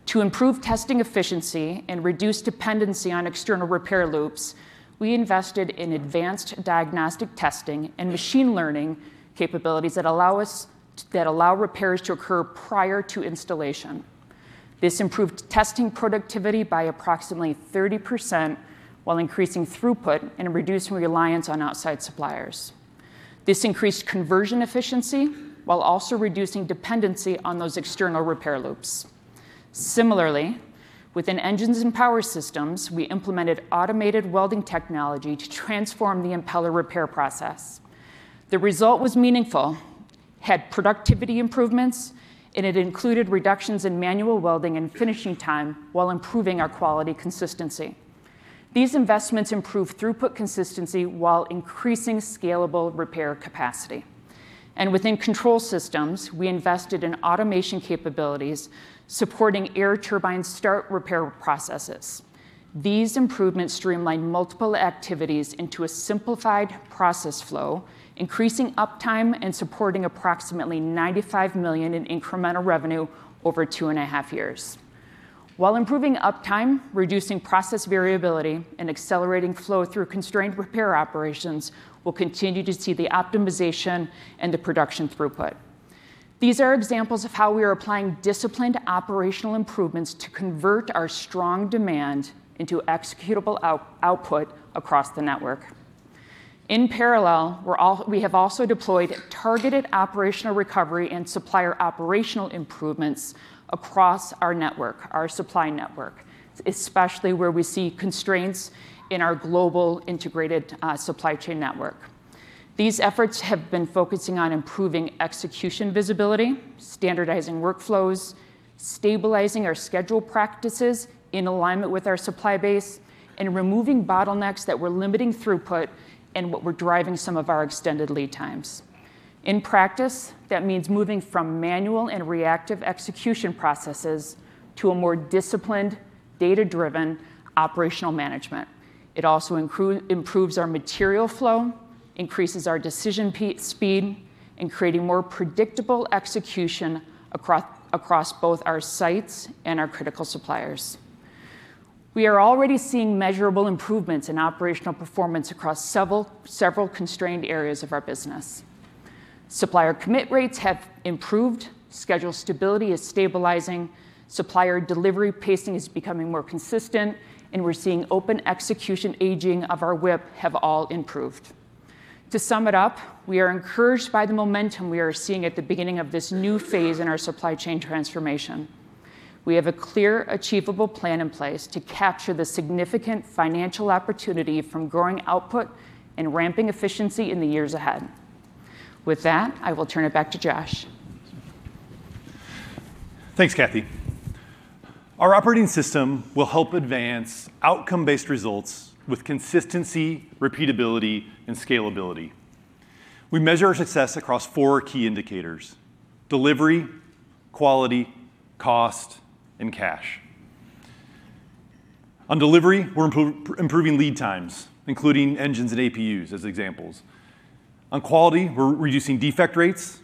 To improve testing efficiency and reduce dependency on external repair loops, we invested in advanced diagnostic testing and machine learning capabilities that allow repairs to occur prior to installation. This improved testing productivity by approximately 30%, while increasing throughput and reducing reliance on outside suppliers. This increased conversion efficiency while also reducing dependency on those external repair loops. Similarly, within Engines & Power Systems, we implemented automated welding technology to transform the impeller repair process. The result was meaningful, had productivity improvements, and it included reductions in manual welding and finishing time while improving our quality consistency. These investments improve throughput consistency while increasing scalable repair capacity. Within Control Systems, we invested in automation capabilities supporting air turbine start repair processes. These improvements streamlined multiple activities into a simplified process flow, increasing uptime and supporting approximately $95 million in incremental revenue over two and a half years. While improving uptime, reducing process variability, and accelerating flow through constrained repair operations, we'll continue to see the optimization and the production throughput. These are examples of how we are applying disciplined operational improvements to convert our strong demand into executable output across the network. In parallel, we have also deployed targeted operational recovery and supplier operational improvements across our network, our supply network, especially where we see constraints in our global integrated supply chain network. These efforts have been focusing on improving execution visibility, standardizing workflows, stabilizing our schedule practices in alignment with our supply base, and removing bottlenecks that were limiting throughput and what were driving some of our extended lead times. In practice, that means moving from manual and reactive execution processes to a more disciplined, data-driven operational management. It also improves our material flow, increases our decision speed, and creating more predictable execution across both our sites and our critical suppliers. We are already seeing measurable improvements in operational performance across several constrained areas of our business. Supplier commit rates have improved, schedule stability is stabilizing, supplier delivery pacing is becoming more consistent, and we're seeing open execution aging of our WIP have all improved. To sum it up, we are encouraged by the momentum we are seeing at the beginning of this new phase in our supply chain transformation. We have a clear, achievable plan in place to capture the significant financial opportunity from growing output and ramping efficiency in the years ahead. With that, I will turn it back to Josh. Thanks, Kathy. Our operating system will help advance outcome-based results with consistency, repeatability, and scalability. We measure our success across four key indicators: delivery, quality, cost, and cash. On delivery, we're improving lead times, including engines and APUs as examples. On quality, we're reducing defect rates.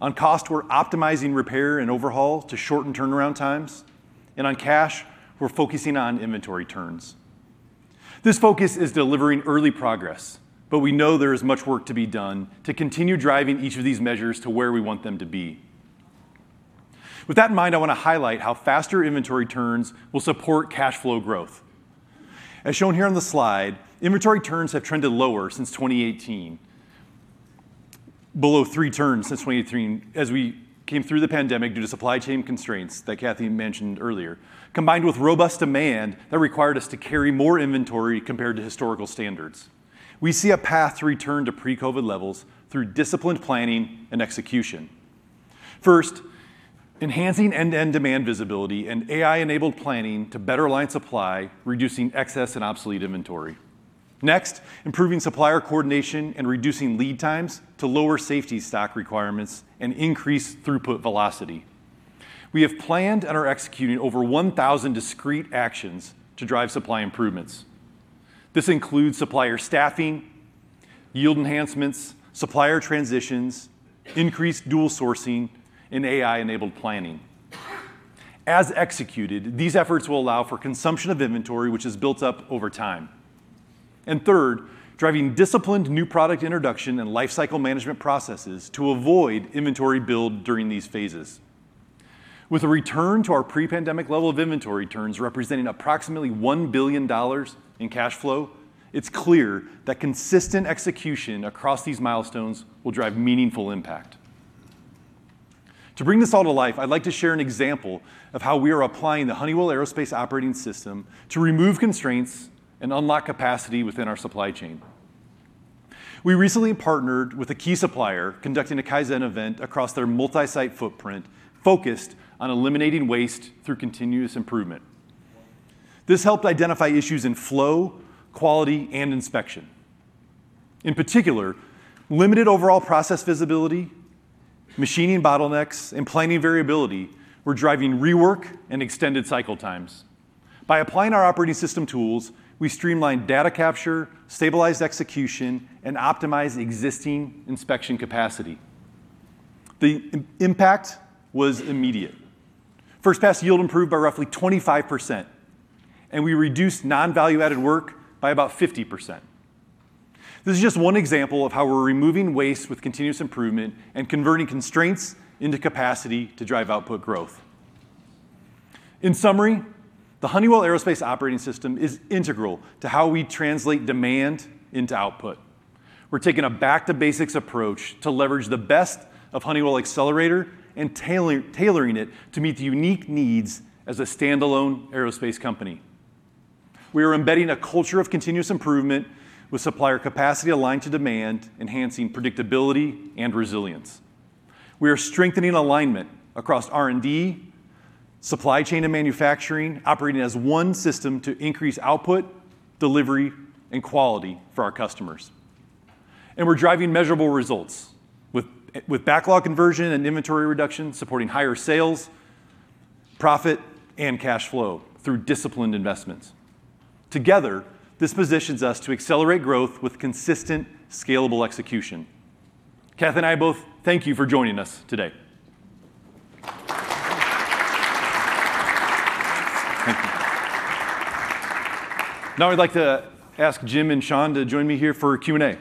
On cost, we're optimizing repair and overhaul to shorten turnaround times. On cash, we're focusing on inventory turns. This focus is delivering early progress, we know there is much work to be done to continue driving each of these measures to where we want them to be. With that in mind, I want to highlight how faster inventory turns will support cash flow growth. As shown here on the slide, inventory turns have trended lower since 2018, below three turns since 2018 as we came through the pandemic due to supply chain constraints that Kathy mentioned earlier, combined with robust demand that required us to carry more inventory compared to historical standards. We see a path to return to pre-COVID levels through disciplined planning and execution. First, enhancing end-to-end demand visibility and AI-enabled planning to better align supply, reducing excess and obsolete inventory. Next, improving supplier coordination and reducing lead times to lower safety stock requirements and increase throughput velocity. We have planned and are executing over 1,000 discrete actions to drive supply improvements. This includes supplier staffing, yield enhancements, supplier transitions, increased dual sourcing, and AI-enabled planning. As executed, these efforts will allow for consumption of inventory which has built up over time. Third, driving disciplined new product introduction and lifecycle management processes to avoid inventory build during these phases. With a return to our pre-pandemic level of inventory turns representing approximately $1 billion in cash flow, it's clear that consistent execution across these milestones will drive meaningful impact. To bring this all to life, I'd like to share an example of how we are applying the Honeywell Aerospace Operating System to remove constraints and unlock capacity within our supply chain. We recently partnered with a key supplier conducting a Kaizen event across their multi-site footprint focused on eliminating waste through continuous improvement. This helped identify issues in flow, quality, and inspection. In particular, limited overall process visibility, machining bottlenecks, and planning variability were driving rework and extended cycle times. By applying our operating system tools, we streamlined data capture, stabilized execution, and optimized existing inspection capacity. The impact was immediate. First-pass yield improved by roughly 25%. We reduced non-value-added work by about 50%. This is just one example of how we're removing waste with continuous improvement and converting constraints into capacity to drive output growth. In summary, the Honeywell Aerospace Operating System is integral to how we translate demand into output. We're taking a back-to-basics approach to leverage the best of Honeywell Accelerator and tailoring it to meet the unique needs as a stand-alone aerospace company. We are embedding a culture of continuous improvement with supplier capacity aligned to demand, enhancing predictability and resilience. We are strengthening alignment across R&D, supply chain, and manufacturing, operating as one system to increase output, delivery, and quality for our customers. We're driving measurable results with backlog conversion and inventory reduction, supporting higher sales, profit, and cash flow through disciplined investments. Together, this positions us to accelerate growth with consistent, scalable execution. Kathy and I both thank you for joining us today. Thank you. Now I'd like to ask Jim and Sean to join me here for a Q&A.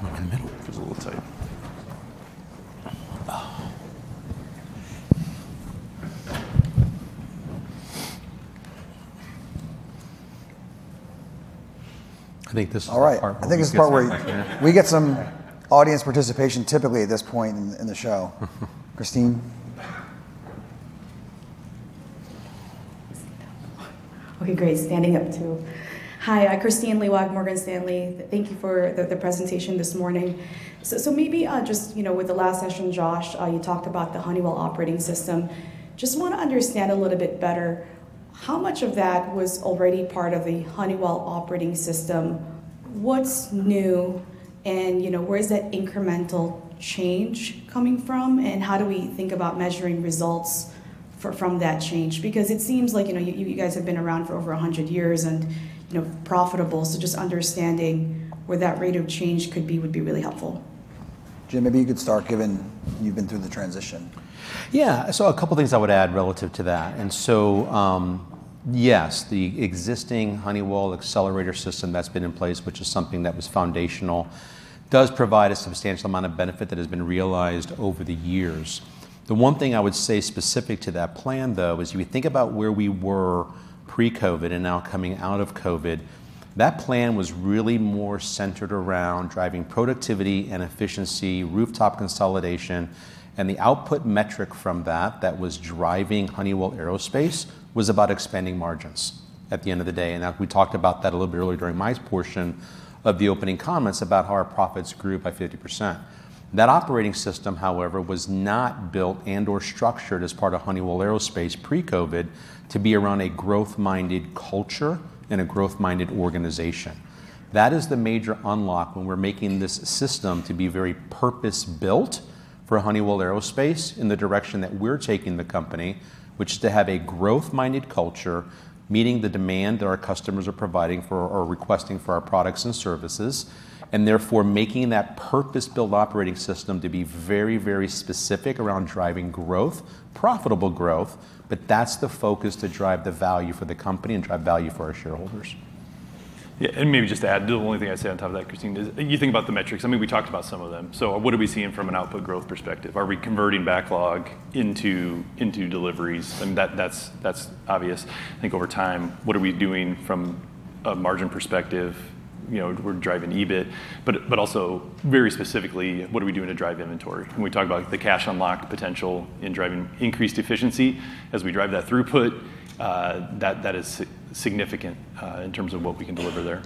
My middle feels a little tight. Oh. I think this is the part where we get. All right. I think this is the part where we get some audience participation typically at this point in the show. Kristine? Okay, great. Standing up too. Hi, Kristine Liwag, Morgan Stanley. Thank you for the presentation this morning. Maybe just with the last session, Josh, you talked about the Honeywell Operating System. Just want to understand a little bit better, how much of that was already part of the Honeywell Operating System, what's new, and where is that incremental change coming from, and how do we think about measuring results from that change? It seems like you guys have been around for over 100 years and profitable, just understanding where that rate of change could be would be really helpful. Jim, maybe you could start given you've been through the transition. Yeah. A couple things I would add relative to that. Yes, the existing Honeywell Accelerator System that's been in place, which is something that was foundational, does provide a substantial amount of benefit that has been realized over the years. The one thing I would say specific to that plan, though, is you think about where we were pre-COVID and now coming out of COVID, that plan was really more centered around driving productivity and efficiency, rooftop consolidation, and the output metric from that was driving Honeywell Aerospace, was about expanding margins at the end of the day. We talked about that a little bit earlier during my portion of the opening comments about how our profits grew by 50%. That Operating System, however, was not built and/or structured as part of Honeywell Aerospace pre-COVID to be around a growth-minded culture and a growth-minded organization. That is the major unlock when we're making this system to be very purpose-built for Honeywell Aerospace in the direction that we're taking the company, which is to have a growth-minded culture, meeting the demand that our customers are providing for or requesting for our products and services, therefore making that purpose-built Operating System to be very, very specific around driving growth, profitable growth, that's the focus to drive the value for the company and drive value for our shareholders. Maybe just to add, the only thing I'd say on top of that, K ristine, is you think about the metrics. I mean, we talked about some of them. What are we seeing from an output growth perspective? Are we converting backlog into deliveries? That's obvious. I think over time, what are we doing from a margin perspective? We're driving EBIT, but also very specifically, what are we doing to drive inventory? When we talk about the cash unlock potential in driving increased efficiency as we drive that throughput, that is significant in terms of what we can deliver there.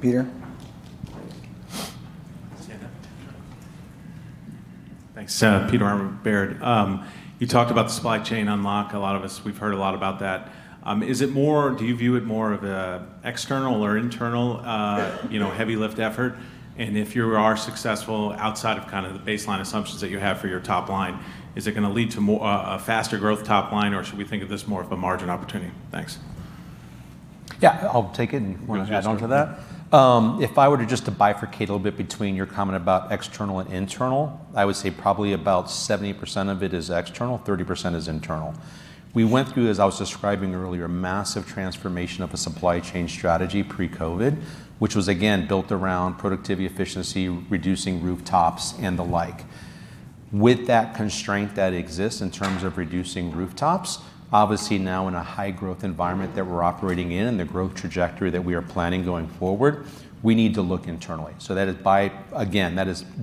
Peter? Stand up. Thanks. Peter Arment, Baird. You talked about supply chain unlock. A lot of us, we've heard a lot about that. Do you view it more of an external or internal heavy lift effort? If you are successful outside of kind of the baseline assumptions that you have for your top line, is it going to lead to a faster growth top line, or should we think of this more of a margin opportunity? Thanks. I'll take it, and you want to add onto that? Sure. If I were to just to bifurcate a little bit between your comment about external and internal, I would say probably about 70% of it is external, 30% is internal. We went through, as I was describing earlier, massive transformation of a supply chain strategy pre-COVID, which was again built around productivity, efficiency, reducing rooftops, and the like. With that constraint that exists in terms of reducing rooftops, obviously now in a high growth environment that we're operating in, and the growth trajectory that we are planning going forward, we need to look internally. That is, again,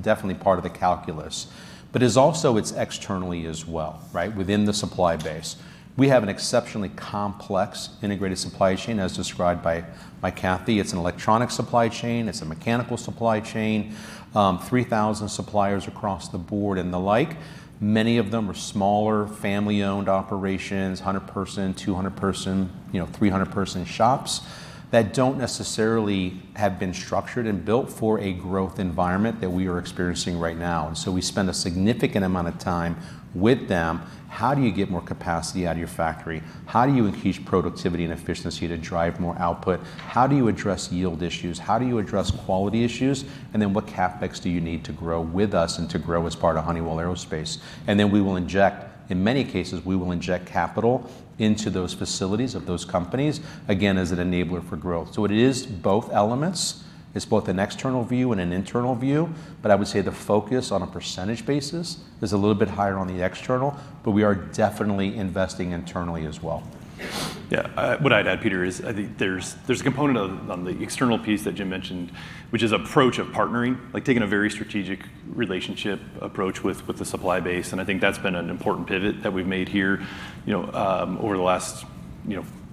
definitely part of the calculus. It is also it's externally as well, right, within the supply base. We have an exceptionally complex integrated supply chain as described by Kathy. It's an electronic supply chain. It's a mechanical supply chain. 3,000 suppliers across the board and the like. Many of them are smaller family-owned operations, 100-person, 200-person, 300-person shops that don't necessarily have been structured and built for a growth environment that we are experiencing right now. We spend a significant amount of time with them. How do you get more capacity out of your factory? How do you increase productivity and efficiency to drive more output? How do you address yield issues? How do you address quality issues? What CapEx do you need to grow with us and to grow as part of Honeywell Aerospace? We will inject, in many cases, we will inject capital into those facilities of those companies, again, as an enabler for growth. It is both elements. It's both an external view and an internal view, but I would say the focus on a percentage basis is a little bit higher on the external, but we are definitely investing internally as well. Yeah. What I'd add, Peter, is I think there's a component on the external piece that Jim mentioned, which is approach of partnering, like taking a very strategic relationship approach with the supply base, and I think that's been an important pivot that we've made here over the last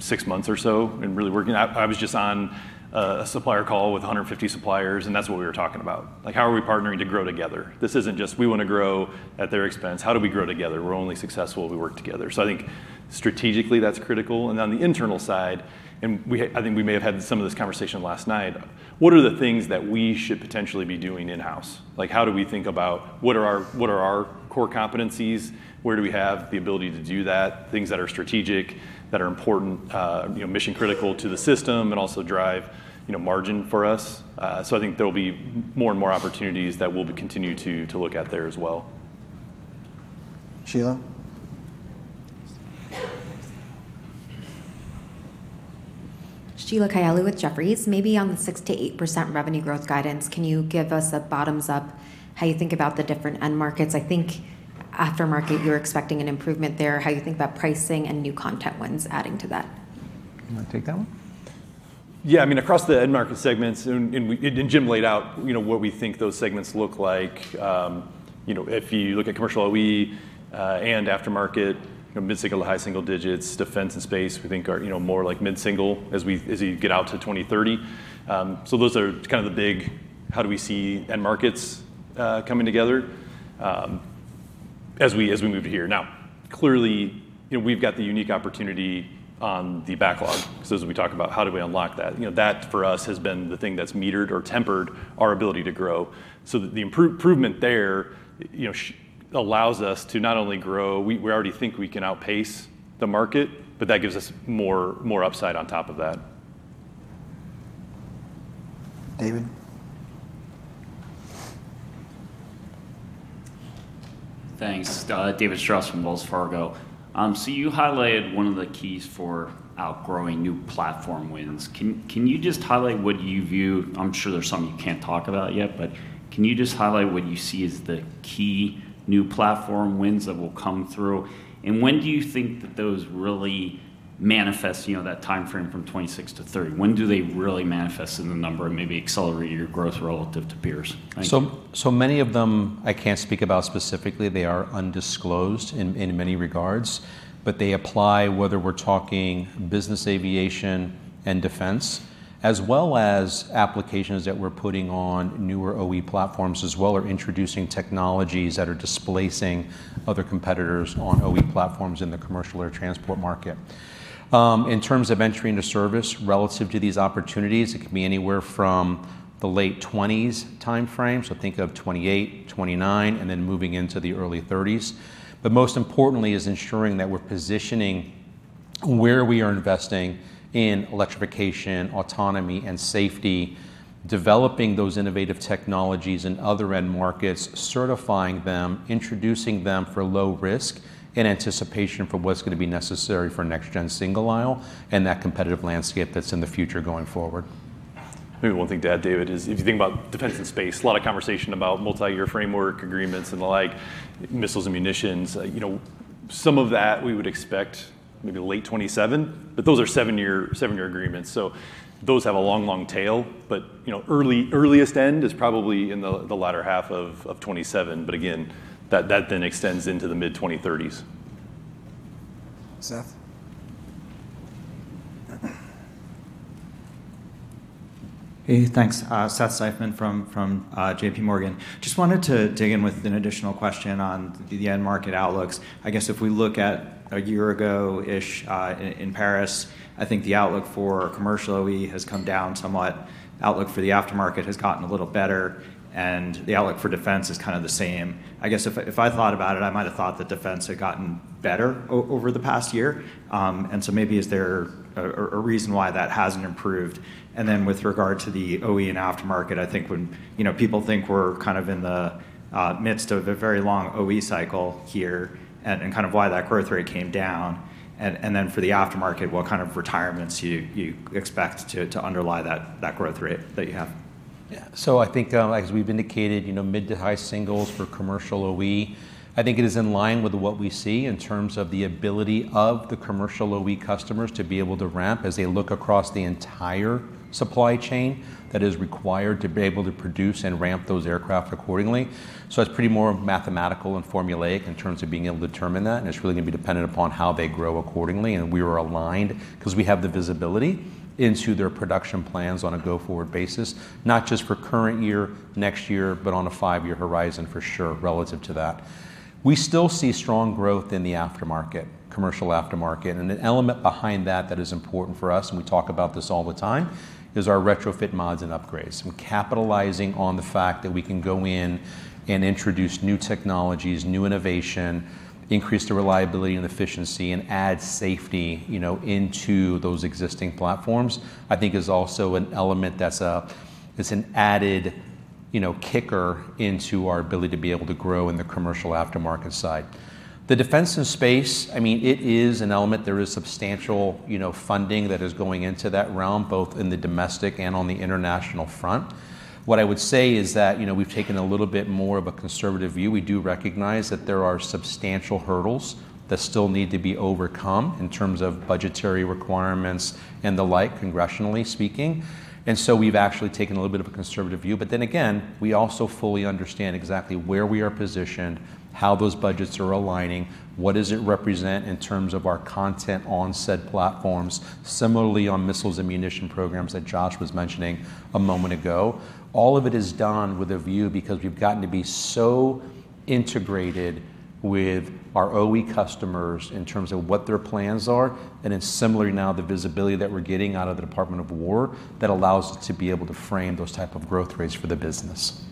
six months or so, and really working. I was just on a supplier call with 150 suppliers, and that's what we were talking about. Like, how are we partnering to grow together? This isn't just we want to grow at their expense. How do we grow together? We're only successful if we work together. I think. Strategically, that's critical. On the internal side, and I think we may have had some of this conversation last night, what are the things that we should potentially be doing in-house? How do we think about what are our core competencies? Where do we have the ability to do that? Things that are strategic, that are important, mission critical to the system, and also drive margin for us. I think there'll be more and more opportunities that we'll continue to look at there as well. Sheila? Sheila Kahyaoglu with Jefferies. Maybe on the 6%-8% revenue growth guidance, can you give us a bottoms-up how you think about the different end markets? I think aftermarket, you're expecting an improvement there. How you think about pricing and new content wins adding to that? You want to take that one? Yeah, across the end market segments. Jim laid out what we think those segments look like. If you look at commercial OE and aftermarket, mid-single to high single digits. Defense and Space, we think are more like mid-single as you get out to 2030. Those are kind of the big how do we see end markets coming together as we move to here. Now, clearly, we've got the unique opportunity on the backlog because as we talk about how do we unlock that for us has been the thing that's metered or tempered our ability to grow. The improvement there allows us to not only grow, we already think we can outpace the market, but that gives us more upside on top of that. David? Thanks. David Strauss from Wells Fargo. You highlighted one of the keys for outgrowing new platform wins. Can you just highlight what you see as the key new platform wins that will come through? When do you think that those really manifest, that timeframe from 2026 to 2030? When do they really manifest in the number and maybe accelerate your growth relative to peers? Thank you. Many of them I can't speak about specifically. They are undisclosed in many regards, but they apply whether we're talking business aviation and Defense, as well as applications that we're putting on newer OE platforms as well, or introducing technologies that are displacing other competitors on OE platforms in the commercial air transport market. In terms of entering the service relative to these opportunities, it could be anywhere from the late 2020s timeframe, think of 2028, 2029, and then moving into the early 2030s. Most importantly is ensuring that we're positioning where we are investing in electrification, autonomy, and safety, developing those innovative technologies in other end markets, certifying them, introducing them for low risk in anticipation for what's going to be necessary for next-gen single aisle and that competitive landscape that's in the future going forward. Maybe one thing to add, David, is if you think about Defense and Space, a lot of conversation about multi-year framework agreements and the like, missiles and munitions. Some of that we would expect maybe late 2027. Those are seven-year agreements, those have a long, long tail. Earliest end is probably in the latter half of 2027. Again, that extends into the mid-2030s. Seth? Hey, thanks. Seth Seifman from JP Morgan. Just wanted to dig in with an additional question on the end market outlooks. I guess if we look at a year ago-ish, in Paris, I think the outlook for commercial OE has come down somewhat, outlook for the aftermarket has gotten a little better. The outlook for defense is kind of the same. I guess if I thought about it, I might've thought that defense had gotten better over the past year. Maybe is there a reason why that hasn't improved? With regard to the OE and aftermarket, I think when people think we're kind of in the midst of a very long OE cycle here. Why that growth rate came down? For the aftermarket, what kind of retirements you expect to underlie that growth rate that you have? I think as we've indicated, mid to high singles for commercial OE, I think it is in line with what we see in terms of the ability of the commercial OE customers to be able to ramp as they look across the entire supply chain that is required to be able to produce and ramp those aircraft accordingly. It's pretty more mathematical and formulaic in terms of being able to determine that, and it's really going to be dependent upon how they grow accordingly. We are aligned because we have the visibility into their production plans on a go-forward basis, not just for current year, next year, but on a 5-year horizon for sure, relative to that. We still see strong growth in the aftermarket, commercial aftermarket. An element behind that that is important for us, and we talk about this all the time, is our retrofit mods and upgrades, and capitalizing on the fact that we can go in and introduce new technologies, new innovation, increase the reliability and efficiency, and add safety into those existing platforms, I think is also an element that's an added kicker into our ability to be able to grow in the commercial aftermarket side. The defense and space, it is an element. There is substantial funding that is going into that realm, both in the domestic and on the international front. What I would say is that we've taken a little bit more of a conservative view. We do recognize that there are substantial hurdles that still need to be overcome in terms of budgetary requirements and the like, congressionally speaking. We've actually taken a little bit of a conservative view. We also fully understand exactly where we are positioned, how those budgets are aligning, what does it represent in terms of our content on said platforms. Similarly, on missiles and munition programs that Josh was mentioning a moment ago, all of it is done with a view because we've gotten to be so integrated with our OE customers in terms of what their plans are, and it's similar now, the visibility that we're getting out of the Department of War, that allows to be able to frame those type of growth rates for the business.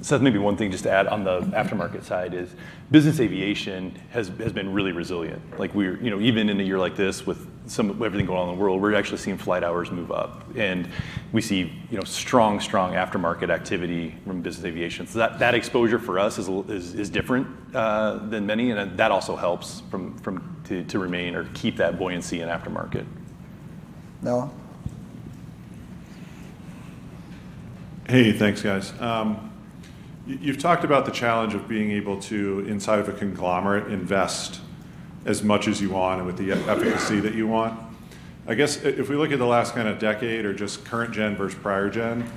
Seth, maybe one thing just to add on the aftermarket side is business aviation has been really resilient. Even in a year like this, with everything going on in the world, we're actually seeing flight hours move up. We see strong aftermarket activity from business aviation. That exposure for us is different than many, and that also helps to remain or keep that buoyancy in aftermarket. Noah. Hey, thanks guys. You've talked about the challenge of being able to, inside of a conglomerate, invest as much as you want and with the efficacy that you want. I guess if we look at the last kind of decade or just current gen versus prior gen,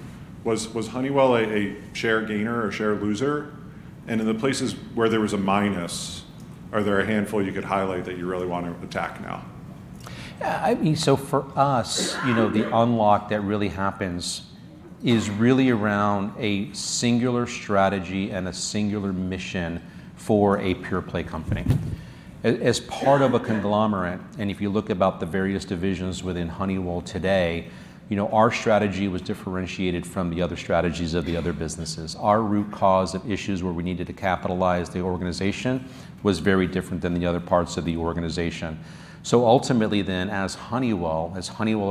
was Honeywell a share gainer or share loser? In the places where there was a minus, are there a handful you could highlight that you really want to attack now? Yeah. For us, the unlock that really happens is really around a singular strategy and a singular mission for a pure-play company. As part of a conglomerate, and if you look about the various divisions within Honeywell today, our strategy was differentiated from the other strategies of the other businesses. Our root cause of issues where we needed to capitalize the organization was very different than the other parts of the organization. As Honeywell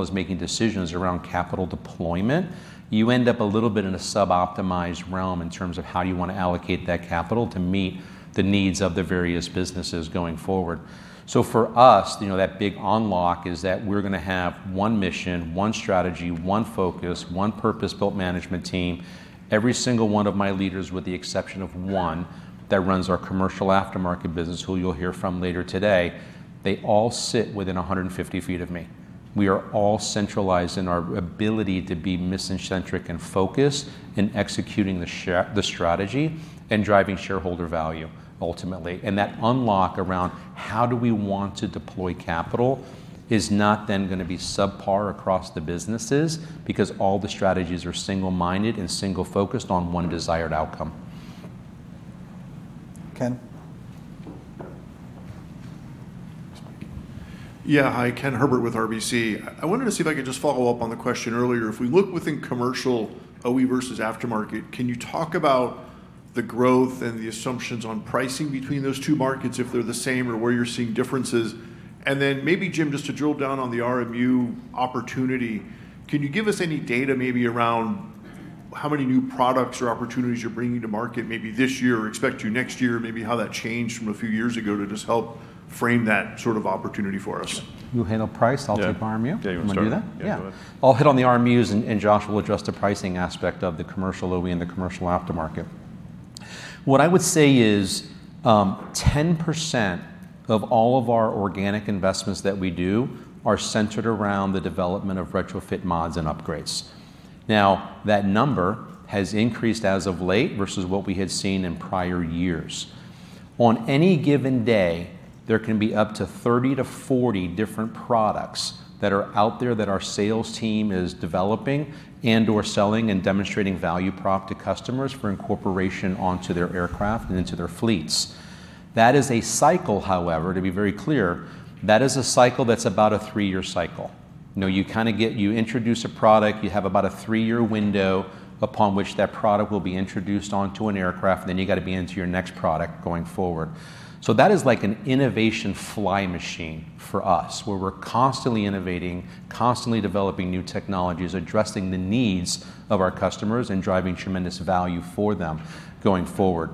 is making decisions around capital deployment, you end up a little bit in a sub-optimized realm in terms of how you want to allocate that capital to meet the needs of the various businesses going forward. For us, that big unlock is that we're going to have one mission, one strategy, one focus, one purpose-built management team. Every single one of my leaders, with the exception of one, that runs our commercial aftermarket business, who you'll hear from later today, they all sit within 150 feet of me. We are all centralized in our ability to be mission-centric and focused in executing the strategy and driving shareholder value ultimately. That unlock around how do we want to deploy capital is not then going to be subpar across the businesses because all the strategies are single-minded and single-focused on one desired outcome. Ken. Yeah. Hi, Ken Herbert with RBC. I wanted to see if I could just follow up on the question earlier. If we look within commercial OE versus aftermarket, can you talk about the growth and the assumptions on pricing between those two markets, if they're the same or where you're seeing differences? Maybe, Jim, just to drill down on the RMU opportunity, can you give us any data maybe around how many new products or opportunities you're bringing to market maybe this year or expect to next year, maybe how that changed from a few years ago to just help frame that sort of opportunity for us? You handle price, I'll take RMU. Yeah. You want me to do that? Yeah. Yeah. I'll hit on the RMUs, and Josh will address the pricing aspect of the commercial OE and the commercial aftermarket. What I would say is 10% of all of our organic investments that we do are centered around the development of retrofit mods and upgrades. That number has increased as of late versus what we had seen in prior years. On any given day, there can be up to 30 to 40 different products that are out there that our sales team is developing and/or selling and demonstrating value prop to customers for incorporation onto their aircraft and into their fleets. That is a cycle, however, to be very clear, that is a cycle that's about a three-year cycle. You introduce a product, you have about a three-year window upon which that product will be introduced onto an aircraft, and then you got to be onto your next product going forward. That is like an innovation fly machine for us, where we're constantly innovating, constantly developing new technologies, addressing the needs of our customers, and driving tremendous value for them going forward.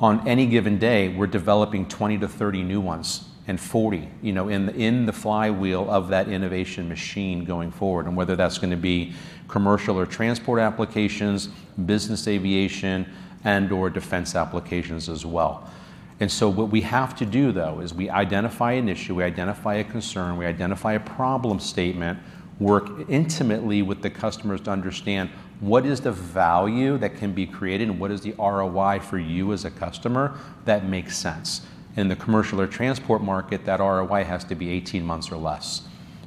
On any given day, we're developing 20 to 30 new ones, and 40, in the flywheel of that innovation machine going forward, and whether that's going to be commercial or transport applications, business aviation, and/or defense applications as well. What we have to do though, is we identify an issue, we identify a concern, we identify a problem statement, work intimately with the customers to understand what is the value that can be created, and what is the ROI for you as a customer that makes sense. In the commercial or transport market, that ROI has to be 18 months or less.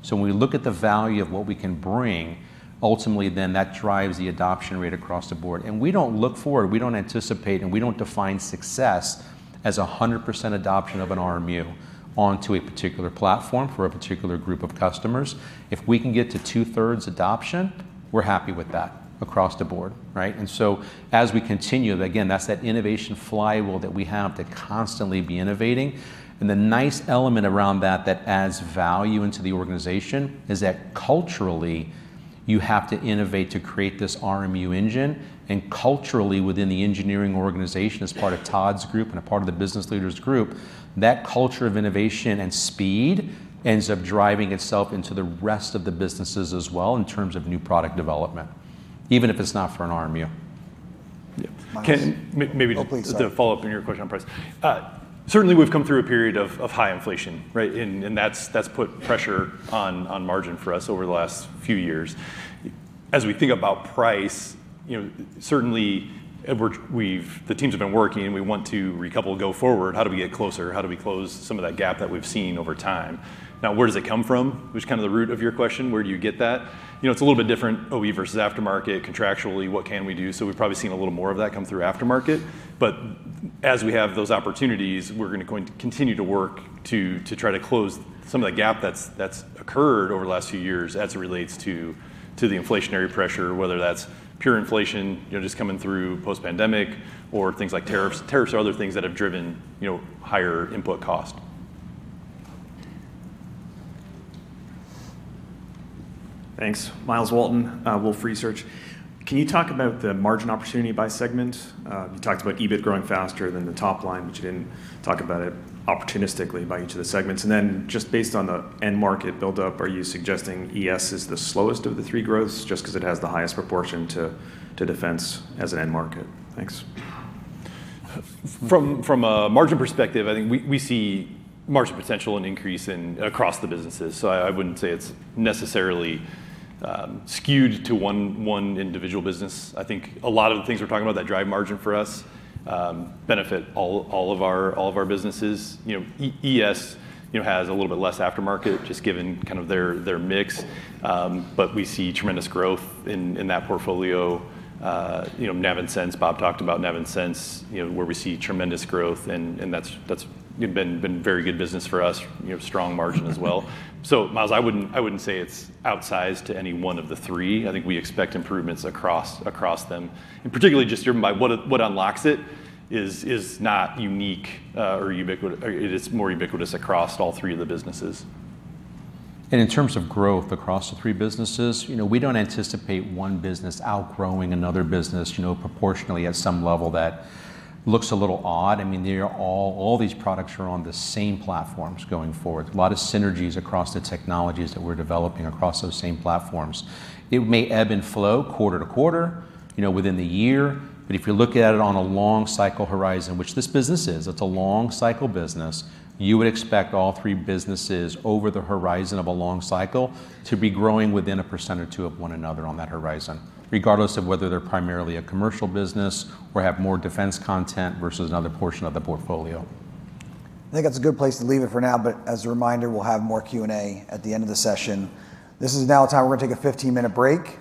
When we look at the value of what we can bring, ultimately then, that drives the adoption rate across the board, and we don't look for, we don't anticipate, and we don't define success as 100% adoption of an RMU onto a particular platform for a particular group of customers. If we can get to two-thirds adoption, we're happy with that across the board. Right. As we continue, again, that's that innovation flywheel that we have to constantly be innovating, and the nice element around that that adds value into the organization is that culturally, you have to innovate to create this RMU engine, and culturally within the engineering organization, as part of Todd's group and a part of the business leaders group, that culture of innovation and speed ends up driving itself into the rest of the businesses as well in terms of new product development, even if it's not for an RMU. Ken. Oh, please. To follow up on your question on price. Certainly, we've come through a period of high inflation, right? That's put pressure on margin for us over the last few years. As we think about price, certainly the teams have been working, and we want to recouple go forward. How do we get closer? How do we close some of that gap that we've seen over time? Where does it come from? Which is kind of the root of your question. Where do you get that? It's a little bit different OE versus aftermarket. Contractually, what can we do? We've probably seen a little more of that come through aftermarket. As we have those opportunities, we're going to continue to work to try to close some of the gap that's occurred over the last few years as it relates to the inflationary pressure, whether that's pure inflation just coming through post-pandemic or things like tariffs or other things that have driven higher input cost. Thanks. Myles Walton, Wolfe Research. Can you talk about the margin opportunity by segment? You talked about EBIT growing faster than the top line, but you didn't talk about it opportunistically by each of the segments. Just based on the end market buildup, are you suggesting ES is the slowest of the three growths just because it has the highest proportion to defense as an end market? Thanks. From a margin perspective, I think we see margin potential and increase across the businesses. I wouldn't say it's necessarily skewed to one individual business. I think a lot of the things we're talking about that drive margin for us benefit all of our businesses. ES has a little bit less aftermarket just given kind of their mix, but we see tremendous growth in that portfolio. Navigation and Sensors, Bob talked about Navigation and Sensors, where we see tremendous growth, and that's been very good business for us, strong margin as well. Myles, I wouldn't say it's outsized to any one of the three. I think we expect improvements across them, and particularly just driven by what unlocks it is not unique, or it is more ubiquitous across all three of the businesses. In terms of growth across the three businesses, we don't anticipate one business outgrowing another business proportionally at some level that looks a little odd. I mean, all these products are on the same platforms going forward. A lot of synergies across the technologies that we're developing across those same platforms. It may ebb and flow quarter-to-quarter within the year, but if you look at it on a long-cycle horizon, which this business is, it's a long-cycle business. You would expect all three businesses over the horizon of a long cycle to be growing within 1% or 2% of one another on that horizon, regardless of whether they're primarily a commercial business or have more defense content versus another portion of the portfolio. I think that's a good place to leave it for now. As a reminder, we'll have more Q&A at the end of the session. This is now time, we're going to take a 15-minute break.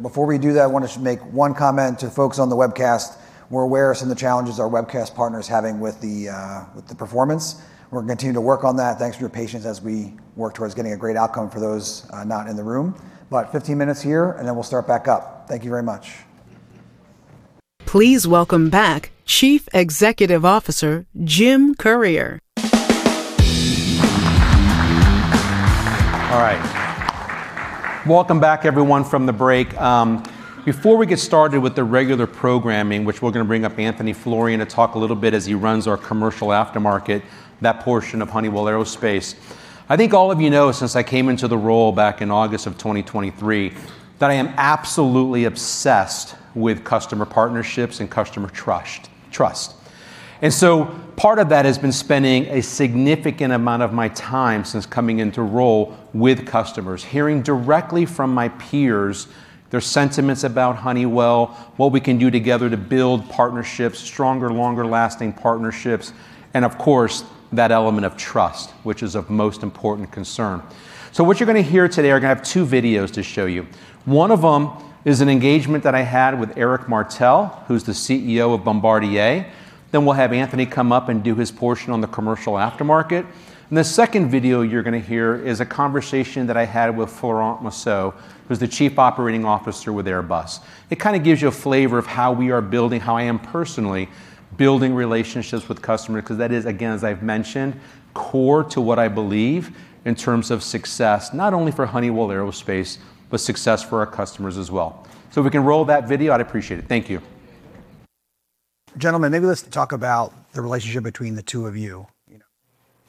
Before we do that, I want to make one comment to folks on the webcast. We're aware of some of the challenges our webcast partner's having with the performance. We're going to continue to work on that. Thanks for your patience as we work towards getting a great outcome for those not in the room. About 15 minutes here, and then we'll start back up. Thank you very much. Please welcome back Chief Executive Officer Jim Currier. All right. Welcome back, everyone, from the break. Before we get started with the regular programming, which we're going to bring up Anthony Florian to talk a little bit as he runs our commercial aftermarket, that portion of Honeywell Aerospace. I think all of you know, since I came into the role back in August of 2023, that I am absolutely obsessed with customer partnerships and customer trust. Part of that has been spending a significant amount of my time since coming into role with customers, hearing directly from my peers their sentiments about Honeywell, what we can do together to build partnerships, stronger, longer lasting partnerships, and of course, that element of trust, which is of most important concern. What you're going to hear today, we're going to have two videos to show you. One of them is an engagement that I had with Éric Martel, who's the CEO of Bombardier. We'll have Anthony come up and do his portion on the commercial aftermarket. The second video you're going to hear is a conversation that I had with Florent Massou, who's the Chief Operating Officer with Airbus. It kind of gives you a flavor of how we are building, how I am personally building relationships with customers, because that is, again, as I've mentioned, core to what I believe in terms of success, not only for Honeywell Aerospace, but success for our customers as well. If we can roll that video, I'd appreciate it. Thank you. Gentlemen, maybe let's talk about the relationship between the two of you.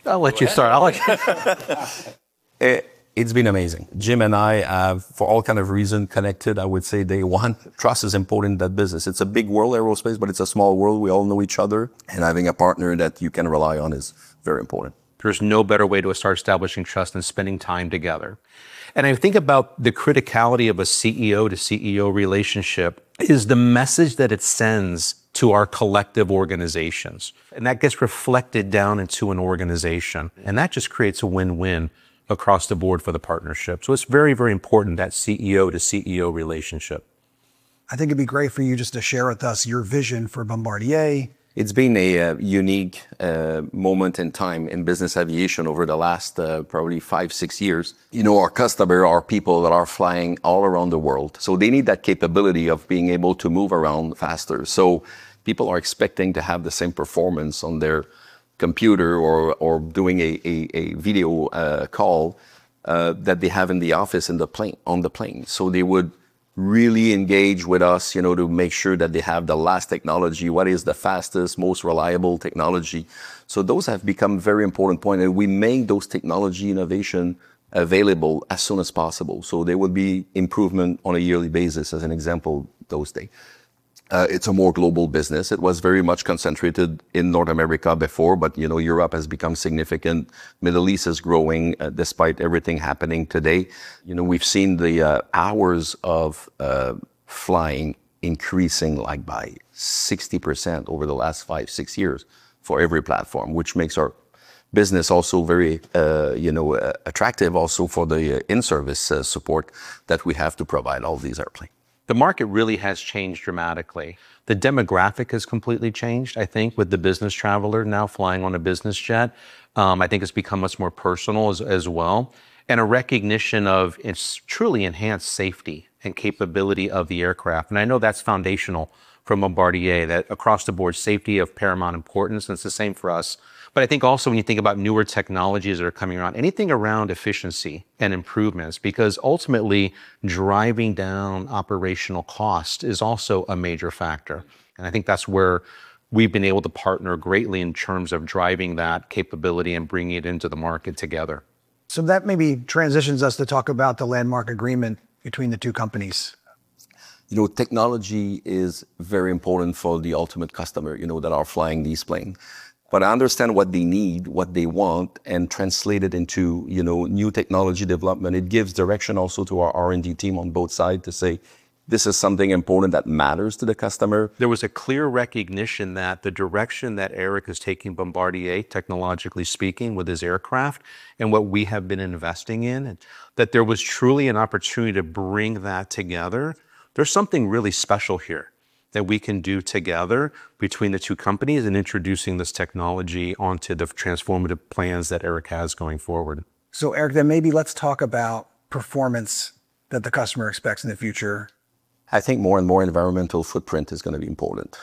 I'll let you start. It's been amazing. Jim and I have, for all kind of reason, connected, I would say, day one. Trust is important in that business. It's a big world, aerospace, but it's a small world. We all know each other, and having a partner that you can rely on is very important. There's no better way to start establishing trust than spending time together. I think about the criticality of a CEO to CEO relationship is the message that it sends to our collective organizations. That gets reflected down into an organization. That just creates a win-win across the board for the partnership. It's very, very important, that CEO to CEO relationship. I think it'd be great for you just to share with us your vision for Bombardier. It's been a unique moment in time in business aviation over the last probably five, six years. Our customers are people that are flying all around the world. They need that capability of being able to move around faster. People are expecting to have the same performance on their computer or doing a video call that they have in the office on the plane. They would really engage with us to make sure that they have the last technology, what is the fastest, most reliable technology. Those have become very important point. We make those technology innovation available as soon as possible. There will be improvement on a yearly basis, as an example those days. It's a more global business. It was very much concentrated in North America before, but Europe has become significant. Middle East is growing despite everything happening today. We've seen the hours of flying increasing by 60% over the last five, six years for every platform, which makes our business also very attractive for the in-service support that we have to provide all these airplanes. The market really has changed dramatically. The demographic has completely changed, I think, with the business traveler now flying on a business jet. I think it's become much more personal as well, and a recognition of its truly enhanced safety and capability of the aircraft. I know that's foundational for Bombardier, that across the board, safety of paramount importance, and it's the same for us. I think also when you think about newer technologies that are coming around, anything around efficiency and improvements, because ultimately, driving down operational cost is also a major factor. I think that's where we've been able to partner greatly in terms of driving that capability and bringing it into the market together. That maybe transitions us to talk about the landmark agreement between the two companies. Technology is very important for the ultimate customer that are flying these planes. Understand what they need, what they want, and translate it into new technology development. It gives direction also to our R&D team on both sides to say, "This is something important that matters to the customer. There was a clear recognition that the direction that Éric is taking Bombardier, technologically speaking, with his aircraft, and what we have been investing in, that there was truly an opportunity to bring that together. There's something really special here that we can do together between the two companies in introducing this technology onto the transformative plans that Éric has going forward. Éric, maybe let's talk about performance that the customer expects in the future. I think more and more environmental footprint is going to be important.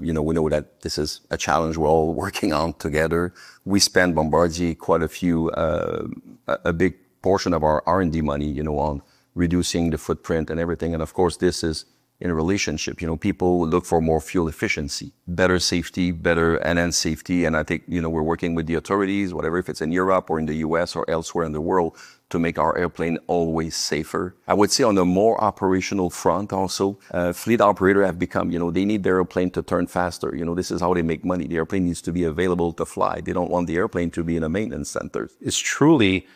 We know that this is a challenge we're all working on together. We spend, Bombardier, quite a big portion of our R&D money on reducing the footprint and everything. Of course, this is in a relationship. People look for more fuel efficiency, better safety. I think we're working with the authorities, whatever, if it's in Europe or in the U.S. or elsewhere in the world, to make our airplane always safer. I would say on the more operational front also, fleet operator they need their airplane to turn faster. This is how they make money. The airplane needs to be available to fly. They don't want the airplane to be in a maintenance center. It's truly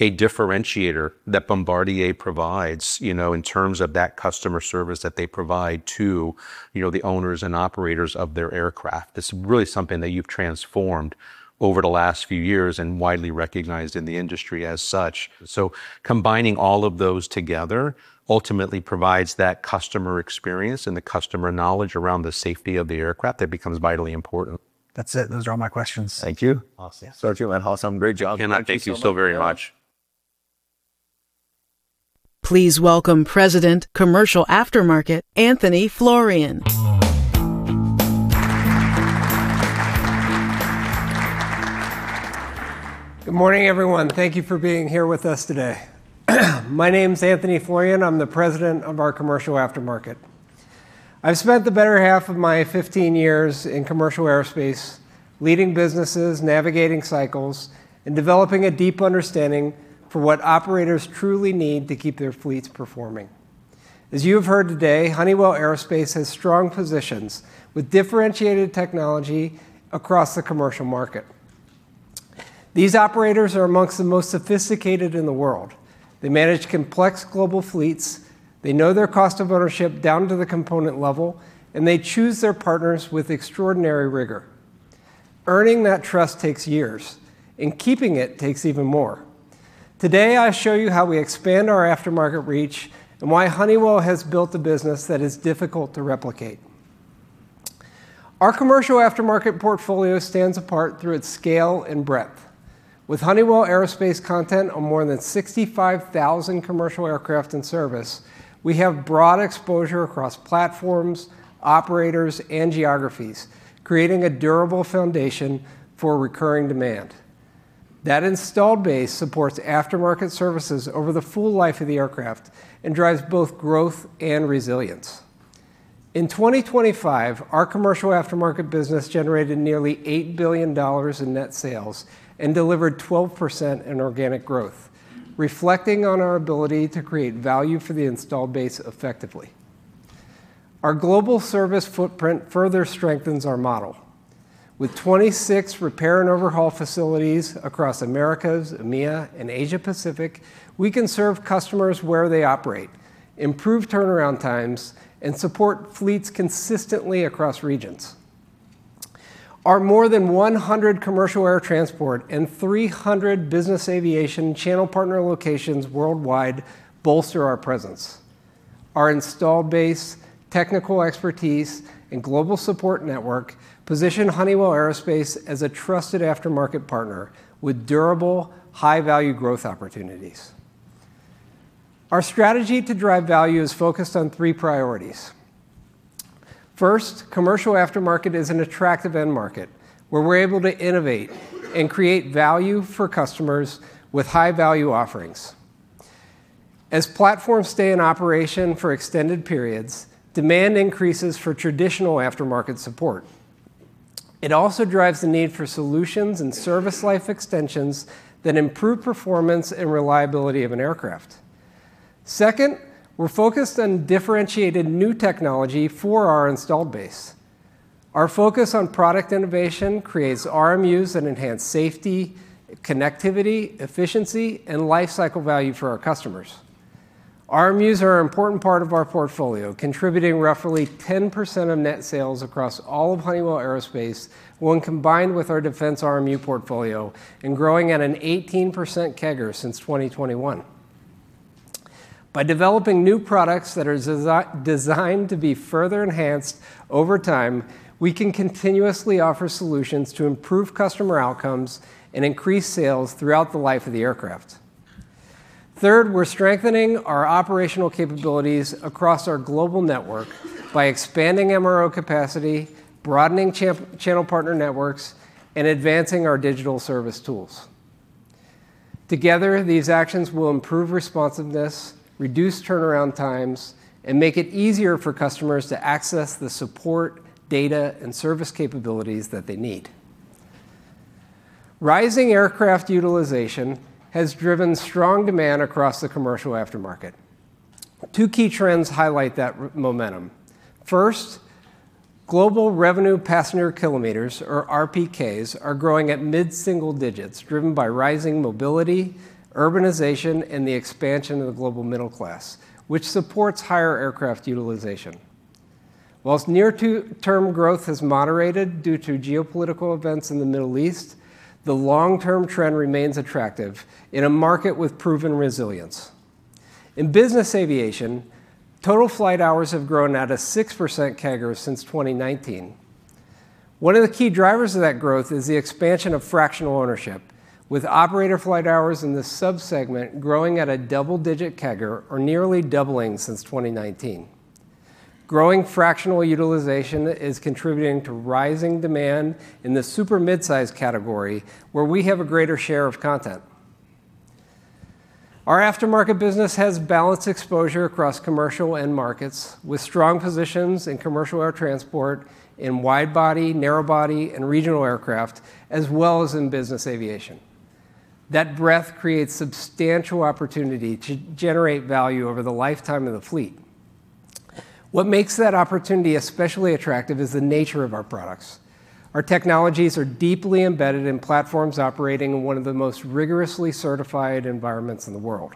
a differentiator that Bombardier provides, in terms of that customer service that they provide to the owners and operators of their aircraft. It's really something that you've transformed over the last few years and widely recognized in the industry as such. Combining all of those together ultimately provides that customer experience and the customer knowledge around the safety of the aircraft that becomes vitally important. That's it. Those are all my questions. Thank you. Awesome. Too, man. Awesome. Great job. Ken, I thank you so very much. Thank you so much. Please welcome President, Commercial Aftermarket, Anthony Florian. Good morning, everyone. Thank you for being here with us today. My name's Anthony Florian, I'm the president of our commercial aftermarket. I've spent the better half of my 15 years in commercial aerospace leading businesses, navigating cycles, and developing a deep understanding for what operators truly need to keep their fleets performing. As you have heard today, Honeywell Aerospace has strong positions with differentiated technology across the commercial market. These operators are amongst the most sophisticated in the world. They manage complex global fleets, they know their cost of ownership down to the component level, and they choose their partners with extraordinary rigor. Earning that trust takes years, and keeping it takes even more. Today, I show you how we expand our aftermarket reach and why Honeywell has built a business that is difficult to replicate. Our commercial aftermarket portfolio stands apart through its scale and breadth. With Honeywell Aerospace content on more than 65,000 commercial aircraft in service, we have broad exposure across platforms, operators, and geographies, creating a durable foundation for recurring demand. That installed base supports aftermarket services over the full life of the aircraft and drives both growth and resilience. In 2025, our commercial aftermarket business generated nearly $8 billion in net sales and delivered 12% in organic growth, reflecting on our ability to create value for the installed base effectively. Our global service footprint further strengthens our model. With 26 repair and overhaul facilities across Americas, EMEA, and Asia Pacific, we can serve customers where they operate, improve turnaround times, and support fleets consistently across regions. Our more than 100 commercial air transport and 300 business aviation channel partner locations worldwide bolster our presence. Our installed base, technical expertise, and global support network position Honeywell Aerospace as a trusted aftermarket partner with durable, high-value growth opportunities. Our strategy to drive value is focused on three priorities. First, commercial aftermarket is an attractive end market, where we're able to innovate and create value for customers with high-value offerings. As platforms stay in operation for extended periods, demand increases for traditional aftermarket support. It also drives the need for solutions and service life extensions that improve performance and reliability of an aircraft. Second, we're focused on differentiated new technology for our installed base. Our focus on product innovation creates RMUs that enhance safety, connectivity, efficiency, and lifecycle value for our customers. RMUs are an important part of our portfolio, contributing roughly 10% of net sales across all of Honeywell Aerospace when combined with our defense RMU portfolio, and growing at an 18% CAGR since 2021. By developing new products that are designed to be further enhanced over time, we can continuously offer solutions to improve customer outcomes and increase sales throughout the life of the aircraft. Third, we're strengthening our operational capabilities across our global network by expanding MRO capacity, broadening channel partner networks, and advancing our digital service tools. Together, these actions will improve responsiveness, reduce turnaround times, and make it easier for customers to access the support, data, and service capabilities that they need. Rising aircraft utilization has driven strong demand across the commercial aftermarket. Two key trends highlight that momentum. First, global revenue passenger kilometers, or RPKs, are growing at mid-single digits, driven by rising mobility, urbanization, and the expansion of the global middle class, which supports higher aircraft utilization. Whilst near two-term growth has moderated due to geopolitical events in the Middle East, the long-term trend remains attractive in a market with proven resilience. In business aviation, total flight hours have grown at a 6% CAGR since 2019. One of the key drivers of that growth is the expansion of fractional ownership, with operator flight hours in this sub-segment growing at a double-digit CAGR or nearly doubling since 2019. Growing fractional utilization is contributing to rising demand in the super midsize category, where we have a greater share of content. Our aftermarket business has balanced exposure across commercial end markets with strong positions in commercial air transport in wide body, narrow body, and regional aircraft, as well as in business aviation. That breadth creates substantial opportunity to generate value over the lifetime of the fleet. What makes that opportunity especially attractive is the nature of our products. Our technologies are deeply embedded in platforms operating in one of the most rigorously certified environments in the world.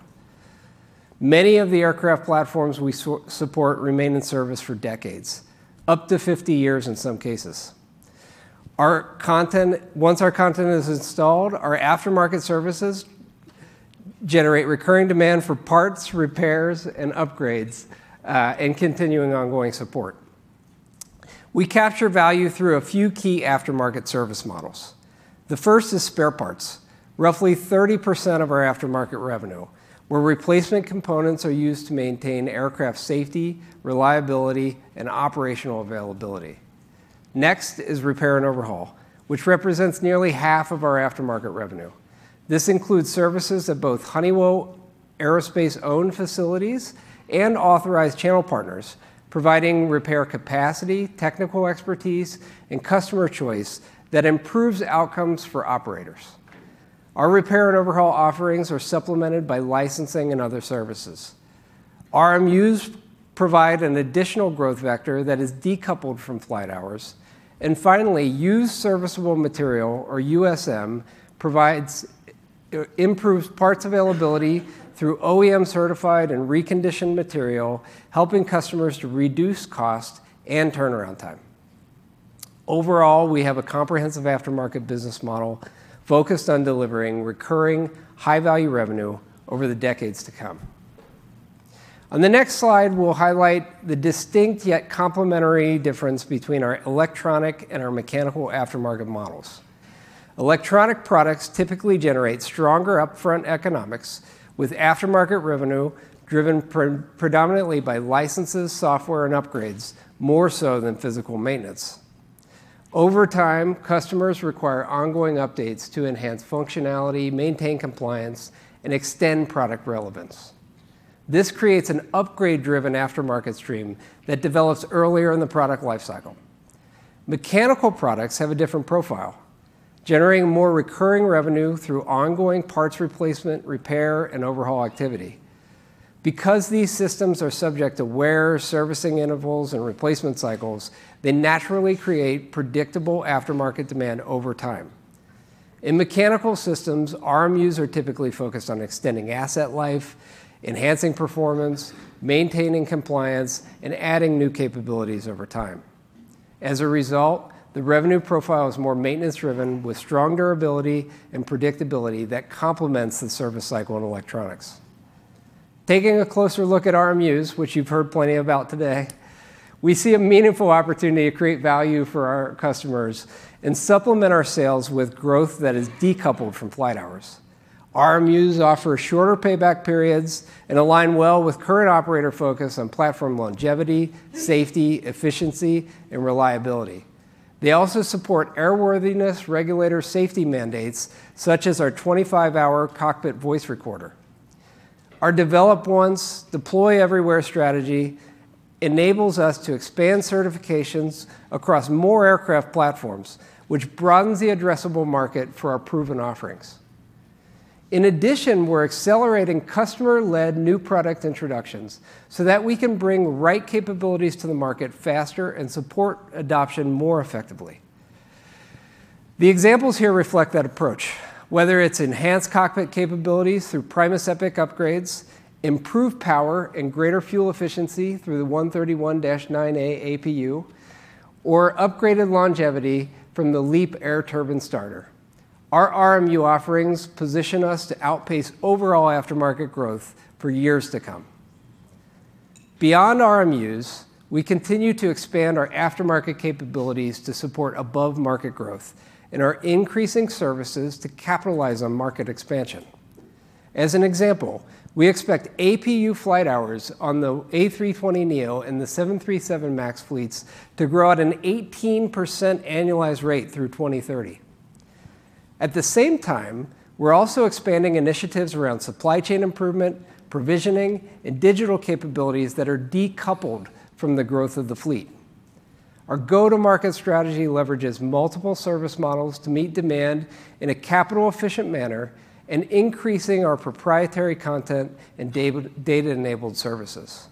Many of the aircraft platforms we support remain in service for decades, up to 50 years in some cases. Once our content is installed, our aftermarket services generate recurring demand for parts, repairs, and upgrades, and continuing ongoing support. We capture value through a few key aftermarket service models. The first is spare parts. Roughly 30% of our aftermarket revenue, where replacement components are used to maintain aircraft safety, reliability, and operational availability. Next is repair and overhaul, which represents nearly half of our aftermarket revenue. This includes services at both Honeywell Aerospace-owned facilities and authorized channel partners, providing repair capacity, technical expertise, and customer choice that improves outcomes for operators. Our repair and overhaul offerings are supplemented by licensing and other services. RMUs provide an additional growth vector that is decoupled from flight hours. Finally, used serviceable material, or USM, improves parts availability through OEM-certified and reconditioned material, helping customers to reduce cost and turnaround time. Overall, we have a comprehensive aftermarket business model focused on delivering recurring high-value revenue over the decades to come. On the next slide, we'll highlight the distinct yet complementary difference between our electronic and our mechanical aftermarket models. Electronic products typically generate stronger upfront economics with aftermarket revenue driven predominantly by licenses, software, and upgrades, more so than physical maintenance. Over time, customers require ongoing updates to enhance functionality, maintain compliance, and extend product relevance. This creates an upgrade-driven aftermarket stream that develops earlier in the product lifecycle. Mechanical products have a different profile, generating more recurring revenue through ongoing parts replacement, repair, and overhaul activity. These systems are subject to wear, servicing intervals, and replacement cycles, they naturally create predictable aftermarket demand over time. In mechanical systems, RMUs are typically focused on extending asset life, enhancing performance, maintaining compliance, and adding new capabilities over time. As a result, the revenue profile is more maintenance-driven with strong durability and predictability that complements the service cycle in electronics. Taking a closer look at RMUs, which you've heard plenty about today, we see a meaningful opportunity to create value for our customers and supplement our sales with growth that is decoupled from flight hours. RMUs offer shorter payback periods and align well with current operator focus on platform longevity, safety, efficiency, and reliability. They also support airworthiness regulator safety mandates such as our 25-hour cockpit voice recorder. Our develop once, deploy everywhere strategy enables us to expand certifications across more aircraft platforms, which broadens the addressable market for our proven offerings. In addition, we're accelerating customer-led new product introductions so that we can bring right capabilities to the market faster and support adoption more effectively. The examples here reflect that approach, whether it's enhanced cockpit capabilities through Primus Epic upgrades, improved power and greater fuel efficiency through the 131-9A APU, or upgraded longevity from the LEAP Air Turbine Starter. Our RMU offerings position us to outpace overall aftermarket growth for years to come. Beyond RMUs, we continue to expand our aftermarket capabilities to support above market growth and are increasing services to capitalize on market expansion. As an example, we expect APU flight hours on the A320neo and the 737 MAX fleets to grow at an 18% annualized rate through 2030. At the same time, we're also expanding initiatives around supply chain improvement, provisioning, and digital capabilities that are decoupled from the growth of the fleet. Our go-to-market strategy leverages multiple service models to meet demand in a capital efficient manner and increasing our proprietary content and data-enabled services.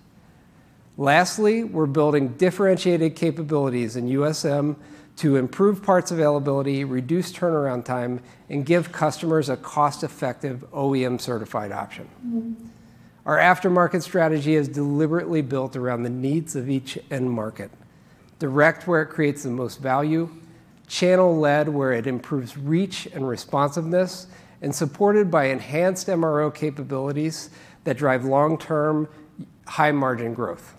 Lastly, we're building differentiated capabilities in USM to improve parts availability, reduce turnaround time, and give customers a cost-effective OEM certified option. Our aftermarket strategy is deliberately built around the needs of each end market: direct where it creates the most value, channel-led where it improves reach and responsiveness, and supported by enhanced MRO capabilities that drive long-term high margin growth.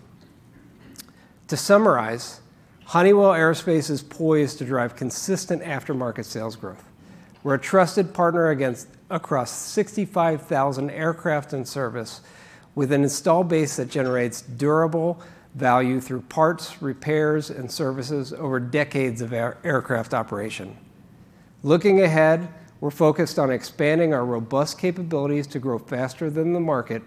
To summarize, Honeywell Aerospace is poised to drive consistent aftermarket sales growth. We're a trusted partner across 65,000 aircraft and service with an installed base that generates durable value through parts, repairs, and services over decades of aircraft operation. Looking ahead, we're focused on expanding our robust capabilities to grow faster than the market,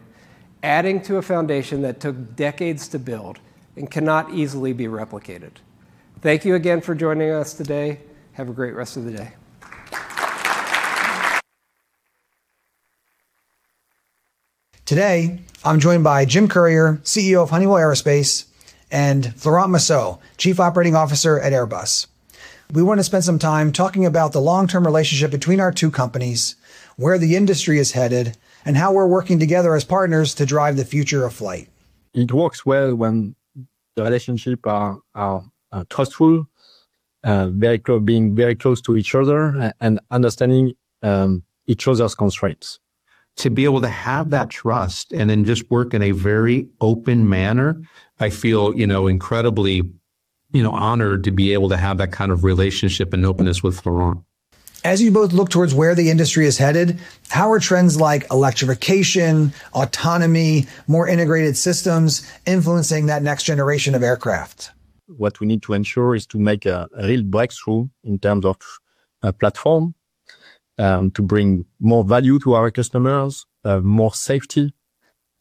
adding to a foundation that took decades to build and cannot easily be replicated. Thank you again for joining us today. Have a great rest of the day. Today, I'm joined by Jim Currier, CEO of Honeywell Aerospace, and Florent Massou, Chief Operating Officer at Airbus. We want to spend some time talking about the long-term relationship between our two companies, where the industry is headed, and how we're working together as partners to drive the future of flight. It works well when the relationship are trustful, being very close to each other, and understanding, each other's constraints. To be able to have that trust and then just work in a very open manner, I feel incredibly honored to be able to have that kind of relationship and openness with Florent. As you both look towards where the industry is headed, how are trends like electrification, autonomy, more integrated systems influencing that next generation of aircraft? What we need to ensure is to make a real breakthrough in terms of platform, to bring more value to our customers, more safety,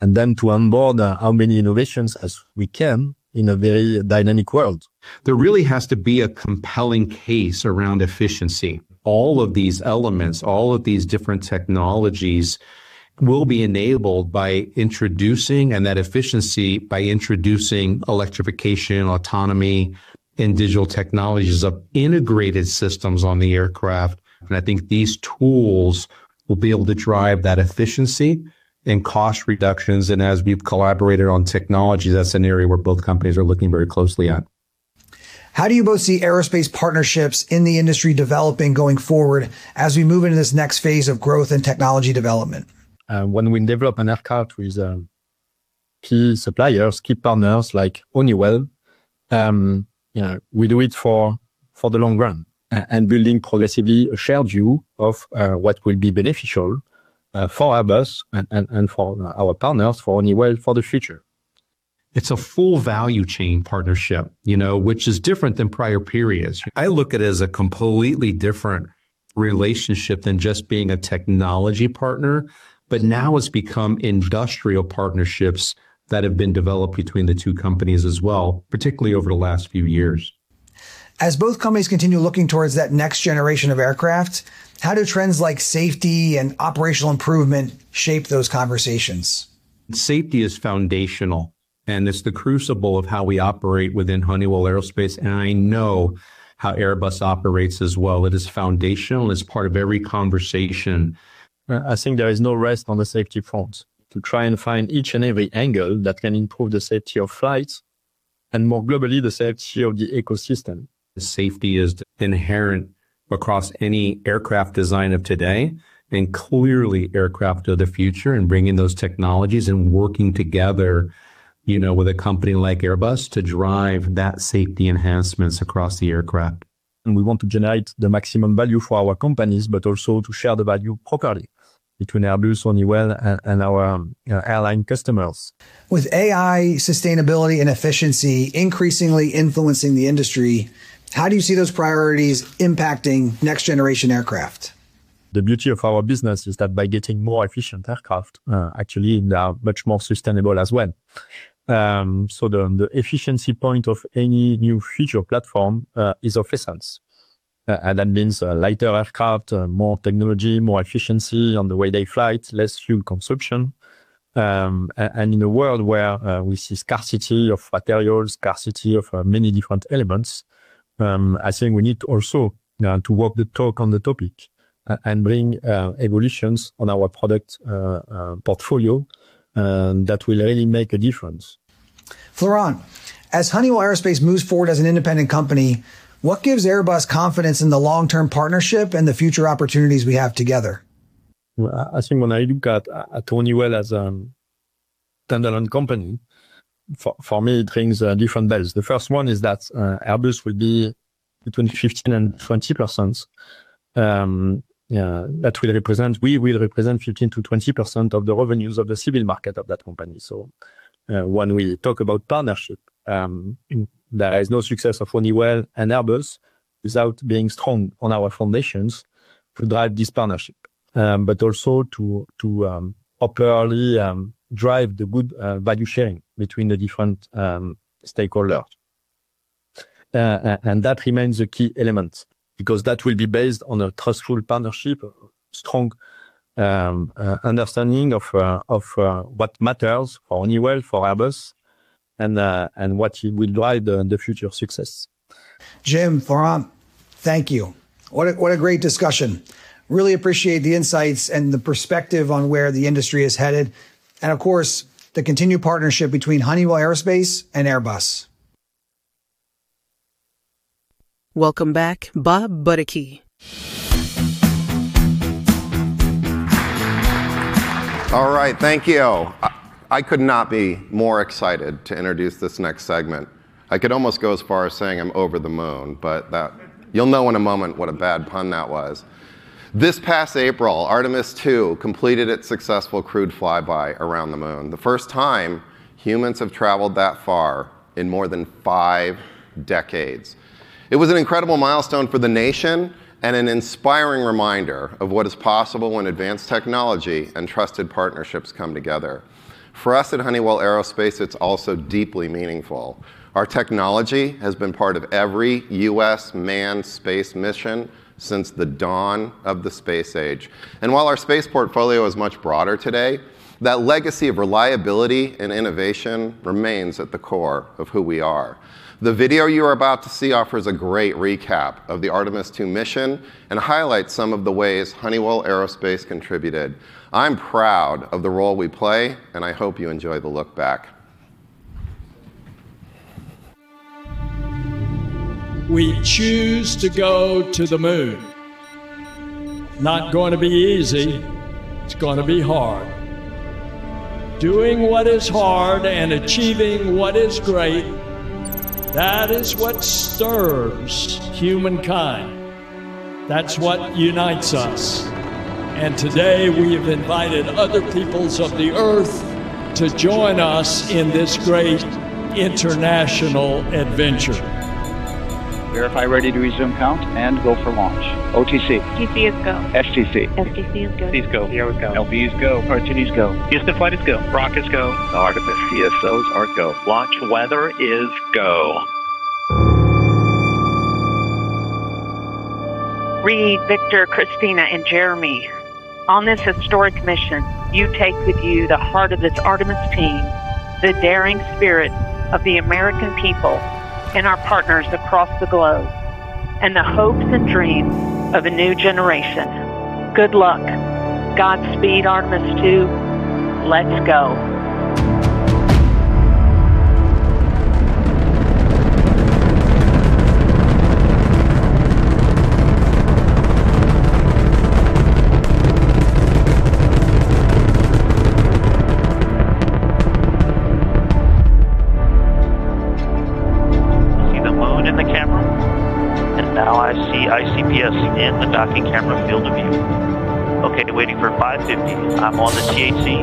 and then to onboard how many innovations as we can in a very dynamic world. There really has to be a compelling case around efficiency. All of these elements, all of these different technologies will be enabled by introducing electrification, autonomy, and digital technologies of integrated systems on the aircraft. I think these tools will be able to drive that efficiency and cost reductions. As we've collaborated on technology, that's an area where both companies are looking very closely at. How do you both see aerospace partnerships in the industry developing going forward as we move into this next phase of growth and technology development? When we develop an aircraft with key suppliers, key partners like Honeywell, we do it for the long run, and building progressively a shared view of what will be beneficial for Airbus and for our partners, for Honeywell for the future. It's a full value chain partnership, which is different than prior periods. I look at it as a completely different relationship than just being a technology partner. Now it's become industrial partnerships that have been developed between the two companies as well, particularly over the last few years. As both companies continue looking towards that next generation of aircraft, how do trends like safety and operational improvement shape those conversations? Safety is foundational. It's the crucible of how we operate within Honeywell Aerospace, I know how Airbus operates as well. It is foundational. It's part of every conversation. I think there is no rest on the safety front. To try and find each and every angle that can improve the safety of flights and, more globally, the safety of the ecosystem. Safety is inherent across any aircraft design of today, clearly aircraft of the future, bringing those technologies and working together, with a company like Airbus to drive that safety enhancements across the aircraft. We want to generate the maximum value for our companies, but also to share the value properly between Airbus, Honeywell, and our airline customers. With AI, sustainability, and efficiency increasingly influencing the industry, how do you see those priorities impacting next generation aircraft? The beauty of our business is that by getting more efficient aircraft, actually they are much more sustainable as well. The efficiency point of any new future platform is of essence. That means a lighter aircraft, more technology, more efficiency on the way they fly, less fuel consumption. In a world where we see scarcity of materials, scarcity of many different elements, I think we need also to walk the talk on the topic and bring evolutions on our product portfolio that will really make a difference. Florent, as Honeywell Aerospace moves forward as an independent company, what gives Airbus confidence in the long-term partnership and the future opportunities we have together? I think when I look at Honeywell as a standalone company, for me, it rings different bells. The first one is that Airbus will be between 15%-20%. We will represent 15%-20% of the revenues of the civil market of that company. When we talk about partnership, there is no success of Honeywell and Airbus without being strong on our foundations to drive this partnership. Also to properly drive the good value sharing between the different stakeholders. That remains a key element because that will be based on a trustful partnership, a strong understanding of what matters for Honeywell, for Airbus, and what will drive the future success. Jim, Florent, thank you. What a great discussion. Really appreciate the insights and the perspective on where the industry is headed, and of course, the continued partnership between Honeywell Aerospace and Airbus. Welcome back. Bob Buddecke. All right. Thank you. I could not be more excited to introduce this next segment. I could almost go as far as saying I'm over the moon, but you'll know in a moment what a bad pun that was. This past April, Artemis II completed its successful crewed flyby around the moon, the first time humans have traveled that far in more than five decades. It was an incredible milestone for the nation and an inspiring reminder of what is possible when advanced technology and trusted partnerships come together. For us at Honeywell Aerospace, it's also deeply meaningful. Our technology has been part of every U.S. manned space mission since the dawn of the space age. While our space portfolio is much broader today, that legacy of reliability and innovation remains at the core of who we are. The video you are about to see offers a great recap of the Artemis II mission and highlights some of the ways Honeywell Aerospace contributed. I'm proud of the role we play, and I hope you enjoy the look back. We choose to go to the moon. Not going to be easy. It's going to be hard. Doing what is hard and achieving what is great, that is what stirs humankind. That's what unites us. Today, we have invited other peoples of the Earth to join us in this great international adventure. Verify ready to resume count, and go for launch. OTC. OTC is go. STC. STC is go. C is go. CL is go. LV is go. RT is go. Houston Flight is go. Rock is go. Artemis CSOs are go. Launch weather is go. Reid, Victor, Christina, and Jeremy. On this historic mission, you take with you the heart of this Artemis team, the daring spirit of the American people and our partners across the globe, and the hopes and dreams of a new generation. Good luck. Godspeed, Artemis II. Let's go. Now I see ICPS in the docking camera field of view. Okay, waiting for 550. I'm on the THC.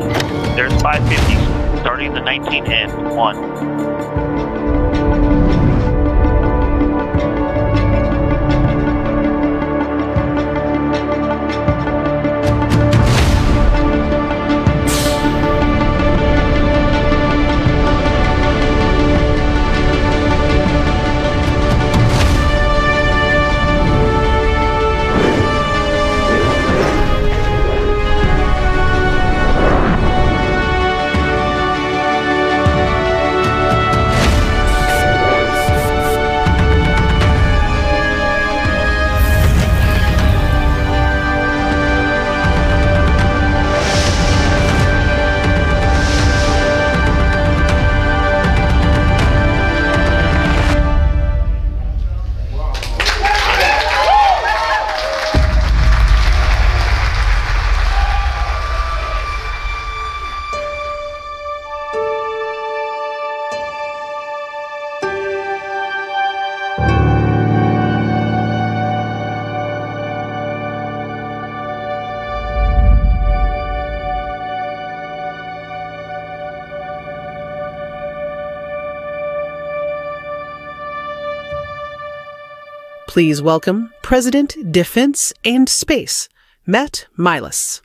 There's 550. Starting the 19-1. Please welcome President Defense and Space, Matt Milas.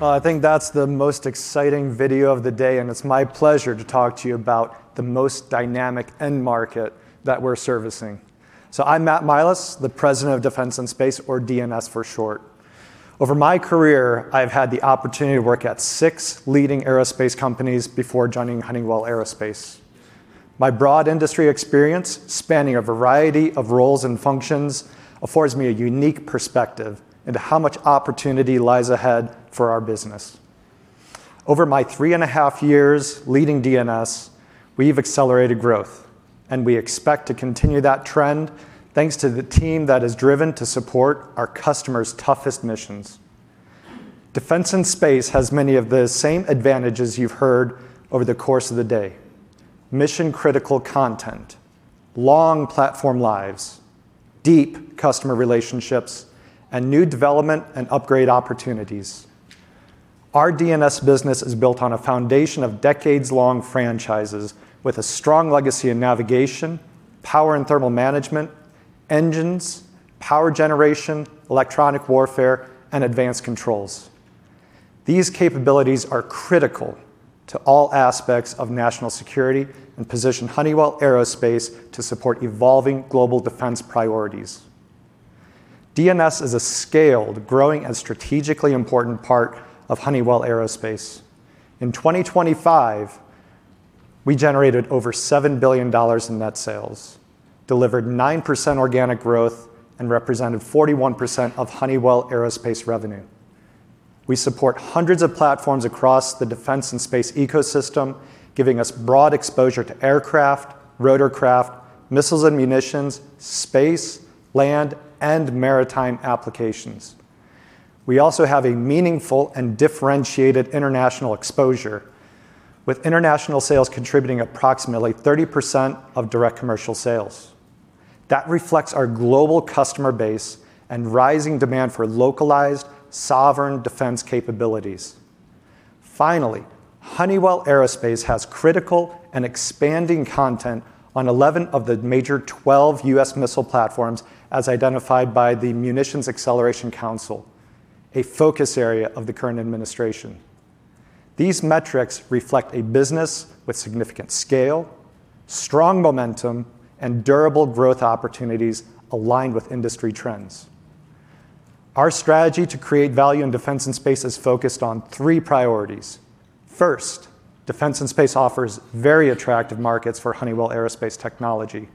I think that's the most exciting video of the day, and it's my pleasure to talk to you about the most dynamic end market that we're servicing. I'm Matt Milas, the President of Defense and Space, or DNS for short. Over my career, I've had the opportunity to work at six leading aerospace companies before joining Honeywell Aerospace. My broad industry experience, spanning a variety of roles and functions, affords me a unique perspective into how much opportunity lies ahead for our business. Over my three and a half years leading DNS, we've accelerated growth, and we expect to continue that trend thanks to the team that is driven to support our customers' toughest missions. Defense and Space has many of the same advantages you've heard over the course of the day. Mission-critical content, long platform lives, deep customer relationships, and new development and upgrade opportunities. Our DNS business is built on a foundation of decades-long franchises with a strong legacy in navigation, power and thermal management, engines, power generation, electronic warfare, and advanced controls. These capabilities are critical to all aspects of national security and position Honeywell Aerospace to support evolving global defense priorities. DNS is a scaled, growing, and strategically important part of Honeywell Aerospace. In 2025, we generated over $7 billion in net sales, delivered 9% organic growth, and represented 41% of Honeywell Aerospace revenue. We support hundreds of platforms across the defense and space ecosystem, giving us broad exposure to aircraft, rotorcraft, missiles and munitions, space, land, and maritime applications. We also have a meaningful and differentiated international exposure with international sales contributing approximately 30% of direct commercial sales. That reflects our global customer base and rising demand for localized sovereign defense capabilities. Honeywell Aerospace has critical and expanding content on 11 of the major 12 U.S. missile platforms, as identified by the Munitions Acceleration Council, a focus area of the current administration. These metrics reflect a business with significant scale, strong momentum, and durable growth opportunities aligned with industry trends. Our strategy to create value in Defense and Space is focused on three priorities. First, Defense and Space offers very attractive markets for Honeywell Aerospace technology.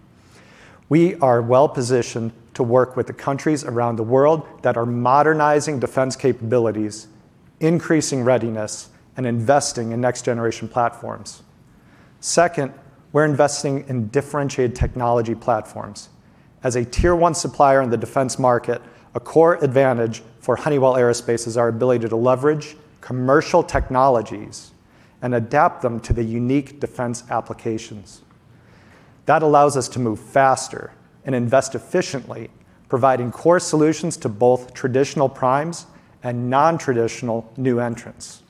We are well-positioned to work with the countries around the world that are modernizing defense capabilities, increasing readiness, and investing in next-generation platforms. Second, we're investing in differentiated technology platforms. As a tier 1 supplier in the defense market, a core advantage for Honeywell Aerospace is our ability to leverage commercial technologies and adapt them to the unique defense applications. That allows us to move faster and invest efficiently, providing core solutions to both traditional primes and non-traditional new entrants.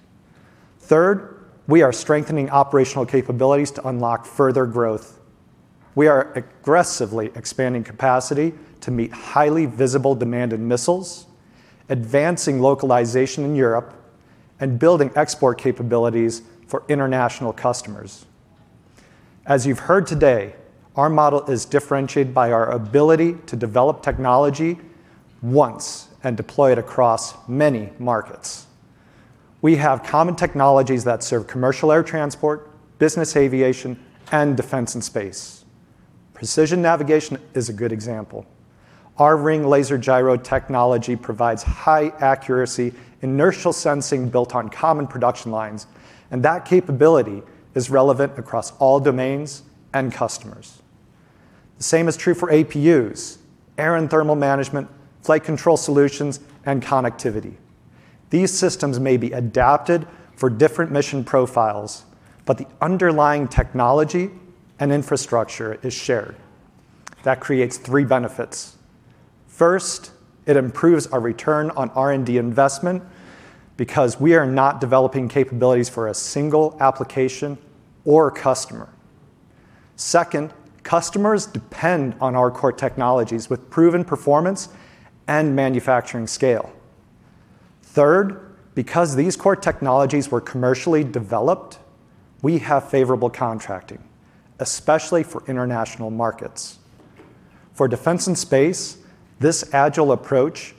Third, we are strengthening operational capabilities to unlock further growth. We are aggressively expanding capacity to meet highly visible demand in missiles, advancing localization in Europe, and building export capabilities for international customers. As you've heard today, our model is differentiated by our ability to develop technology once and deploy it across many markets. We have common technologies that serve commercial air transport, business aviation, and Defense and Space. Precision navigation is a good example. Our ring laser gyro technology provides high accuracy inertial sensing built on common production lines, and that capability is relevant across all domains and customers. The same is true for APUs, air and thermal management, flight control solutions, and connectivity. These systems may be adapted for different mission profiles, but the underlying technology and infrastructure is shared. That creates three benefits. First, it improves our return on R&D investment because we are not developing capabilities for a single application or customer. Second, customers depend on our core technologies with proven performance and manufacturing scale. Third, because these core technologies were commercially developed, we have favorable contracting, especially for international markets. For defense and space, this agile approach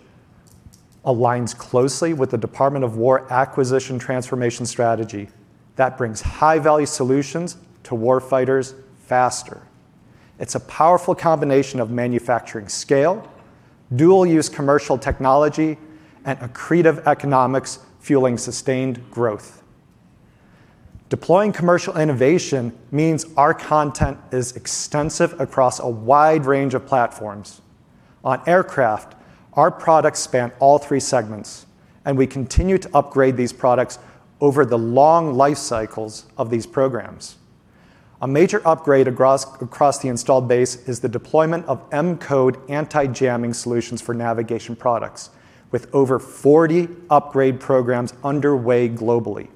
aligns closely with the Department of War acquisition transformation strategy that brings high-value solutions to war fighters faster. It's a powerful combination of manufacturing scale, dual use commercial technology, and accretive economics fueling sustained growth. Deploying commercial innovation means our content is extensive across a wide range of platforms. On aircraft, our products span all three segments, and we continue to upgrade these products over the long life cycles of these programs. A major upgrade across the installed base is the deployment of M-code anti-jamming solutions for navigation products, with over 40 upgrade programs underway globally.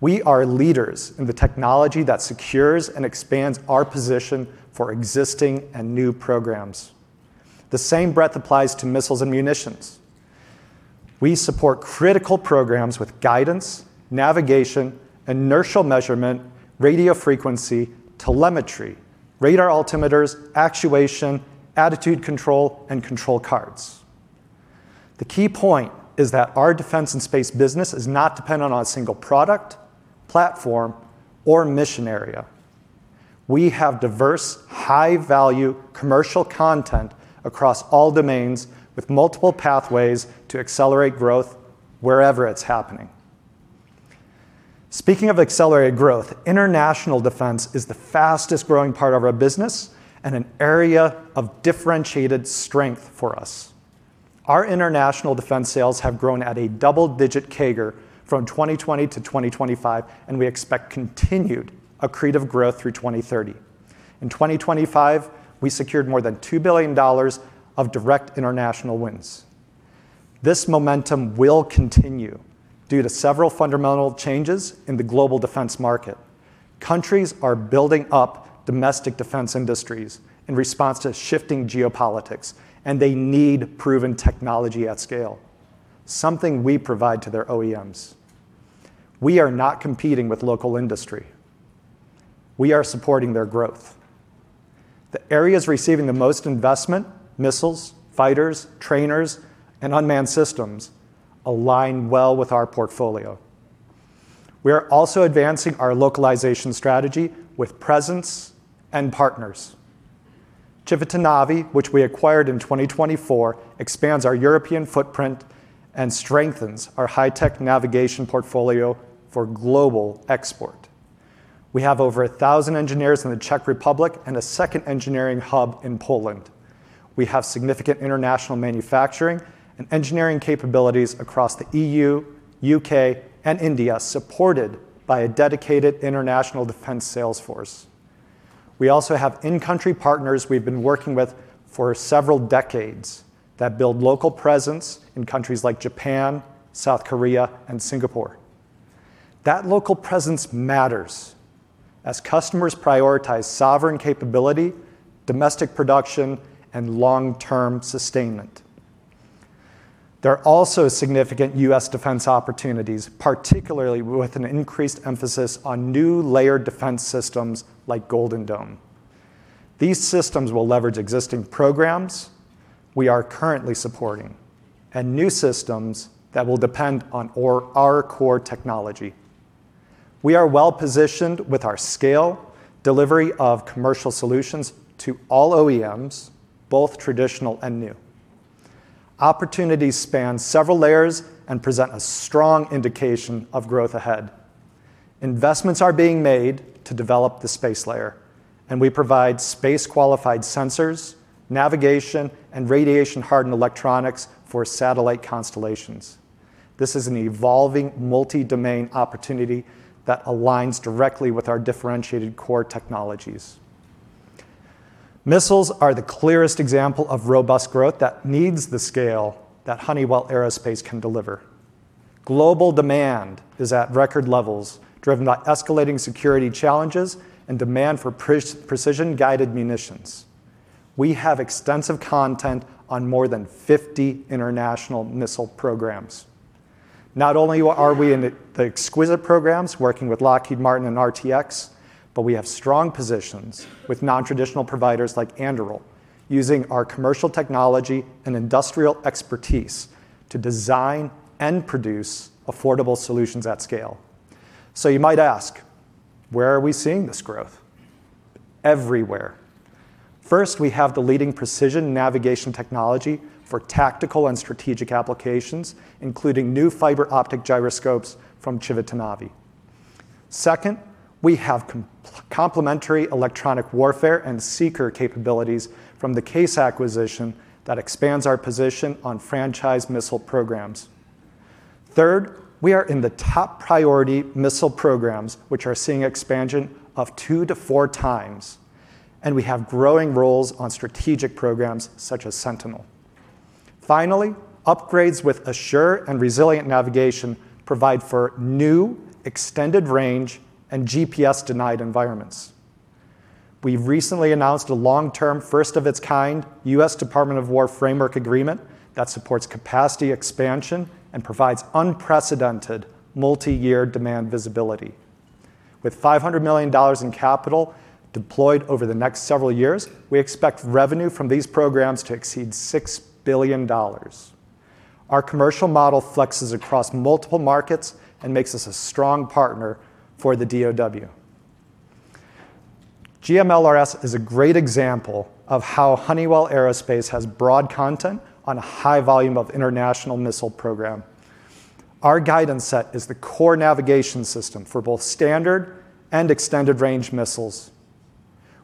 We are leaders in the technology that secures and expands our position for existing and new programs. The same breadth applies to missiles and munitions. We support critical programs with guidance, navigation, inertial measurement, radio frequency, telemetry, radar altimeters, actuation, attitude control, and control cards. The key point is that our defense and space business is not dependent on a single product, platform, or mission area. We have diverse, high-value commercial content across all domains, with multiple pathways to accelerate growth wherever it's happening. Speaking of accelerated growth, international defense is the fastest-growing part of our business and an area of differentiated strength for us. Our international defense sales have grown at a double-digit CAGR from 2020 to 2025, and we expect continued accretive growth through 2030. In 2025, we secured more than $2 billion of direct international wins. This momentum will continue due to several fundamental changes in the global defense market. Countries are building up domestic defense industries in response to shifting geopolitics, and they need proven technology at scale, something we provide to their OEMs. We are not competing with local industry. We are supporting their growth. The areas receiving the most investment, missiles, fighters, trainers, and unmanned systems, align well with our portfolio. We are also advancing our localization strategy with presence and partners. Civitanavi, which we acquired in 2024, expands our European footprint and strengthens our high-tech navigation portfolio for global export. We have over 1,000 engineers in the Czech Republic and a second engineering hub in Poland. We have significant international manufacturing and engineering capabilities across the E.U., U.K., and India, supported by a dedicated international defense sales force. We also have in-country partners we've been working with for several decades that build local presence in countries like Japan, South Korea, and Singapore. That local presence matters as customers prioritize sovereign capability, domestic production, and long-term sustainment. There are also significant U.S. defense opportunities, particularly with an increased emphasis on new layered defense systems like Golden Dome. These systems will leverage existing programs we are currently supporting and new systems that will depend on our core technology. We are well-positioned with our scale, delivery of commercial solutions to all OEMs, both traditional and new. Opportunities span several layers and present a strong indication of growth ahead. Investments are being made to develop the space layer, and we provide space-qualified sensors, navigation, and radiation-hardened electronics for satellite constellations. This is an evolving multi-domain opportunity that aligns directly with our differentiated core technologies. Missiles are the clearest example of robust growth that needs the scale that Honeywell Aerospace can deliver. Global demand is at record levels, driven by escalating security challenges and demand for precision-guided munitions. We have extensive content on more than 50 international missile programs. Not only are we in the exquisite programs working with Lockheed Martin and RTX, but we have strong positions with non-traditional providers like Anduril, using our commercial technology and industrial expertise to design and produce affordable solutions at scale. You might ask, where are we seeing this growth? Everywhere. First, we have the leading precision navigation technology for tactical and strategic applications, including new fiber optic gyroscopes from Civitanavi. Second, we have complementary electronic warfare and seeker capabilities from the CAES acquisition that expands our position on franchise missile programs. Third, we are in the top priority missile programs, which are seeing expansion of 2 to 4 times, and we have growing roles on strategic programs such as Sentinel. Upgrades with Assured and resilient navigation provide for new extended range and GPS-denied environments. We've recently announced a long-term, first-of-its-kind U.S. Department of War framework agreement that supports capacity expansion and provides unprecedented multi-year demand visibility. With $500 million in capital deployed over the next several years, we expect revenue from these programs to exceed $6 billion. Our commercial model flexes across multiple markets and makes us a strong partner for the DOW. GMLRS is a great example of how Honeywell Aerospace has broad content on a high volume of international missile program. Our guidance set is the core navigation system for both standard and extended-range missiles.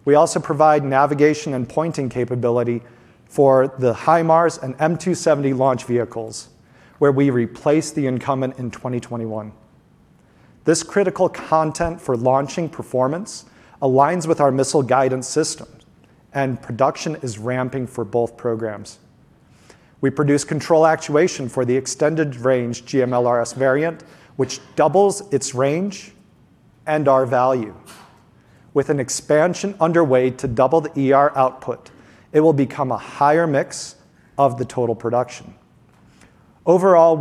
We also provide navigation and pointing capability for the HIMARS and M270 launch vehicles, where we replace the incumbent in 2021. This critical content for launching performance aligns with our missile guidance system, and production is ramping for both programs. We produce control actuation for the extended range GMLRS variant, which doubles its range and our value. With an expansion underway to double the ER output, it will become a higher mix of the total production. We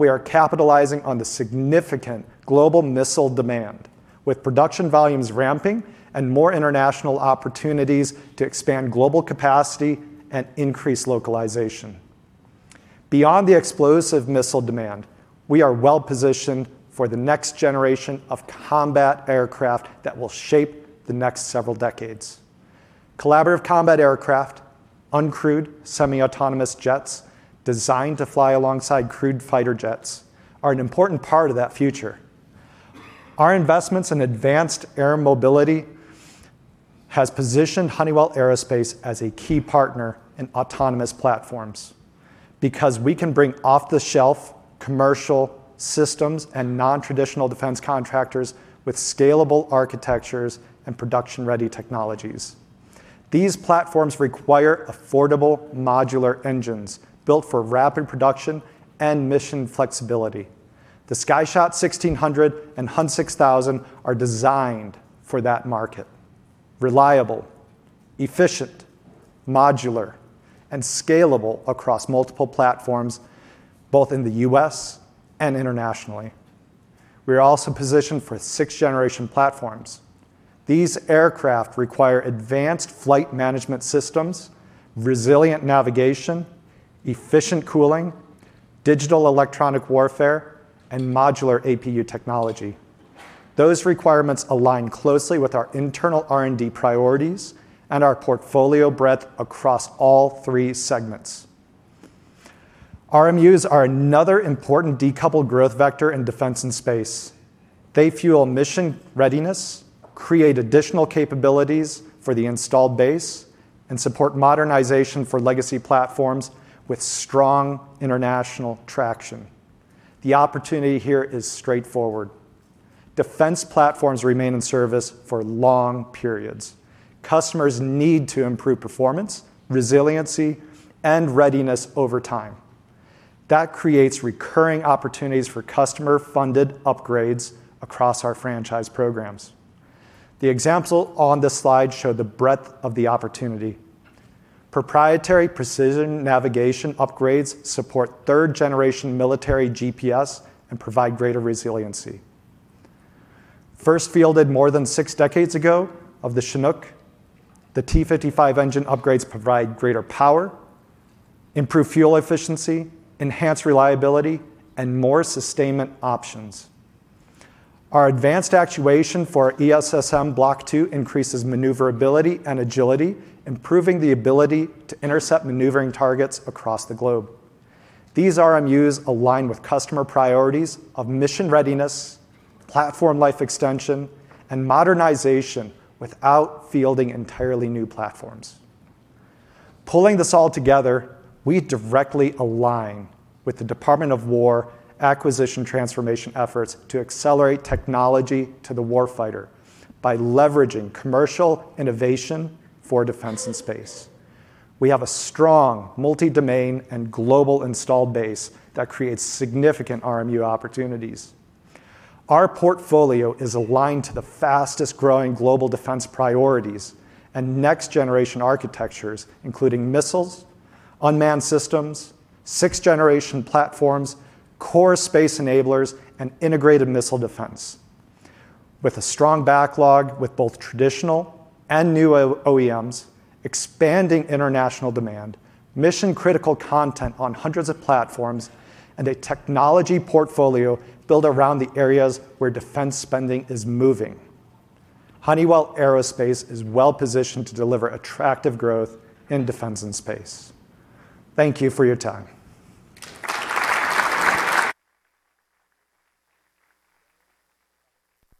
are capitalizing on the significant global missile demand, with production volumes ramping and more international opportunities to expand global capacity and increase localization. Beyond the explosive missile demand, we are well-positioned for the next generation of combat aircraft that will shape the next several decades. Collaborative combat aircraft, uncrewed semi-autonomous jets designed to fly alongside crewed fighter jets, are an important part of that future. Our investments in advanced air mobility has positioned Honeywell Aerospace as a key partner in autonomous platforms because we can bring off-the-shelf commercial systems and non-traditional defense contractors with scalable architectures and production-ready technologies. These platforms require affordable modular engines built for rapid production and mission flexibility. The Sky Shot 1600 and HUN 6000 are designed for that market: reliable, efficient, modular, and scalable across multiple platforms, both in the U.S. and internationally. We are also positioned for 6th-generation platforms. These aircraft require advanced flight management systems, resilient navigation, efficient cooling, digital electronic warfare, and modular APU technology. Those requirements align closely with our internal R&D priorities and our portfolio breadth across all three segments. RMUs are another important decoupled growth vector in defense and space. They fuel mission readiness, create additional capabilities for the installed base, and support modernization for legacy platforms with strong international traction. The opportunity here is straightforward. Defense platforms remain in service for long periods. Customers need to improve performance, resiliency, and readiness over time. That creates recurring opportunities for customer-funded upgrades across our franchise programs. The examples on this slide show the breadth of the opportunity. Proprietary precision navigation upgrades support third-generation military GPS and provide greater resiliency. First fielded more than six decades ago of the Chinook, the T55 engine upgrades provide greater power, improve fuel efficiency, enhance reliability, and more sustainment options. Our advanced actuation for ESSM Block 2 increases maneuverability and agility, improving the ability to intercept maneuvering targets across the globe. These RMUs align with customer priorities of mission readiness, platform life extension, and modernization without fielding entirely new platforms. Pulling this all together, we directly align with the Department of War acquisition transformation efforts to accelerate technology to the war fighter by leveraging commercial innovation for defense and space. We have a strong multi-domain and global installed base that creates significant RMU opportunities. Our portfolio is aligned to the fastest-growing global defense priorities and next-generation architectures, including missiles, unmanned systems, sixth-generation platforms, core space enablers, and integrated missile defense. With a strong backlog with both traditional and new OEMs, expanding international demand, mission-critical content on hundreds of platforms, and a technology portfolio built around the areas where defense spending is moving, Honeywell Aerospace is well-positioned to deliver attractive growth in defense and space. Thank you for your time.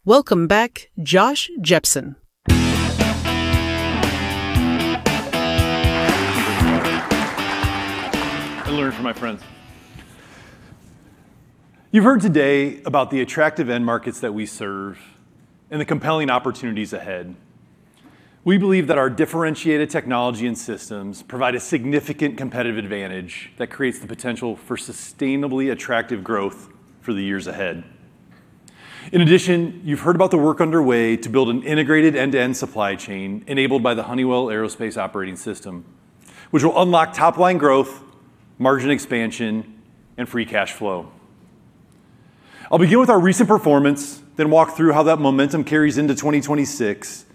Welcome back, Josh Jepsen. I learned from my friends. You've heard today about the attractive end markets that we serve and the compelling opportunities ahead. We believe that our differentiated technology and systems provide a significant competitive advantage that creates the potential for sustainably attractive growth for the years ahead. In addition, you've heard about the work underway to build an integrated end-to-end supply chain enabled by the Honeywell Aerospace Operating System, which will unlock top-line growth, margin expansion, and free cash flow. I'll begin with our recent performance, then walk through how that momentum carries into 2026,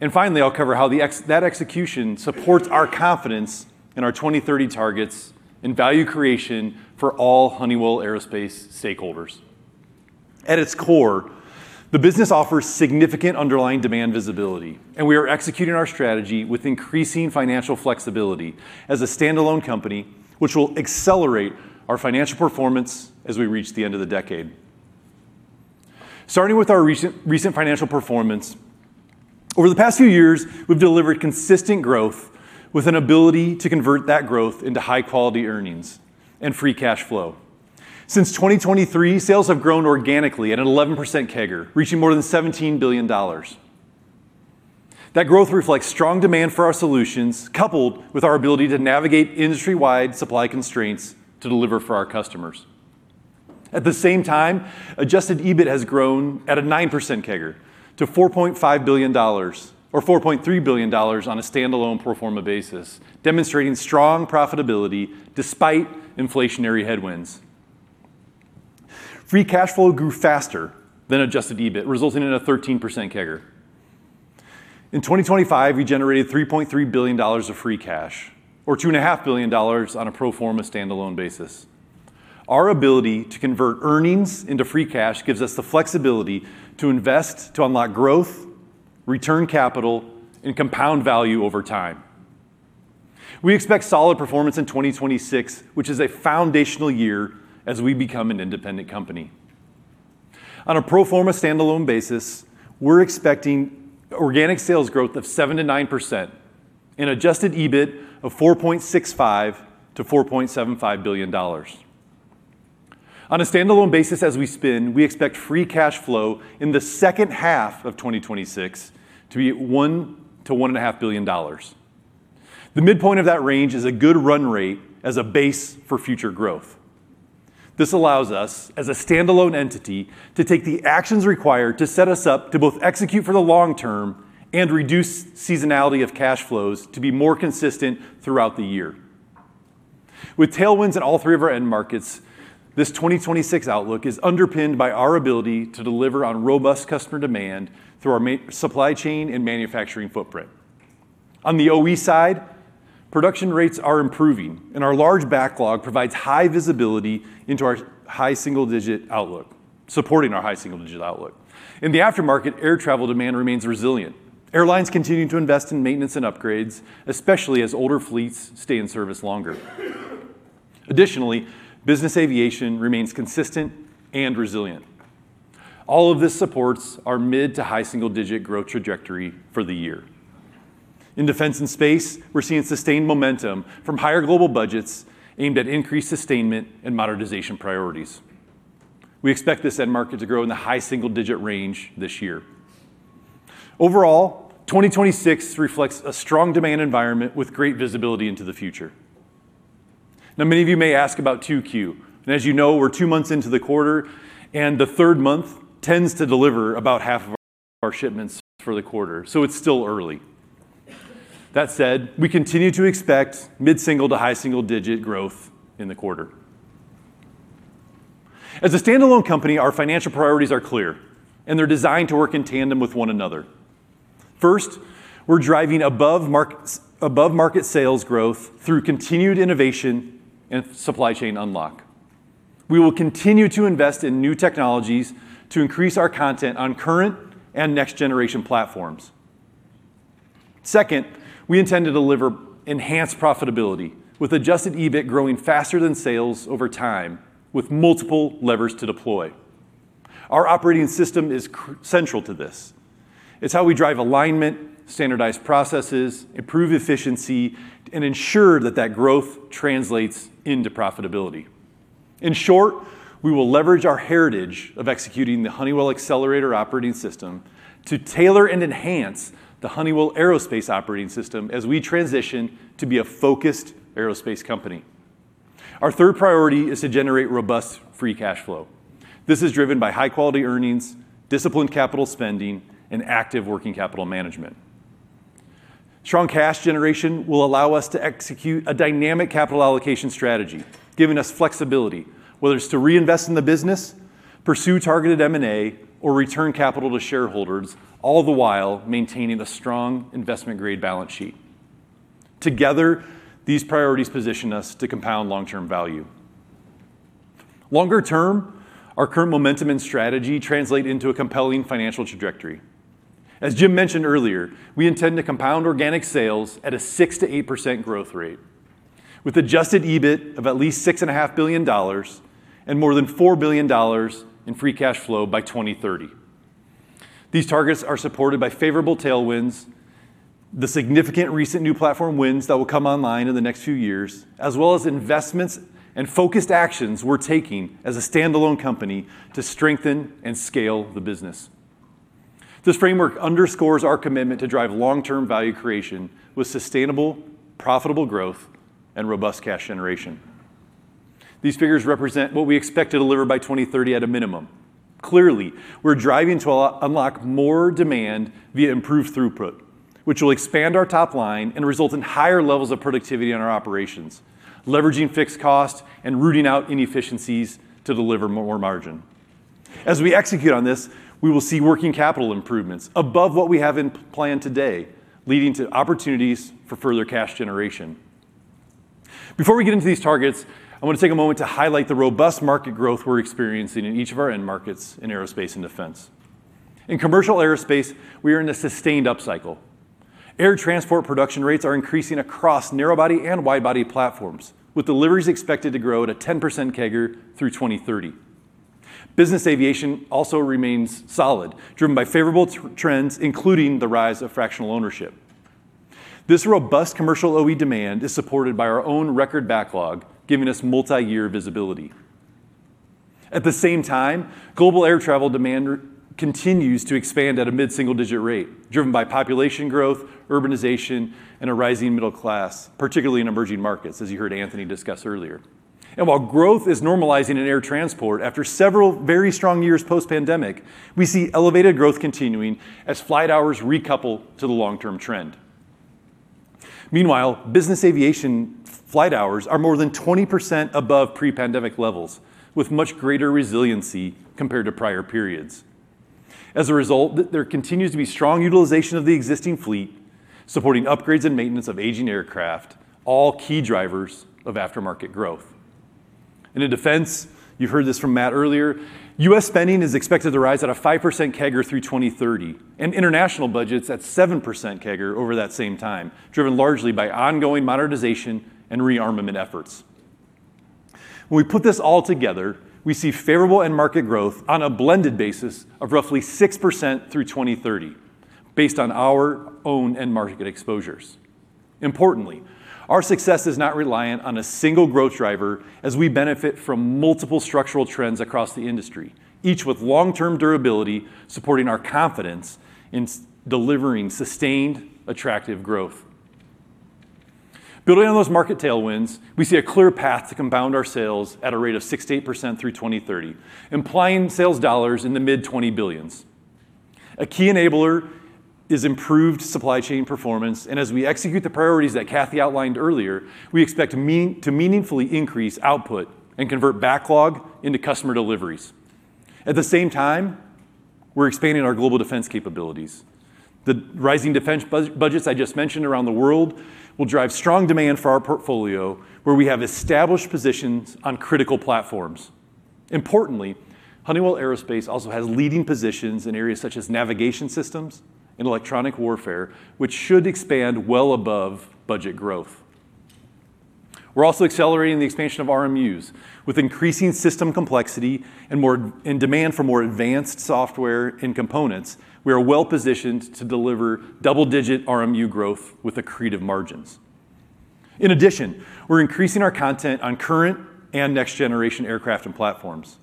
and finally, I'll cover how that execution supports our confidence in our 2030 targets and value creation for all Honeywell Aerospace stakeholders. At its core, the business offers significant underlying demand visibility, and we are executing our strategy with increasing financial flexibility as a standalone company, which will accelerate our financial performance as we reach the end of the decade. Starting with our recent financial performance. Over the past few years, we've delivered consistent growth with an ability to convert that growth into high-quality earnings and free cash flow. Since 2023, sales have grown organically at an 11% CAGR, reaching more than $17 billion. That growth reflects strong demand for our solutions, coupled with our ability to navigate industry-wide supply constraints to deliver for our customers. At the same time, adjusted EBIT has grown at a 9% CAGR to $4.5 billion, or $4.3 billion on a standalone pro forma basis, demonstrating strong profitability despite inflationary headwinds. Free cash flow grew faster than adjusted EBIT, resulting in a 13% CAGR. In 2025, we generated $3.3 billion of free cash, or $2.5 billion on a pro forma standalone basis. Our ability to convert earnings into free cash gives us the flexibility to invest to unlock growth, return capital, and compound value over time. We expect solid performance in 2026, which is a foundational year as we become an independent company. On a pro forma standalone basis, we're expecting organic sales growth of 7%-9% and adjusted EBIT of $4.65 billion-$4.75 billion. On a standalone basis as we spin, we expect free cash flow in the second half of 2026 to be $1 billion-$1.5 billion. The midpoint of that range is a good run rate as a base for future growth. This allows us, as a standalone entity, to take the actions required to set us up to both execute for the long term and reduce seasonality of cash flows to be more consistent throughout the year. With tailwinds at all three of our end markets, this 2026 outlook is underpinned by our ability to deliver on robust customer demand through our supply chain and manufacturing footprint. On the OE side, production rates are improving, and our large backlog provides high visibility into our high single-digit outlook, supporting our high single-digit outlook. In the aftermarket, air travel demand remains resilient. Airlines continue to invest in maintenance and upgrades, especially as older fleets stay in service longer. Additionally, business aviation remains consistent and resilient. All of this supports our mid to high single-digit growth trajectory for the year. In Defense and Space, we're seeing sustained momentum from higher global budgets aimed at increased sustainment and modernization priorities. We expect this end market to grow in the high single-digit range this year. Overall, 2026 reflects a strong demand environment with great visibility into the future. Many of you may ask about 2Q. As you know, we're two months into the quarter, and the third month tends to deliver about half of our shipments for the quarter, so it's still early. That said, we continue to expect mid-single to high single-digit growth in the quarter. As a standalone company, our financial priorities are clear, and they're designed to work in tandem with one another. First, we're driving above market sales growth through continued innovation and supply chain unlock. We will continue to invest in new technologies to increase our content on current and next generation platforms. Second, we intend to deliver enhanced profitability with adjusted EBIT growing faster than sales over time with multiple levers to deploy. Our operating system is central to this. It's how we drive alignment, standardized processes, improve efficiency, and ensure that growth translates into profitability. We will leverage our heritage of executing the Honeywell Accelerator operating system to tailor and enhance the Honeywell Aerospace Operating System as we transition to be a focused aerospace company. Our third priority is to generate robust free cash flow. This is driven by high-quality earnings, disciplined capital spending, and active working capital management. Strong cash generation will allow us to execute a dynamic capital allocation strategy, giving us flexibility, whether it's to reinvest in the business, pursue targeted M&A, or return capital to shareholders, all the while maintaining a strong investment-grade balance sheet. Together, these priorities position us to compound long-term value. Longer term, our current momentum and strategy translate into a compelling financial trajectory. As Jim mentioned earlier, we intend to compound organic sales at a 6%-8% growth rate with adjusted EBIT of at least $6.5 billion and more than $4 billion in free cash flow by 2030. These targets are supported by favorable tailwinds, the significant recent new platform wins that will come online in the next few years, as well as investments and focused actions we're taking as a standalone company to strengthen and scale the business. This framework underscores our commitment to drive long-term value creation with sustainable, profitable growth, and robust cash generation. These figures represent what we expect to deliver by 2030 at a minimum. Clearly, we're driving to unlock more demand via improved throughput, which will expand our top line and result in higher levels of productivity on our operations, leveraging fixed cost and rooting out inefficiencies to deliver more margin. As we execute on this, we will see working capital improvements above what we have in plan today, leading to opportunities for further cash generation. Before we get into these targets, I want to take a moment to highlight the robust market growth we're experiencing in each of our end markets in aerospace and defense. In commercial aerospace, we are in a sustained upcycle. Air transport production rates are increasing across narrow body and wide body platforms, with deliveries expected to grow at a 10% CAGR through 2030. Business aviation also remains solid, driven by favorable trends, including the rise of fractional ownership. This robust commercial OE demand is supported by our own record backlog, giving us multi-year visibility. At the same time, global air travel demand continues to expand at a mid-single-digit rate, driven by population growth, urbanization and a rising middle class, particularly in emerging markets, as you heard Anthony discuss earlier. While growth is normalizing in air transport after several very strong years post-pandemic, we see elevated growth continuing as flight hours recouple to the long-term trend. Meanwhile, business aviation flight hours are more than 20% above pre-pandemic levels, with much greater resiliency compared to prior periods. As a result, there continues to be strong utilization of the existing fleet, supporting upgrades and maintenance of aging aircraft, all key drivers of aftermarket growth. In defense, you heard this from Matt earlier, U.S. spending is expected to rise at a 5% CAGR through 2030, and international budgets at 7% CAGR over that same time, driven largely by ongoing modernization and rearmament efforts. When we put this all together, we see favorable end market growth on a blended basis of roughly 6% through 2030, based on our own end market exposures. Importantly, our success is not reliant on a single growth driver as we benefit from multiple structural trends across the industry, each with long-term durability supporting our confidence in delivering sustained attractive growth. Building on those market tailwinds, we see a clear path to compound our sales at a rate of 6%-8% through 2030, implying sales dollars in the mid-20 billions. A key enabler is improved supply chain performance. As we execute the priorities that Kathy outlined earlier, we expect to meaningfully increase output and convert backlog into customer deliveries. At the same time, we're expanding our global defense capabilities. The rising defense budgets I just mentioned around the world will drive strong demand for our portfolio where we have established positions on critical platforms. Importantly, Honeywell Aerospace also has leading positions in areas such as navigation systems and electronic warfare, which should expand well above budget growth. We're also accelerating the expansion of RMUs. With increasing system complexity and demand for more advanced software and components, we are well-positioned to deliver double-digit RMU growth with accretive margins. In addition, we're increasing our content on current and next-generation aircraft and platforms.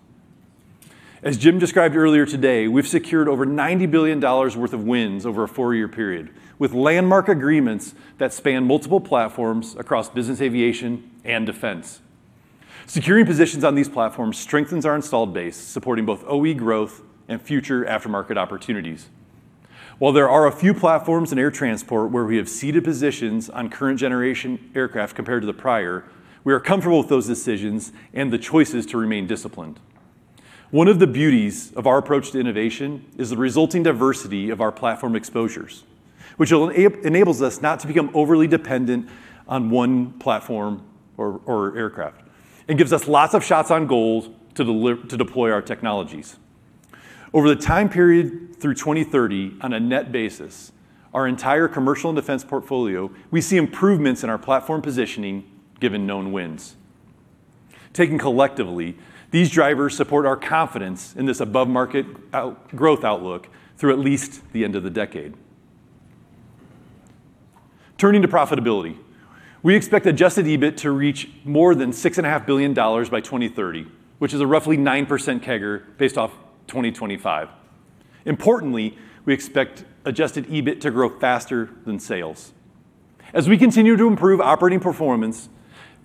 As Jim described earlier today, we've secured over $90 billion worth of wins over a four-year period, with landmark agreements that span multiple platforms across business aviation and defense. Securing positions on these platforms strengthens our installed base, supporting both OE growth and future aftermarket opportunities. While there are a few platforms in air transport where we have ceded positions on current generation aircraft compared to the prior, we are comfortable with those decisions and the choices to remain disciplined. One of the beauties of our approach to innovation is the resulting diversity of our platform exposures, which enables us not to become overly dependent on one platform or aircraft and gives us lots of shots on goals to deploy our technologies. Over the time period through 2030, on a net basis, our entire commercial and defense portfolio, we see improvements in our platform positioning given known wins. Taken collectively, these drivers support our confidence in this above-market growth outlook through at least the end of the decade. Turning to profitability, we expect adjusted EBIT to reach more than $6.5 billion by 2030, which is a roughly 9% CAGR based off 2025. Importantly, we expect adjusted EBIT to grow faster than sales. As we continue to improve operating performance,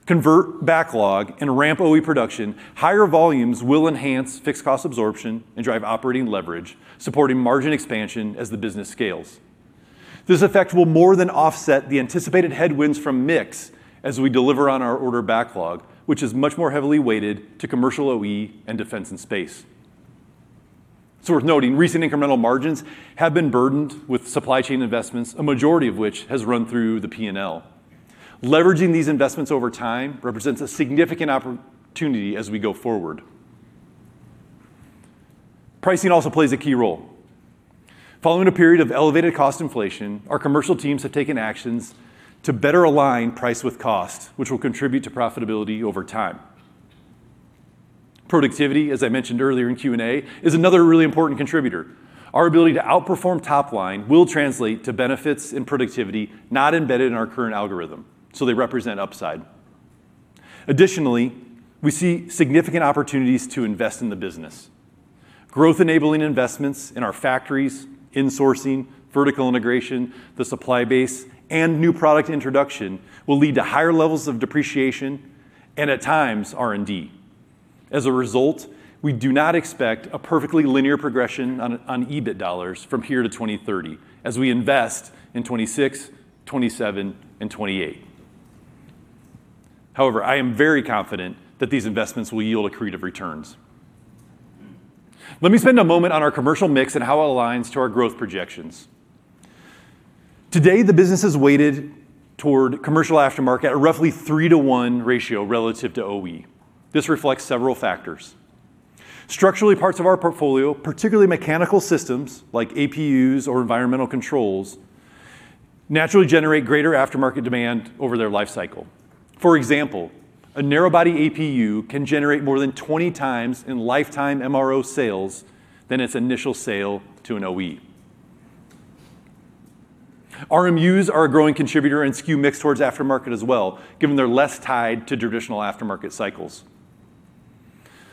convert backlog, and ramp OE production, higher volumes will enhance fixed cost absorption and drive operating leverage, supporting margin expansion as the business scales. This effect will more than offset the anticipated headwinds from mix as we deliver on our order backlog, which is much more heavily weighted to commercial OE and Defense & Space. It's worth noting recent incremental margins have been burdened with supply chain investments, a majority of which has run through the P&L. Leveraging these investments over time represents a significant opportunity as we go forward. Pricing also plays a key role. Following a period of elevated cost inflation, our commercial teams have taken actions to better align price with cost, which will contribute to profitability over time. Productivity, as I mentioned earlier in Q&A, is another really important contributor. Our ability to outperform top line will translate to benefits in productivity not embedded in our current algorithm, so they represent upside. We see significant opportunities to invest in the business. Growth-enabling investments in our factories, insourcing, vertical integration, the supply base, and new product introduction will lead to higher levels of depreciation and, at times, R&D. We do not expect a perfectly linear progression on EBIT dollars from here to 2030 as we invest in 2026, 2027, and 2028. I am very confident that these investments will yield accretive returns. Let me spend a moment on our commercial mix and how it aligns to our growth projections. Today, the business is weighted toward commercial aftermarket at a roughly 3 to 1 ratio relative to OE. This reflects several factors. Structurally, parts of our portfolio, particularly mechanical systems like APUs or environmental controls, naturally generate greater aftermarket demand over their life cycle. For example, a narrow body APU can generate more than 20 times in lifetime MRO sales than its initial sale to an OE. RMUs are a growing contributor and skew mix towards aftermarket as well, given they're less tied to traditional aftermarket cycles.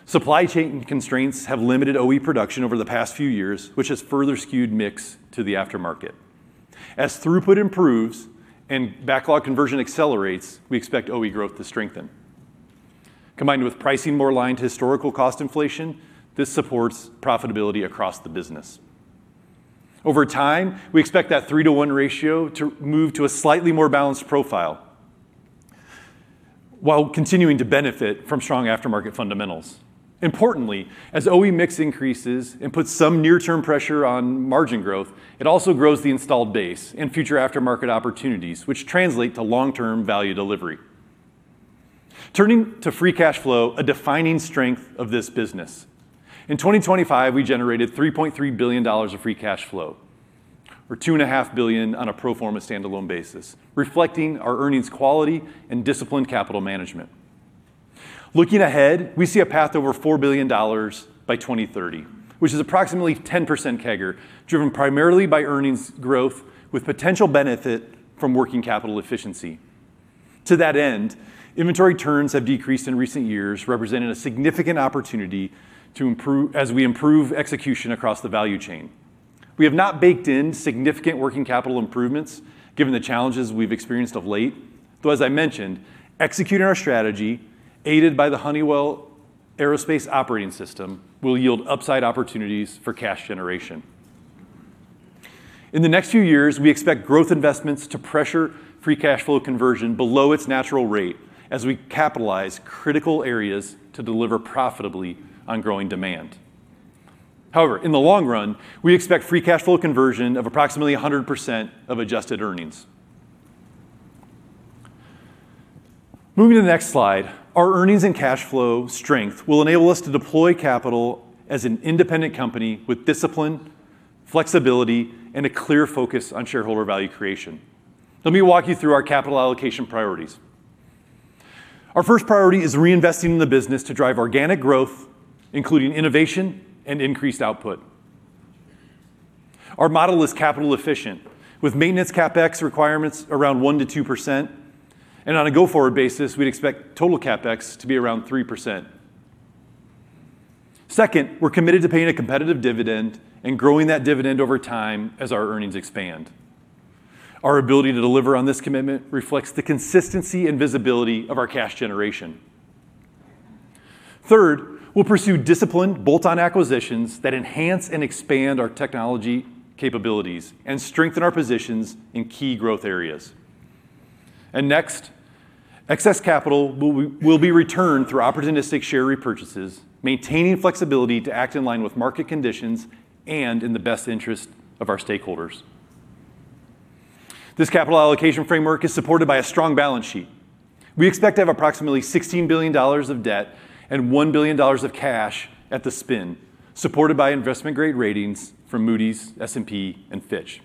Supply chain constraints have limited OE production over the past few years, which has further skewed mix to the aftermarket. Throughput improves and backlog conversion accelerates, we expect OE growth to strengthen. Combined with pricing more aligned to historical cost inflation, this supports profitability across the business. Over time, we expect that 3 to 1 ratio to move to a slightly more balanced profile while continuing to benefit from strong aftermarket fundamentals. Importantly, as OE mix increases and puts some near-term pressure on margin growth, it also grows the installed base and future aftermarket opportunities which translate to long-term value delivery. Turning to free cash flow, a defining strength of this business. In 2025, we generated $3.3 billion of free cash flow or $2.5 billion on a pro forma standalone basis, reflecting our earnings quality and disciplined capital management. Looking ahead, we see a path over $4 billion by 2030, which is approximately 10% CAGR, driven primarily by earnings growth with potential benefit from working capital efficiency. Inventory turns have decreased in recent years, representing a significant opportunity as we improve execution across the value chain. We have not baked in significant working capital improvements given the challenges we've experienced of late, though as I mentioned, executing our strategy aided by the Honeywell Aerospace Operating System will yield upside opportunities for cash generation. In the next few years, we expect growth investments to pressure free cash flow conversion below its natural rate as we capitalize critical areas to deliver profitably on growing demand. However, in the long run, we expect free cash flow conversion of approximately 100% of adjusted earnings. Moving to the next slide, our earnings and cash flow strength will enable us to deploy capital as an independent company with discipline, flexibility, and a clear focus on shareholder value creation. Let me walk you through our capital allocation priorities. Our first priority is reinvesting in the business to drive organic growth, including innovation and increased output. Our model is capital efficient with maintenance CapEx requirements around 1%-2%, and on a go-forward basis, we'd expect total CapEx to be around 3%. Second, we're committed to paying a competitive dividend and growing that dividend over time as our earnings expand. Our ability to deliver on this commitment reflects the consistency and visibility of our cash generation. Third, we'll pursue disciplined bolt-on acquisitions that enhance and expand our technology capabilities and strengthen our positions in key growth areas. Next, excess capital will be returned through opportunistic share repurchases, maintaining flexibility to act in line with market conditions and in the best interest of our stakeholders. This capital allocation framework is supported by a strong balance sheet. We expect to have approximately $16 billion of debt and $1 billion of cash at the spin, supported by investment-grade ratings from Moody's, S&P, and Fitch.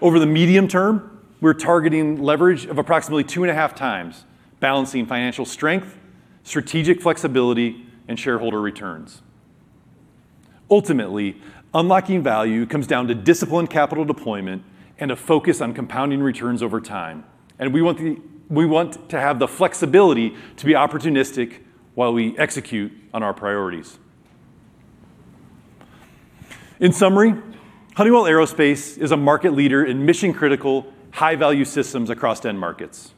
Over the medium term, we're targeting leverage of approximately two and a half times, balancing financial strength, strategic flexibility, and shareholder returns. Ultimately, unlocking value comes down to disciplined capital deployment and a focus on compounding returns over time. We want to have the flexibility to be opportunistic while we execute on our priorities. In summary, Honeywell Aerospace is a market leader in mission-critical, high-value systems across end markets.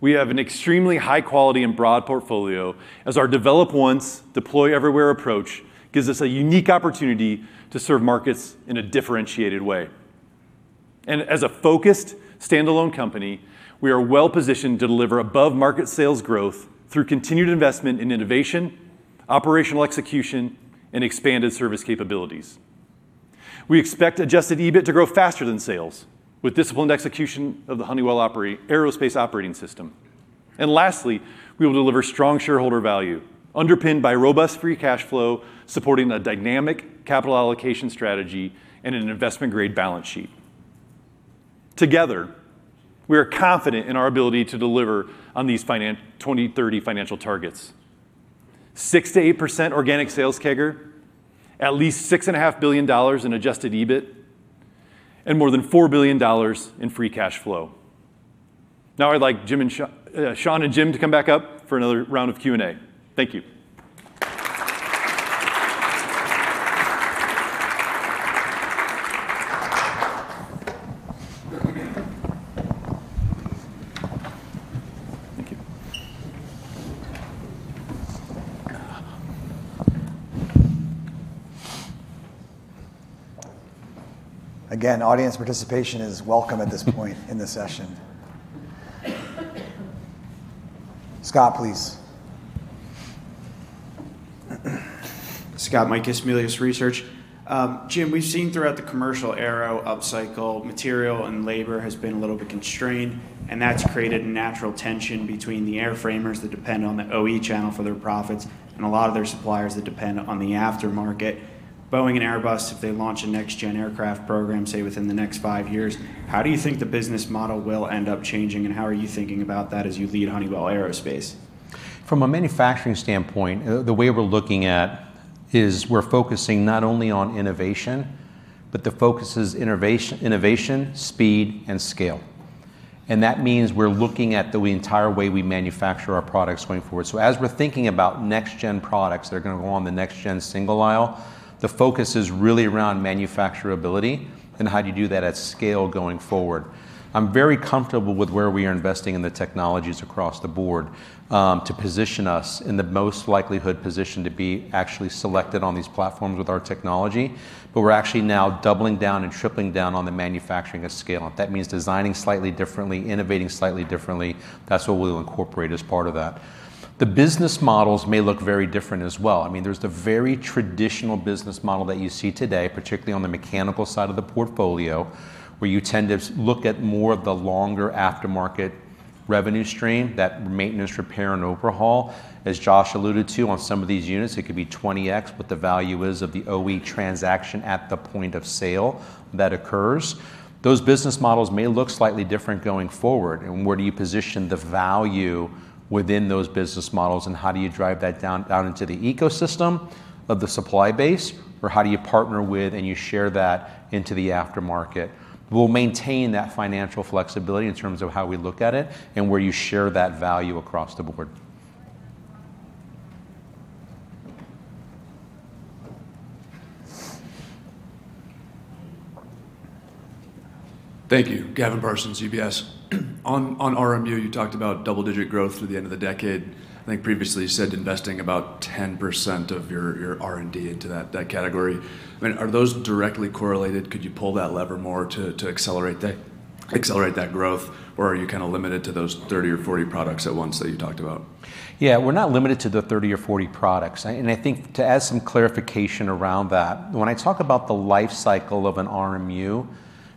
We have an extremely high quality and broad portfolio as our develop once, deploy everywhere approach gives us a unique opportunity to serve markets in a differentiated way. As a focused standalone company, we are well-positioned to deliver above-market sales growth through continued investment in innovation, operational execution, and expanded service capabilities. We expect adjusted EBIT to grow faster than sales with disciplined execution of the Honeywell Aerospace Operating System. Lastly, we will deliver strong shareholder value underpinned by robust free cash flow, supporting a dynamic capital allocation strategy and an investment-grade balance sheet. Together, we are confident in our ability to deliver on these 2030 financial targets: 6%-8% organic sales CAGR, at least $6.5 billion in adjusted EBIT, and more than $4 billion in free cash flow. Now, I'd like Sean and Jim to come back up for another round of Q&A. Thank you. Thank you. Again, audience participation is welcome at this point in the session. Scott, please. Scott Mikus, Melius Research. Jim, we've seen throughout the commercial aero upcycle, material and labor has been a little bit constrained, and that's created a natural tension between the airframers that depend on the OE channel for their profits, and a lot of their suppliers that depend on the aftermarket. Boeing and Airbus, if they launch a next-gen aircraft program, say, within the next five years, how do you think the business model will end up changing, and how are you thinking about that as you lead Honeywell Aerospace? From a manufacturing standpoint, the way we're looking at is we're focusing not only on innovation, but the focus is innovation, speed, and scale. That means we're looking at the entire way we manufacture our products going forward. As we're thinking about next-gen products that are going to go on the next-gen single aisle, the focus is really around manufacturability and how do you do that at scale going forward. I'm very comfortable with where we are investing in the technologies across the board to position us in the most likelihood position to be actually selected on these platforms with our technology. We're actually now doubling down and tripling down on the manufacturing at scale. That means designing slightly differently, innovating slightly differently. That's what we'll incorporate as part of that. The business models may look very different as well. There's the very traditional business model that you see today, particularly on the mechanical side of the portfolio, where you tend to look at more of the longer aftermarket revenue stream, that maintenance, repair, and overhaul. As Josh alluded to, on some of these units, it could be 20x what the value is of the OE transaction at the point of sale that occurs. Those business models may look slightly different going forward, where do you position the value within those business models, and how do you drive that down into the ecosystem of the supply base? How do you partner with and you share that into the aftermarket? We'll maintain that financial flexibility in terms of how we look at it and where you share that value across the board. Thank you. Gavin Parsons, UBS. On RMU, you talked about double-digit growth through the end of the decade. I think previously, you said investing about 10% of your R&D into that category. Are those directly correlated? Could you pull that lever more to accelerate that growth, or are you kind of limited to those 30 or 40 products at once that you talked about? Yeah. We're not limited to the 30 or 40 products. I think to add some clarification around that, when I talk about the life cycle of an RMU,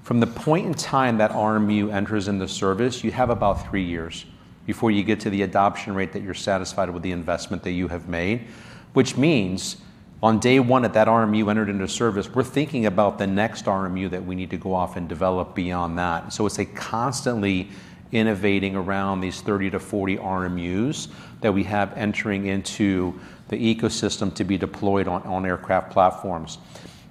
from the point in time that RMU enters into service, you have about three years before you get to the adoption rate that you're satisfied with the investment that you have made. Which means on day one that that RMU entered into service, we're thinking about the next RMU that we need to go off and develop beyond that. It's a constantly innovating around these 30 to 40 RMUs that we have entering into the ecosystem to be deployed on aircraft platforms.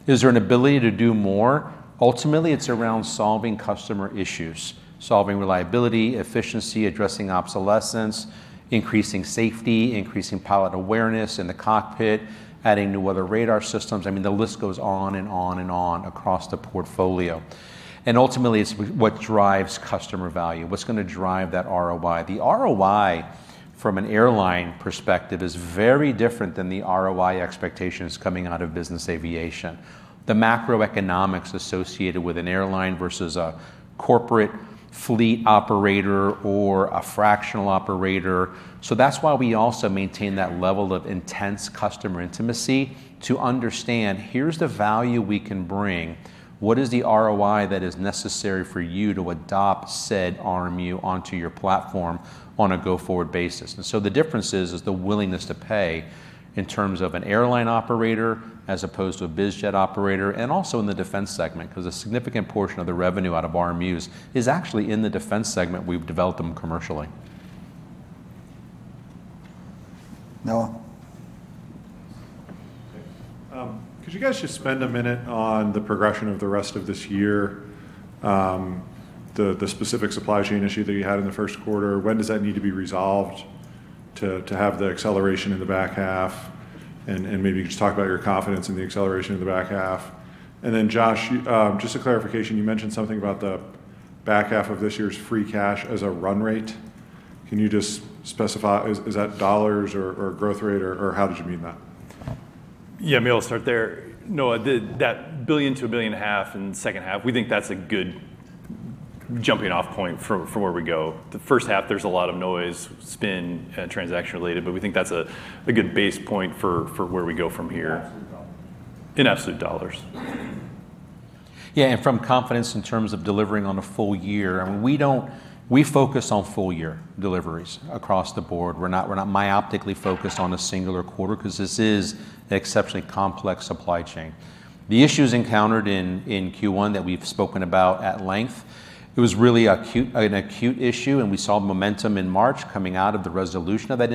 Is there an ability to do more? Ultimately, it's around solving customer issues, solving reliability, efficiency, addressing obsolescence, increasing safety, increasing pilot awareness in the cockpit, adding new weather radar systems. The list goes on and on and on across the portfolio. Ultimately, it's what drives customer value, what's going to drive that ROI. The ROI from an airline perspective is very different than the ROI expectations coming out of business aviation, the macroeconomics associated with an airline versus a corporate fleet operator or a fractional operator. That's why we also maintain that level of intense customer intimacy to understand here's the value we can bring. What is the ROI that is necessary for you to adopt said RMU onto your platform on a go-forward basis? The difference is the willingness to pay in terms of an airline operator as opposed to a biz jet operator, and also in the defense segment, because a significant portion of the revenue out of RMUs is actually in the defense segment, we've developed them commercially. Noah. Could you guys just spend a minute on the progression of the rest of this year, the specific supply chain issue that you had in the first quarter? When does that need to be resolved to have the acceleration in the back half? Maybe just talk about your confidence in the acceleration in the back half. Josh, just a clarification, you mentioned something about the back half of this year's free cash as a run rate. Can you just specify, is that dollars or growth rate, or how did you mean that? Yeah, maybe I'll start there. Noah, that $1 billion to $1.5 billion in the second half, we think that's a good jumping-off point for where we go. The first half, there's a lot of noise, spin, transaction related, but we think that's a good base point for where we go from here. In absolute U.S. dollars. In absolute U.S. dollars. Yeah, from confidence in terms of delivering on a full year, we focus on full-year deliveries across the board. We're not myopically focused on a singular quarter because this is an exceptionally complex supply chain. The issues encountered in Q1 that we've spoken about at length, it was really an acute issue, and we saw momentum in March coming out of the resolution of that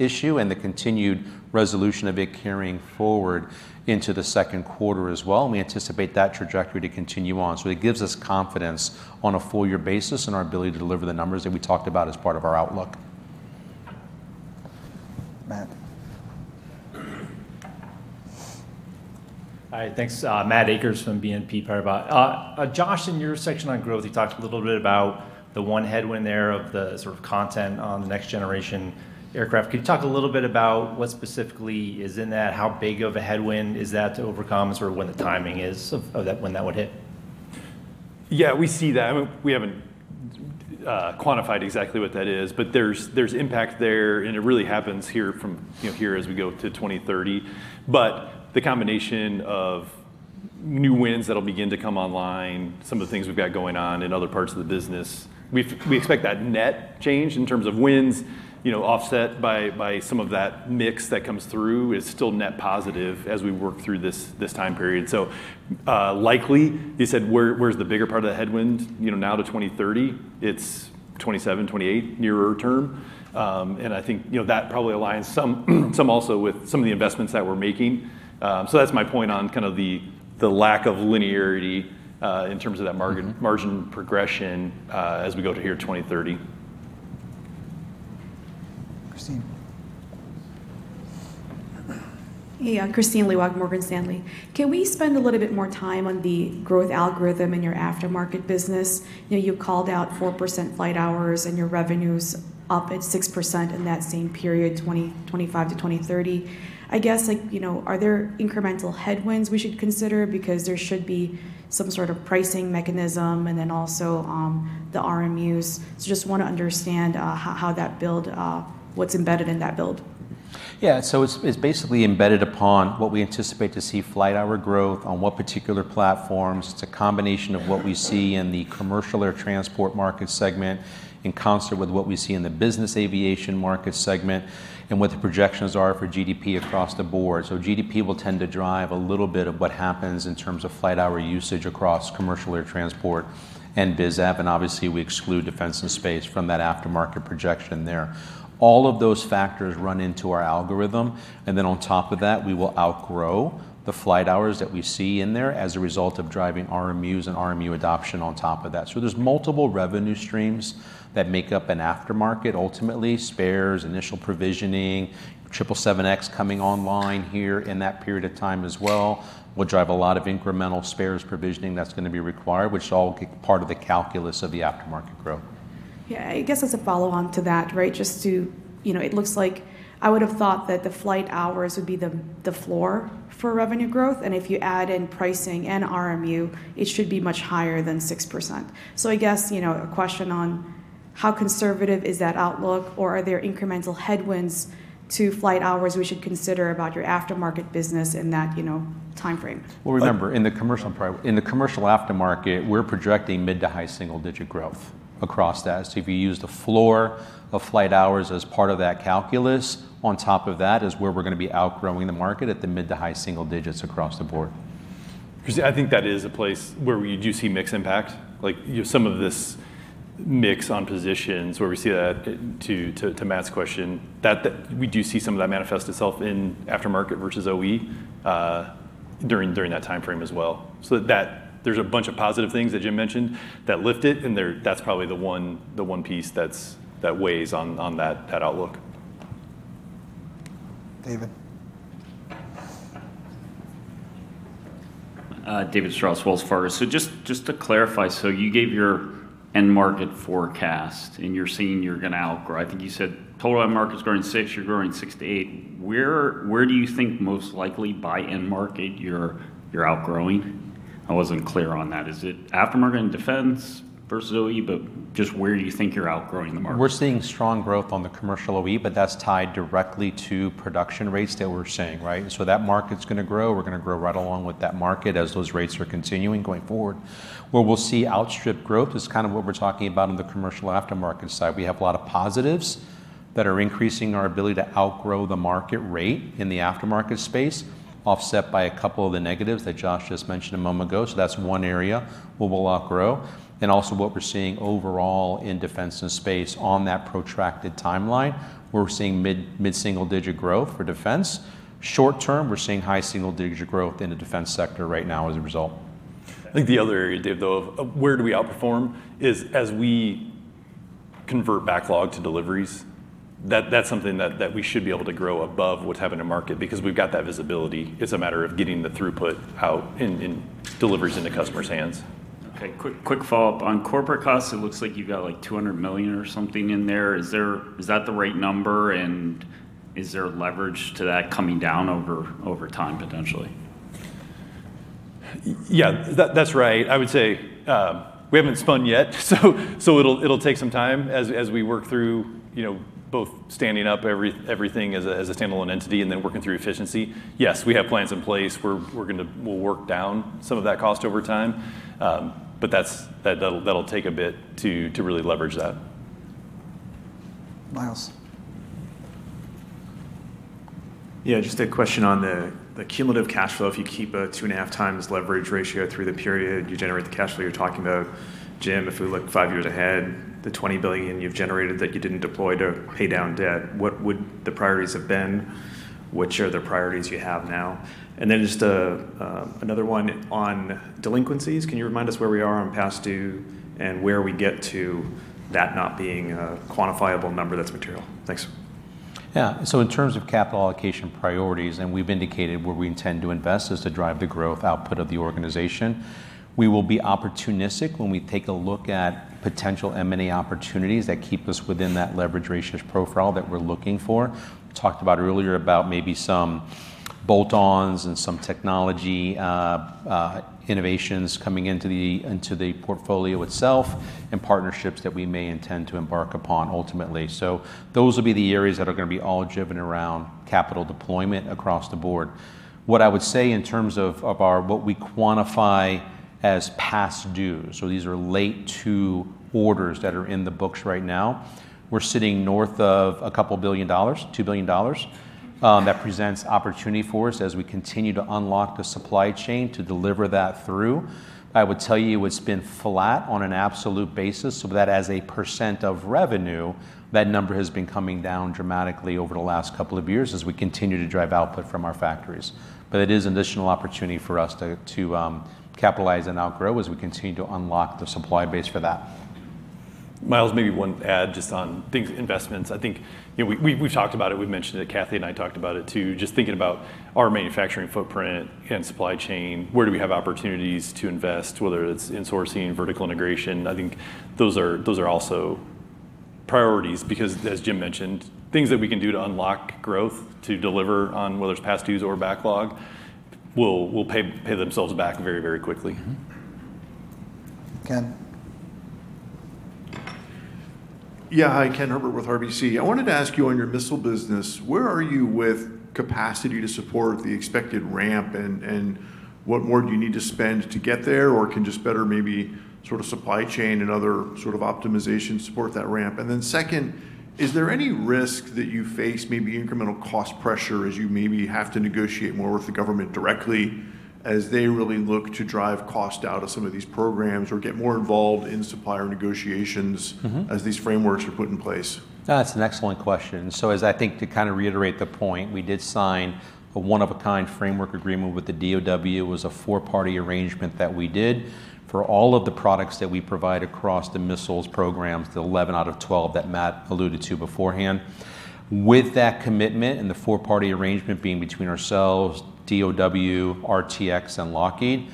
issue, and the continued resolution of it carrying forward into the second quarter as well, and we anticipate that trajectory to continue on. It gives us confidence on a full-year basis in our ability to deliver the numbers that we talked about as part of our outlook. Matt. Hi, thanks. Matthew Akers from BNP Paribas. Josh, in your section on growth, you talked a little bit about the one headwind there of the sort of content on the next-generation aircraft. Could you talk a little bit about what specifically is in that, how big of a headwind is that to overcome, and sort of when the timing is of when that would hit? Yeah, we see that. We haven't quantified exactly what that is, but there's impact there, and it really happens here as we go to 2030. The combination of new wins that will begin to come online, some of the things we've got going on in other parts of the business, we expect that net change in terms of wins, offset by some of that mix that comes through, is still net positive as we work through this time period. Likely, you said, where's the bigger part of the headwind now to 2030? It's 2027, 2028, nearer term. I think that probably aligns some also with some of the investments that we're making. That's my point on kind of the lack of linearity in terms of that margin progression as we go to here 2030. Kristine. Hey, Kristine Liwag at Morgan Stanley. Can we spend a little bit more time on the growth algorithm in your aftermarket business? You called out 4% flight hours and your revenues up at 6% in that same period, 2025 to 2030. I guess, are there incremental headwinds we should consider? Because there should be some sort of pricing mechanism and then also the RMUs. Just want to understand what's embedded in that build. Yeah. It's basically embedded upon what we anticipate to see flight hour growth on what particular platforms. It's a combination of what we see in the commercial air transport market segment, in concert with what we see in the business aviation market segment, and what the projections are for GDP across the board. GDP will tend to drive a little bit of what happens in terms of flight hour usage across commercial air transport and BizAv, and obviously we exclude defense and space from that aftermarket projection there. All of those factors run into our algorithm, and then on top of that, we will outgrow the flight hours that we see in there as a result of driving RMUs and RMU adoption on top of that. There's multiple revenue streams that make up an aftermarket, ultimately spares, initial provisioning, 777X coming online here in that period of time as well, will drive a lot of incremental spares provisioning that's going to be required, which is all part of the calculus of the aftermarket growth. I guess as a follow on to that, it looks like I would have thought that the flight hours would be the floor for revenue growth, and if you add in pricing and RMU, it should be much higher than 6%. I guess, a question on how conservative is that outlook, or are there incremental headwinds to flight hours we should consider about your aftermarket business in that timeframe? Well, remember, in the commercial aftermarket, we're projecting mid to high single-digit growth across that. If you use the floor of flight hours as part of that calculus, on top of that is where we're going to be outgrowing the market at the mid to high single-digits across the board. Kristine, I think that is a place where you do see mix impact, like some of this mix on positions where we see that, to Matt's question, that we do see some of that manifest itself in aftermarket versus OE during that timeframe as well. There's a bunch of positive things that Jim mentioned that lift it, and that's probably the one piece that weighs on that outlook. David. David Strauss, Wells Fargo. Just to clarify, you gave your end market forecast and you're seeing you're going to outgrow. I think you said total end market's growing 6%, you're growing 6%-8%. Where do you think most likely by end market you're outgrowing? I wasn't clear on that. Is it aftermarket and defense versus OE? Just where do you think you're outgrowing the market? We're seeing strong growth on the commercial OE, that's tied directly to production rates that we're seeing, right? That market's going to grow. We're going to grow right along with that market as those rates are continuing going forward. Where we'll see outstrip growth is kind of what we're talking about on the commercial aftermarket side. We have a lot of positives that are increasing our ability to outgrow the market rate in the aftermarket space, offset by a couple of the negatives that Josh just mentioned a moment ago. That's one area where we'll outgrow. Also what we're seeing overall in defense and space on that protracted timeline, where we're seeing mid-single digit growth for defense. Short term, we're seeing high single digit growth in the defense sector right now as a result. I think the other area, Dave, though, of where do we outperform is as we convert backlog to deliveries. That's something that we should be able to grow above what's happening in market because we've got that visibility. It's a matter of getting the throughput out in deliveries into customers' hands. Okay. Quick follow-up. On corporate costs, it looks like you've got like $200 million or something in there. Is that the right number? Is there leverage to that coming down over time potentially? Yeah. That's right. I would say, we haven't spun yet, it'll take some time as we work through both standing up everything as a standalone entity and then working through efficiency. Yes, we have plans in place. We'll work down some of that cost over time. That'll take a bit to really leverage that. My les. Yeah, just a question on the cumulative cash flow. If you keep a 2.5 times leverage ratio through the period, you generate the cash flow you're talking about. Jim, if we look five years ahead, the $20 billion you've generated that you didn't deploy to pay down debt, what would the priorities have been? Which are the priorities you have now? Just another one on delinquencies. Can you remind us where we are on past due and where we get to that not being a quantifiable number that's material? Thanks. Yeah. In terms of capital allocation priorities, we've indicated where we intend to invest, is to drive the growth output of the organization. We will be opportunistic when we take a look at potential M&A opportunities that keep us within that leverage ratio profile that we're looking for. We talked about earlier about maybe some bolt-ons and some technology innovations coming into the portfolio itself, and partnerships that we may intend to embark upon ultimately. Those will be the areas that are going to be all driven around capital deployment across the board. What I would say in terms of what we quantify as past due, these are late to orders that are in the books right now. We're sitting north of a couple billion dollars, $2 billion. That presents opportunity for us as we continue to unlock the supply chain to deliver that through. I would tell you it's been flat on an absolute basis so that as a % of revenue, that number has been coming down dramatically over the last couple of years as we continue to drive output from our factories. It is additional opportunity for us to capitalize and now grow as we continue to unlock the supply base for that. Myles, maybe one add just on investments. We've talked about it, we've mentioned it, Kathy and I talked about it, too, just thinking about our manufacturing footprint and supply chain, where do we have opportunities to invest, whether it's in sourcing, vertical integration. Those are also priorities because, as Jim mentioned, things that we can do to unlock growth to deliver on whether it's past dues or backlog will pay themselves back very, very quickly. Ken. Yeah. Hi, Ken Herbert with RBC. Wanted to ask you on your missile business, where are you with capacity to support the expected ramp, and what more do you need to spend to get there, or can just better maybe supply chain and other optimization support that ramp? Second, is there any risk that you face maybe incremental cost pressure as you maybe have to negotiate more with the government directly as they really look to drive cost out of some of these programs or get more involved in supplier negotiations. As these frameworks are put in place? That's an excellent question. As I think to reiterate the point, we did sign a one-of-a-kind framework agreement with the DOW. It was a four-party arrangement that we did for all of the products that we provide across the missiles programs, the 11 out of 12 that Matt alluded to beforehand. That commitment and the four-party arrangement being between ourselves, DOW, RTX, and Lockheed,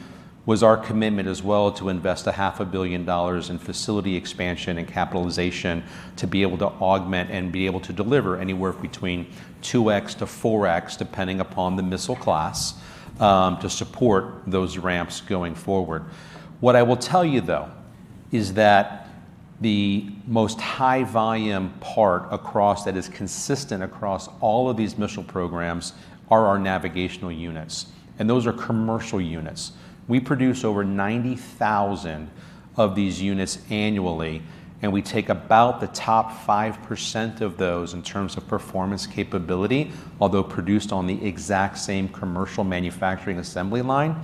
was our commitment as well to invest a half a billion dollars in facility expansion and capitalization to be able to augment and be able to deliver anywhere between 2x to 4x, depending upon the missile class, to support those ramps going forward. I will tell you though is that the most high volume part that is consistent across all of these missile programs are our navigational units, and those are commercial units. We produce over 90,000 of these units annually, and we take about the top 5% of those in terms of performance capability, although produced on the exact same commercial manufacturing assembly line,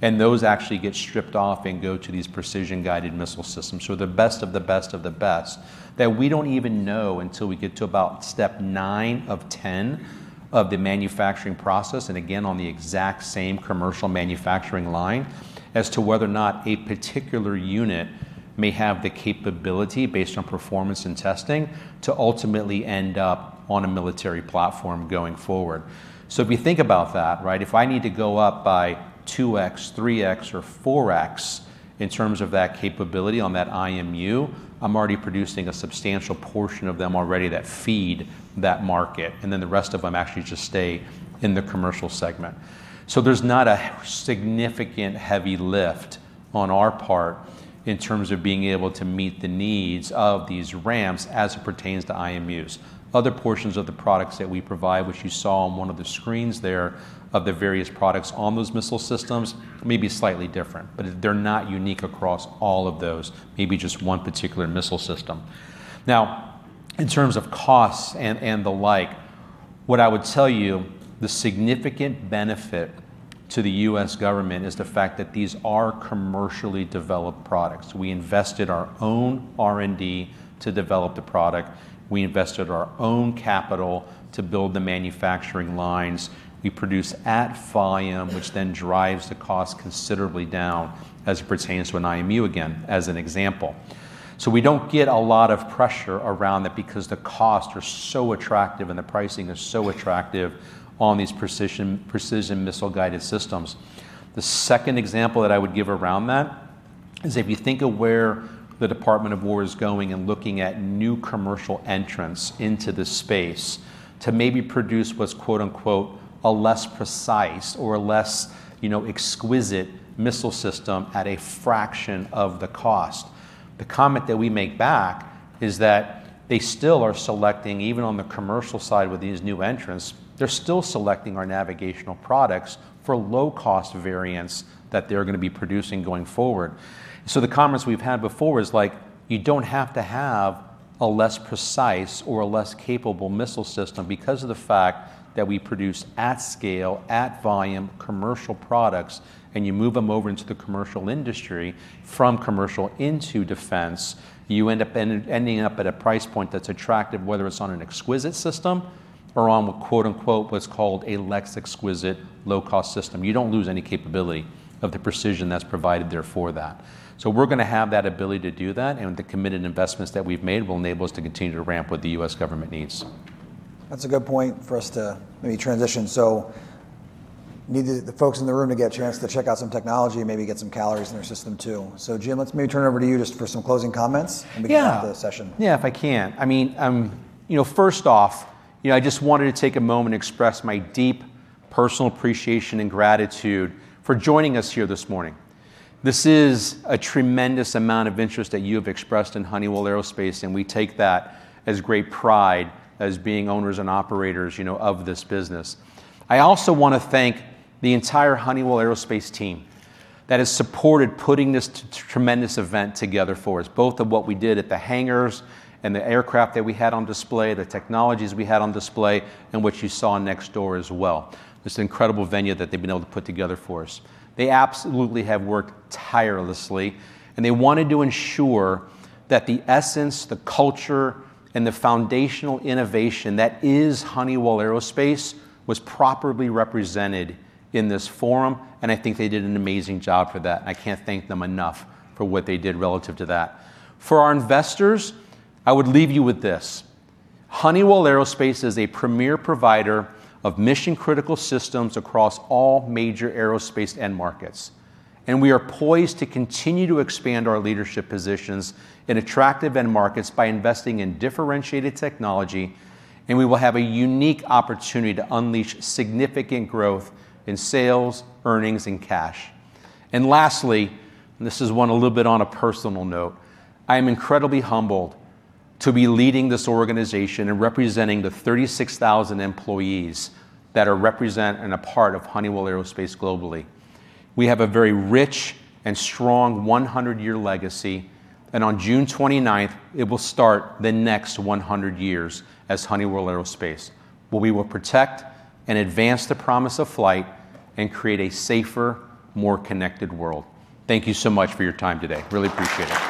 and those actually get stripped off and go to these precision-guided missile systems. The best of the best of the best that we don't even know until we get to about step 9 of 10 of the manufacturing process, and again, on the exact same commercial manufacturing line, as to whether or not a particular unit may have the capability based on performance and testing to ultimately end up on a military platform going forward. If you think about that, right, if I need to go up by 2x, 3x, or 4x in terms of that capability on that IMU, I'm already producing a substantial portion of them already that feed that market, and then the rest of them actually just stay in the commercial segment. There's not a significant heavy lift on our part in terms of being able to meet the needs of these ramps as it pertains to IMUs. Other portions of the products that we provide, which you saw on one of the screens there of the various products on those missile systems may be slightly different, but they're not unique across all of those, maybe just one particular missile system. Now, in terms of costs and the like, what I would tell you, the significant benefit to the U.S. government is the fact that these are commercially developed products. We invested our own R&D to develop the product. We invested our own capital to build the manufacturing lines. We produce at volume, which then drives the cost considerably down as it pertains to an IMU, again, as an example. We don't get a lot of pressure around it because the costs are so attractive and the pricing is so attractive on these precision missile guided systems. The second example that I would give around that is if you think of where the Department of War is going and looking at new commercial entrants into the space to maybe produce what's "a less precise or a less exquisite missile system at a fraction of the cost." The comment that we make back is that they still are selecting, even on the commercial side with these new entrants, they're still selecting our navigational products for low-cost variants that they're going to be producing going forward. The comments we've had before is like you don't have to have a less precise or a less capable missile system because of the fact that we produce at scale, at volume, commercial products, and you move them over into the commercial industry from commercial into defense. You end up at a price point that's attractive, whether it's on an exquisite system or on a "what's called a less exquisite low-cost system." You don't lose any capability of the precision that's provided there for that. We're going to have that ability to do that, and the committed investments that we've made will enable us to continue to ramp what the U.S. government needs. That's a good point for us to maybe transition. So We need the folks in the room to get a chance to check out some technology and maybe get some calories in their system, too. Jim, let's maybe turn it over to you just for some closing comments. Yeah We can end the session. Yeah, if I can. First off, I just wanted to take a moment and express my deep personal appreciation and gratitude for joining us here this morning. This is a tremendous amount of interest that you have expressed in Honeywell Aerospace, and we take that as great pride as being owners and operators of this business. I also want to thank the entire Honeywell Aerospace team that has supported putting this tremendous event together for us, both of what we did at the hangars and the aircraft that we had on display, the technologies we had on display, and what you saw next door as well. This incredible venue that they've been able to put together for us. They absolutely have worked tirelessly. They wanted to ensure that the essence, the culture, and the foundational innovation that is Honeywell Aerospace was properly represented in this forum. I think they did an amazing job for that. I can't thank them enough for what they did relative to that. For our investors, I would leave you with this. Honeywell Aerospace is a premier provider of mission-critical systems across all major aerospace end markets. We are poised to continue to expand our leadership positions in attractive end markets by investing in differentiated technology. We will have a unique opportunity to unleash significant growth in sales, earnings, and cash. Lastly, this is one a little bit on a personal note, I am incredibly humbled to be leading this organization and representing the 36,000 employees that are represent and a part of Honeywell Aerospace globally. We have a very rich and strong 100-year legacy. On June 29th, it will start the next 100 years as Honeywell Aerospace, where we will protect and advance the promise of flight and create a safer, more connected world. Thank you so much for your time today. Really appreciate it.